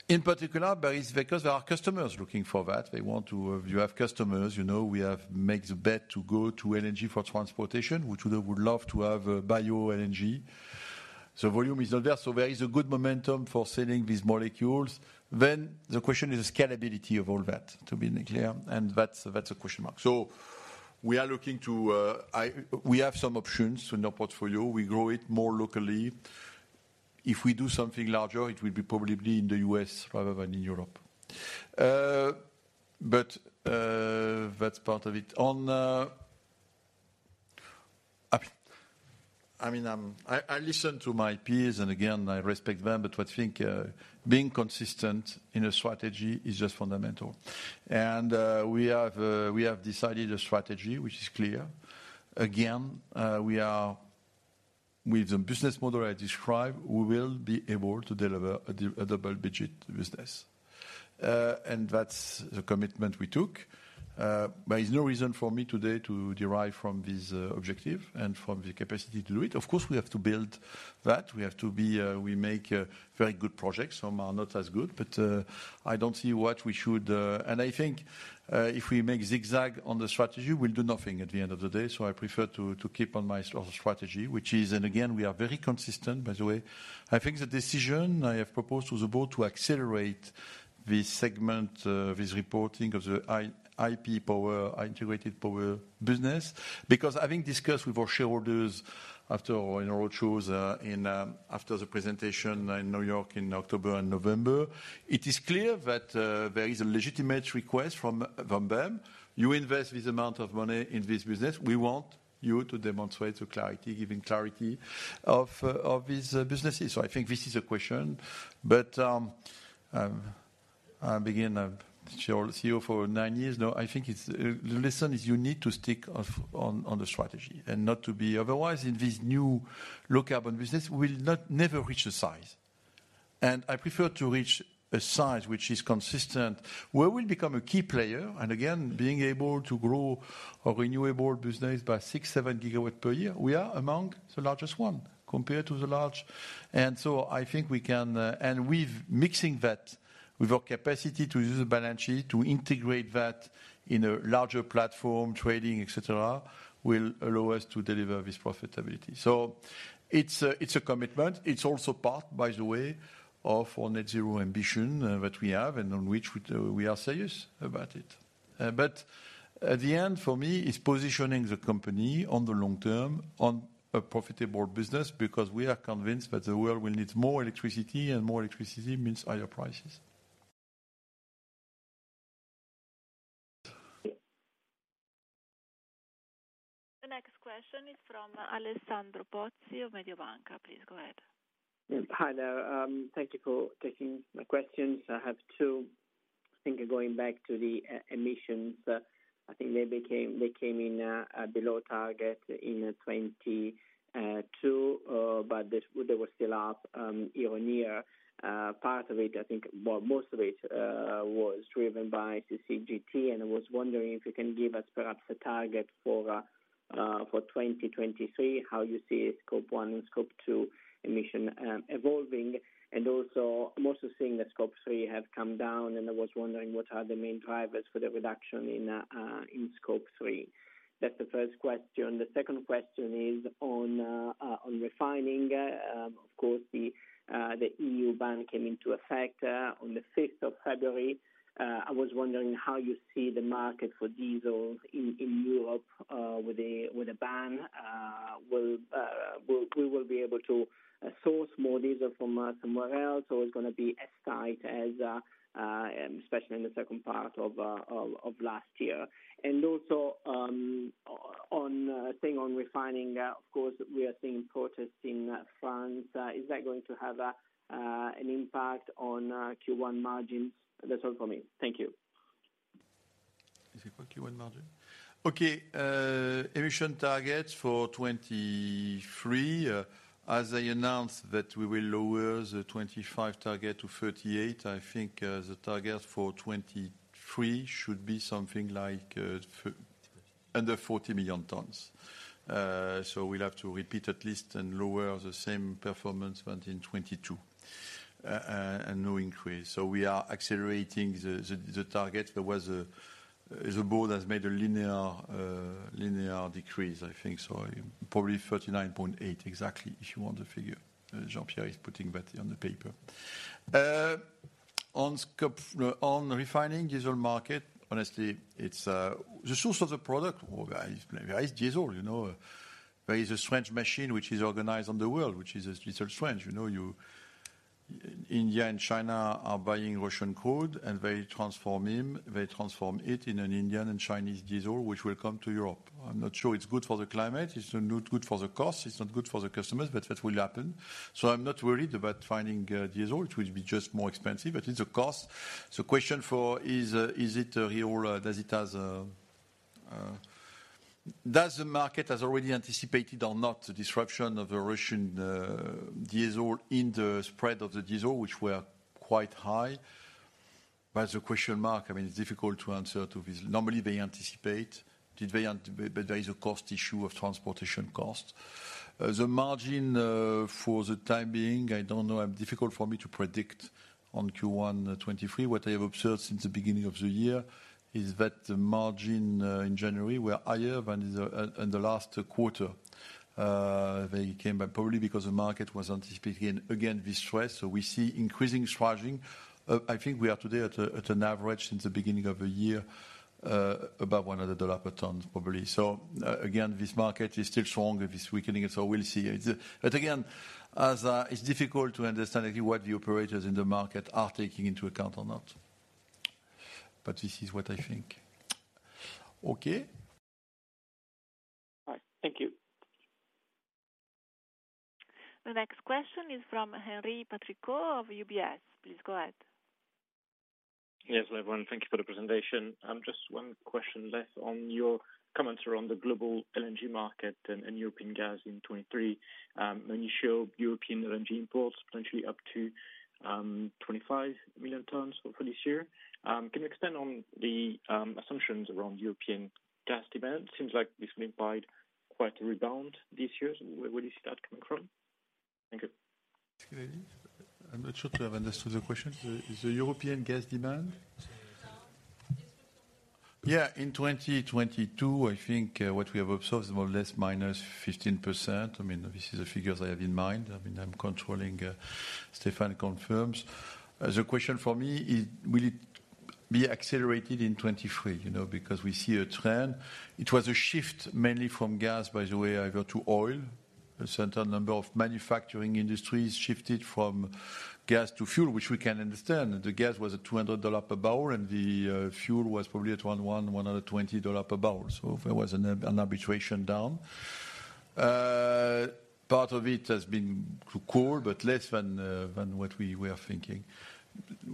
In particular, it's because there are customers looking for that. You have customers, you know, we have make the bet to go to LNG for transportation, which we would love to have BioLNG. The volume is not there is a good momentum for selling these molecules. The question is the scalability of all that, to be clear, and that's a question mark. We are looking to, we have some options in our portfolio. We grow it more locally. If we do something larger, it will be probably in the U.S. rather than in Europe. That's part of it. On, I mean, I listen to my peers, and again, I respect them, but I think being consistent in a strategy is just fundamental. We have decided a strategy which is clear. Again, we are with the business model I described, we will be able to deliver a double digit business. That's the commitment we took. There is no reason for me today to derive from this objective and from the capacity to do it. Of course, we have to build that. We have to be, we make very good projects. Some are not as good, but I don't see what we should. I think, if we make zigzag on the strategy, we'll do nothing at the end of the day. I prefer to keep on my strategy, which is, and again, we are very consistent, by the way. I think the decision I have proposed to the board to accelerate this segment, this reporting of the iPower, Integrated Power business. Having discussed with our shareholders after, you know, roadshows, in, after the presentation in New York in October and November, it is clear that there is a legitimate request from them. You invest this amount of money in this business, we want you to demonstrate the clarity, giving clarity of these businesses. I think this is a question. I begin chair, CEO for nine years now, I think it's the lesson is you need to stick on the strategy and not to be otherwise in this new low carbon business, we'll never reach the size. I prefer to reach a size which is consistent, where we become a key player, and again, being able to grow a renewable business by 6, 7GW per year, we are among the largest one compared to the large. I think we can, and with mixing that with our capacity to use the balance sheet, to integrate that in a larger platform, trading, et cetera, will allow us to deliver this profitability. It's a, it's a commitment. It's also part, by the way, of our net zero ambition that we have and on which we are serious about it. At the end, for me, is positioning the company on the long term on a profitable business because we are convinced that the world will need more electricity and more electricity means higher prices. The next question is from Alessandro Pozzi of Mediobanca. Please go ahead. Hi there. Thank you for taking my questions. I have two. I think going back to the emissions, they came in below target in 2022, they were still up year-over-year. Part of it, I think, well, most of it, was driven by CCGT. I was wondering if you can give us perhaps a target for 2023, how you see Scope 1 and Scope 2 emission evolving. Also, I'm also seeing that Scope 3 has come down and I was wondering what are the main drivers for the reduction in Scope 3. That's the first question. The second question is on refining. Of course, the EU ban came into effect on the fifth of February. I was wondering how you see the market for diesel in Europe with a ban. Will be able to source more diesel from somewhere else or it's gonna be as tight as especially in the second part of last year. Also, staying on refining, of course, we are seeing protests in France. Is that going to have an impact on Q1 margins? That's all for me. Thank you. You said what? Q1 margin? Okay, emission targets for 2023. As I announced that we will lower the 25 target to 38, I think, the target for 2023 should be something like under 40 million tons. We'll have to repeat at least and lower the same performance went in 2022. No increase. We are accelerating the target. The board has made a linear decrease, I think so. Probably 39.8 exactly, if you want the figure. Jean-Pierre is putting that on the paper. On refining diesel market, honestly, it's the source of the product, well, there is diesel, you know. There is a strange machine which is organized on the world, which is, sort of, strange. You know, you India and China are buying Russian coal, they transform it in an Indian and Chinese diesel, which will come to Europe. I'm not sure it's good for the climate, it's not good for the cost, it's not good for the customers, that will happen. I'm not worried about finding diesel. It will be just more expensive. It's a cost. The question for is it real? Does the market has already anticipated or not the disruption of the Russian diesel in the spread of the diesel, which were quite high? The question mark, I mean, it's difficult to answer to this. Normally, they anticipate. Did they, there is a cost issue of transportation cost. The margin, for the time being, I don't know. Difficult for me to predict on Q1 2023. What I have observed since the beginning of the year is that the margin in January were higher than the last quarter. They came back probably because the market was anticipating again this rise. We see increasing charging. I think we are today at an average since the beginning of the year above $100 per ton, probably. Again, this market is still strong, but it is weakening. We'll see. Again, as it's difficult to understand exactly what the operators in the market are taking into account or not. This is what I think. Okay. All right. Thank you. The next question is from Henri Patricot of UBS. Please go ahead. Everyone. Thank you for the presentation. Just one question less on your comments around the global LNG market and European gas in 2023. When you show European LNG imports potentially up to 25 million tons for this year, can you expand on the assumptions around European gas demand? Seems like this implied quite a rebound these years. Where do you see that coming from? Thank you. I'm not sure to have understood the question. The European gas demand? Down. Yes. Yeah. In 2022, I think, what we have observed is more or less minus 15%. I mean, this is the figures I have in mind. I mean, I'm controlling. Stefan confirms. The question for me is will it be accelerated in 2023, you know, because we see a trend. It was a shift mainly from gas, by the way, over to oil. A certain number of manufacturing industries shifted from gas to fuel, which we can understand. The gas was at $200 per barrel, and the fuel was probably at $101-$120 per barrel. There was an arbitration down. Part of it has been too cold, but less than what we are thinking.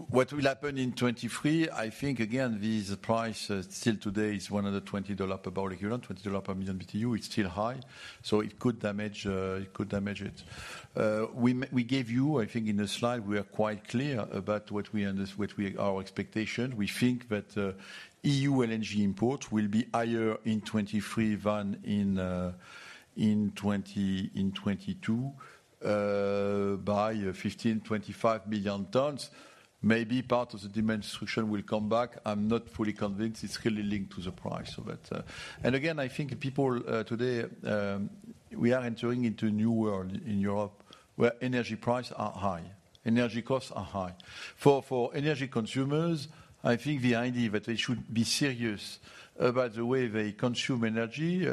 What will happen in 2023, I think again, this price, still today is $120 per barrel equivalent, $20 per million BTU, it's still high. It could damage, it could damage it. We gave you, I think, in the slide, we are quite clear about what we, our expectation. We think that EU LNG import will be higher in 2023 than in 2022, by 15-25 million tons. Maybe part of the demand destruction will come back. I'm not fully convinced. It's clearly linked to the price of it. Again, I think people, today, we are entering into a new world in Europe where energy prices are high, energy costs are high. For energy consumers, I think the idea that they should be serious about the way they consume energy,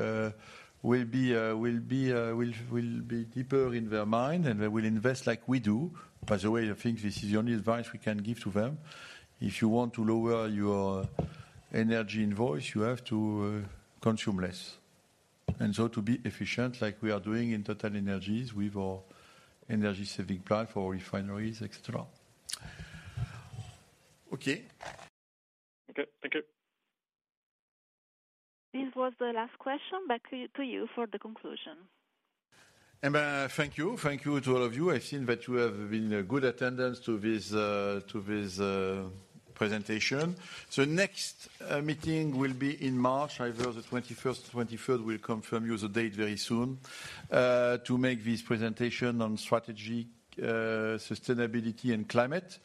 will be deeper in their mind, and they will invest like we do. By the way, I think this is the only advice we can give to them. If you want to lower your energy invoice, you have to consume less. To be efficient like we are doing in TotalEnergies with our energy-saving plan for refineries, et cetera. Okay. Okay. Thank you. This was the last question. Back to you for the conclusion. Thank you. Thank you to all of you. I've seen that you have been a good attendance to this, to this presentation. Next meeting will be in March, either the 21st or 23rd. We'll confirm you the date very soon to make this presentation on strategy, sustainability and climate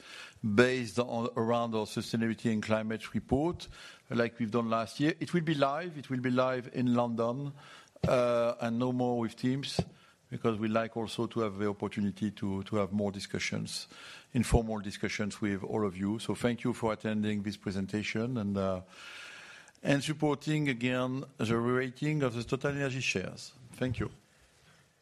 based on around our sustainability and climate report, like we've done last year. It will be live. It will be live in London. No more with Teams because we like also to have the opportunity to have more discussions, informal discussions with all of you. Thank you for attending this presentation and supporting again the rating of the TotalEnergies shares. Thank you.